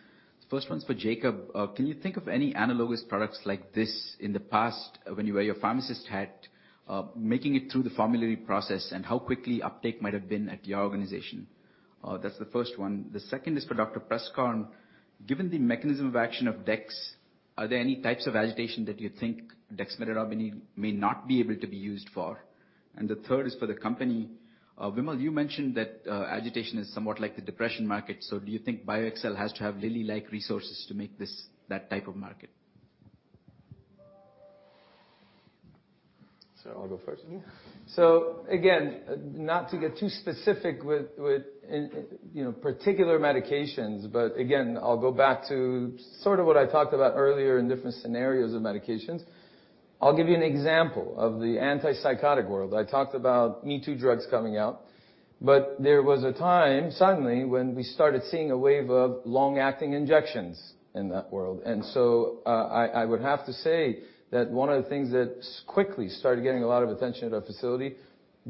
First one's for Jacob Hanley. Can you think of any analogous products like this in the past when you wear your pharmacist hat, making it through the formulary process and how quickly uptake might have been at your organization? That's the first one. The second is for Dr. Preskorn. Given the mechanism of action of dex, are there any types of agitation that you think dexmedetomidine may not be able to be used for? The third is for the company. Vimal, you mentioned that agitation is somewhat like the depression market. Do you think BioXcel has to have Lilly-like resources to make this that type of market? I'll go first. Yeah. Again, not to get too specific with particular medications, you know, but again, I'll go back to sort of what I talked about earlier in different scenarios of medications. I'll give you an example of the antipsychotic world. I talked about ME-2 drugs coming out, but there was a time suddenly when we started seeing a wave of long-acting injections in that world. I would have to say that one of the things that quickly started getting a lot of attention at our facility,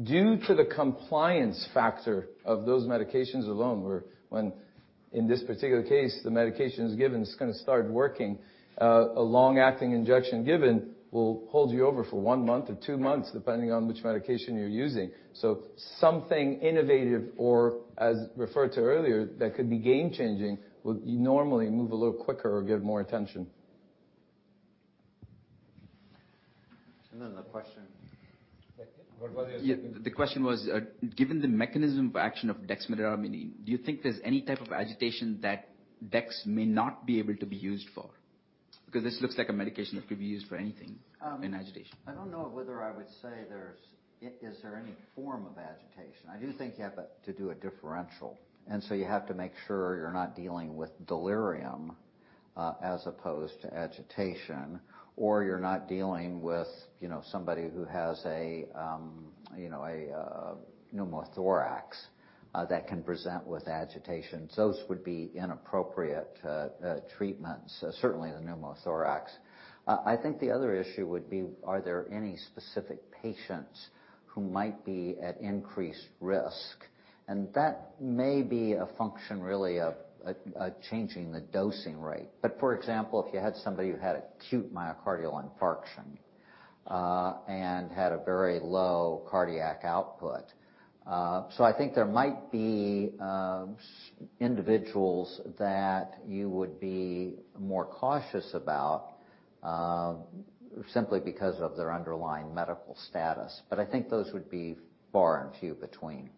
due to the compliance factor of those medications alone, wherein this particular case, the medication is given, it's gonna start working. A long-acting injection given will hold you over for one month to two months, depending on which medication you're using. Something innovative or as referred to earlier, that could be game changing, would normally move a little quicker or get more attention. the question. What was the second question? The question was, given the mechanism of action of dexmedetomidine, do you think there's any type of agitation that dex may not be able to be used for? Because this looks like a medication that could be used for anything. Um- in agitation. I don't know whether I would say there's any form of agitation. Is there any form of agitation? I do think you have to do a differential. You have to make sure you're not dealing with delirium as opposed to agitation, or you're not dealing with you know somebody who has a pneumothorax that can present with agitation. Those would be inappropriate treatments, certainly the pneumothorax. I think the other issue would be are there any specific patients who might be at increased risk? That may be a function really of changing the dosing rate. For example, if you had somebody who had acute myocardial infarction and had a very low cardiac output. I think there might be individuals that you would be more cautious about, simply because of their underlying medical status, but I think those would be far and few between.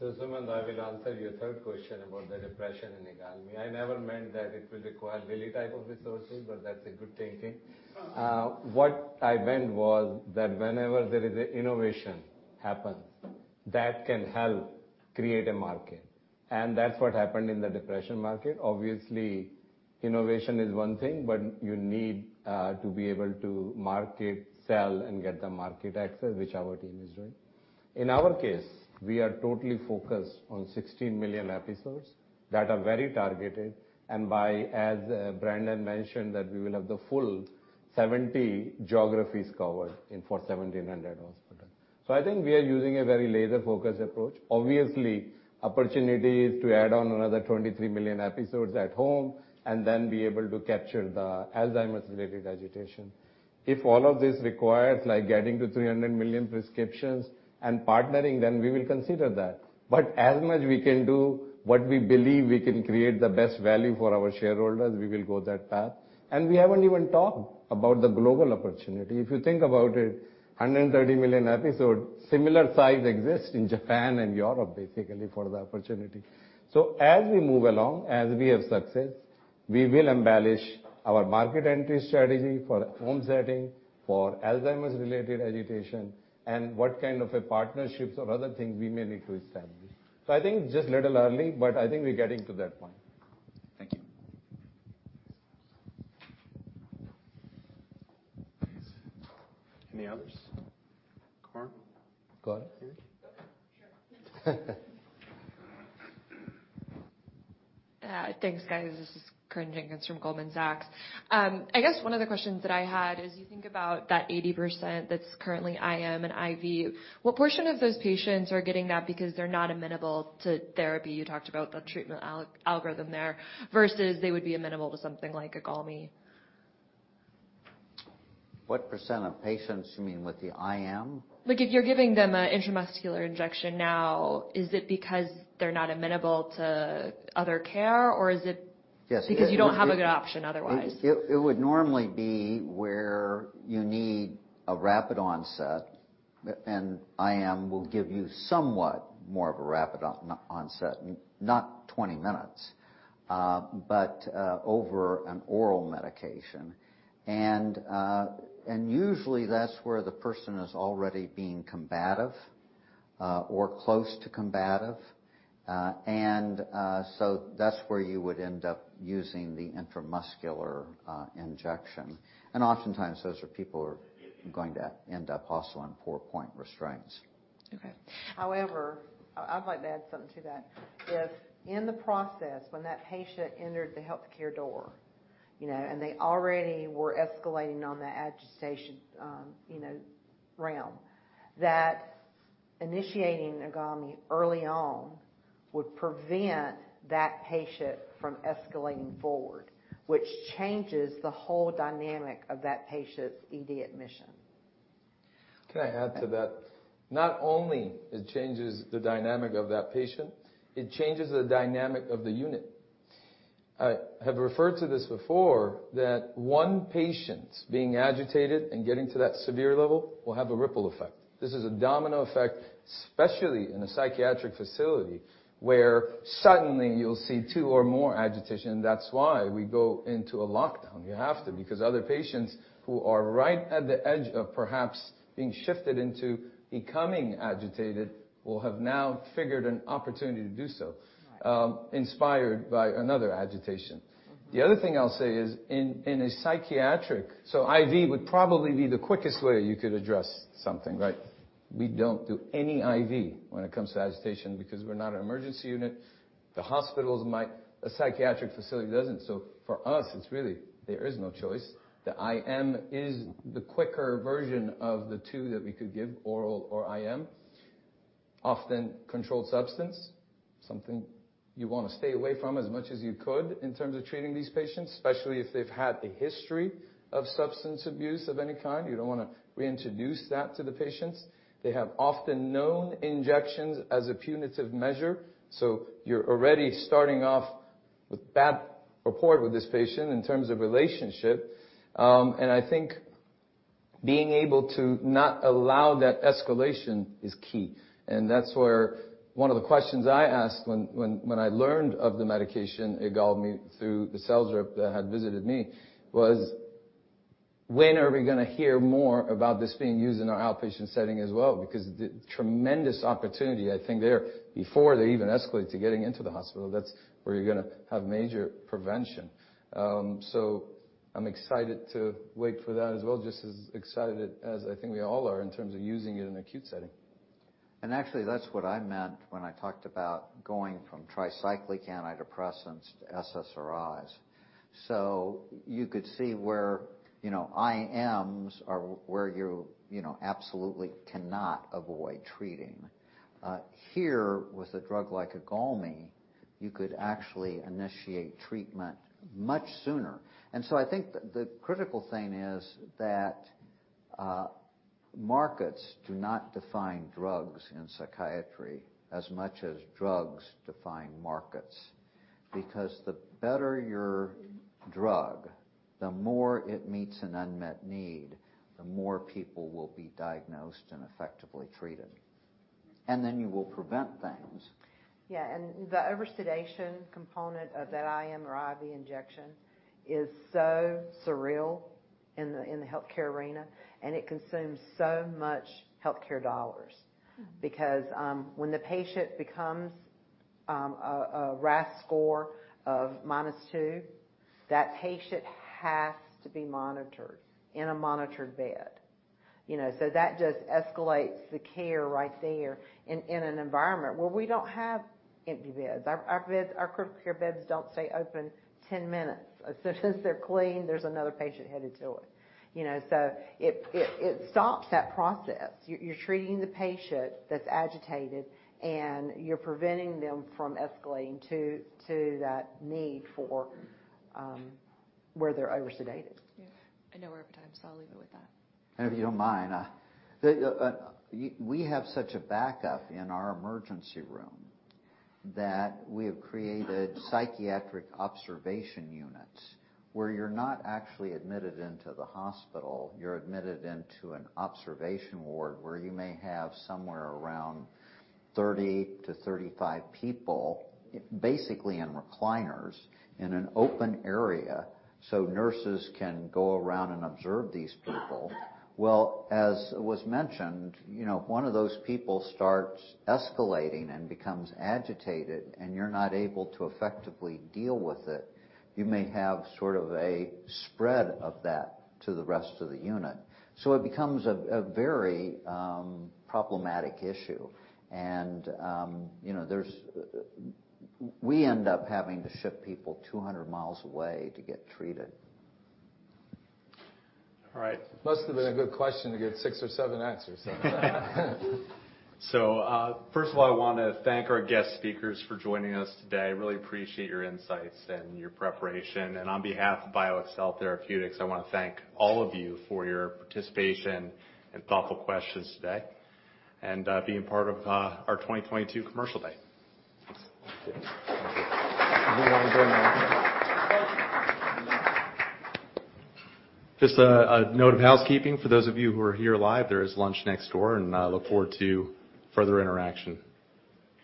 Sumant, I will answer your third question about the depression in IGALMI. I never meant that it will require Lilly type of resources, but that's a good thinking. What I meant was that whenever there is an innovation happen, that can help create a market. That's what happened in the depression market. Obviously, innovation is one thing, but you need to be able to market, sell, and get the market access, which our team is doing. In our case, we are totally focused on 16 million episodes that are very targeted and by, as, Brendan mentioned, that we will have the full 70 geographies covered in 4,170 hospitals. I think we are using a very laser-focused approach. Obviously, opportunity is to add on another 23 million episodes at home and then be able to capture the Alzheimer's related agitation. If all of this requires like getting to 300 million prescriptions and partnering, then we will consider that. As much we can do what we believe we can create the best value for our shareholders, we will go that path. We haven't even talked about the global opportunity. If you think about it, 130 million episode, similar size exists in Japan and Europe, basically for the opportunity. As we move along, as we have success, we will embellish our market entry strategy for home setting, for Alzheimer's related agitation and what kind of a partnerships or other things we may need to establish. I think just little early, but I think we're getting to that point. Thank you. Any others? Corinne. Corinne. Sure. Yeah. Thanks, guys. This is Corinne Jenkins from Goldman Sachs. I guess one of the questions that I had is you think about that 80% that's currently IM and IV, what portion of those patients are getting that because they're not amenable to therapy? You talked about the treatment algorithm there versus they would be amenable to something like IGALMI. What percent of patients, you mean with the IM? Like, if you're giving them an intramuscular injection now, is it because they're not amenable to other care or is it? Yes. because you don't have a good option otherwise? It would normally be where you need a rapid onset, and IM will give you somewhat more of a rapid onset, not 20 minutes, but over an oral medication. Usually that's where the person is already being combative, or close to combative. That's where you would end up using the intramuscular injection. Oftentimes those are people who are going to end up also on four-point restraints. Okay. However, I would like to add something to that. If in the process when that patient entered the healthcare door, you know, and they already were escalating on the agitation realm, initiating IGALMI early on would prevent that patient from escalating forward, which changes the whole dynamic of that patient's ED admission. Can I add to that? Not only it changes the dynamic of that patient, it changes the dynamic of the unit. I have referred to this before, that one patient being agitated and getting to that severe level will have a ripple effect. This is a domino effect, especially in a psychiatric facility, where suddenly you'll see two or more agitation. That's why we go into a lockdown. You have to, because other patients who are right at the edge of perhaps being shifted into becoming agitated will have now figured an opportunity to do so, inspired by another agitation. Mm-hmm. The other thing I'll say is in a psychiatric. IV would probably be the quickest way you could address something, right? We don't do any IV when it comes to agitation because we're not an emergency unit. The hospitals might. A psychiatric facility doesn't. For us, it's really, there is no choice. The IM is the quicker version of the two that we could give, oral or IM. Often controlled substance, something you wanna stay away from as much as you could in terms of treating these patients, especially if they've had a history of substance abuse of any kind. You don't wanna reintroduce that to the patients. They have often known injections as a punitive measure, so you're already starting off with bad rapport with this patient in terms of relationship. I think being able to not allow that escalation is key. That's where one of the questions I asked when I learned of the medication, IGALMI, through the sales rep that had visited me was, "When are we gonna hear more about this being used in our outpatient setting as well?" Because the tremendous opportunity, I think there, before they even escalate to getting into the hospital, that's where you're gonna have major prevention. So I'm excited to wait for that as well, just as excited as I think we all are in terms of using it in acute setting. Actually, that's what I meant when I talked about going from tricyclic antidepressants to SSRIs. You could see where, you know, IMs are where you know, absolutely cannot avoid treating. Here with a drug like IGALMI, you could actually initiate treatment much sooner. I think the critical thing is that, markets do not define drugs in psychiatry as much as drugs define markets. Because the better your drug, the more it meets an unmet need, the more people will be diagnosed and effectively treated. You will prevent things. Yeah. The oversedation component of that IM or IV injection is so surreal in the healthcare arena, and it consumes so much healthcare dollars. Because when the patient becomes a RASS score of -2, that patient has to be monitored in a monitored bed. You know, that just escalates the care right there in an environment where we don't have empty beds. Our critical care beds don't stay open 10 minutes. As soon as they're clean, there's another patient headed to it. You know, it stops that process. You're treating the patient that's agitated, and you're preventing them from escalating to that need for where they're oversedated. Yeah. I know we're out of time, so I'll leave it with that. We have such a backup in our emergency room that we have created psychiatric observation units where you're not actually admitted into the hospital. You're admitted into an observation ward where you may have somewhere around 30-35 people, basically in recliners in an open area, so nurses can go around and observe these people. Well, as was mentioned, you know, one of those people starts escalating and becomes agitated, and you're not able to effectively deal with it, you may have sort of a spread of that to the rest of the unit. It becomes a very problematic issue. We end up having to ship people 200 mi away to get treated. All right. Must have been a good question to get six or seven answers. First of all, I wanna thank our guest speakers for joining us today. Really appreciate your insights and your preparation. On behalf of BioXcel Therapeutics, I wanna thank all of you for your participation and thoughtful questions today, and being part of our 2022 commercial day. Thank you. Just a note of housekeeping. For those of you who are here live, there is lunch next door, and I look forward to further interaction.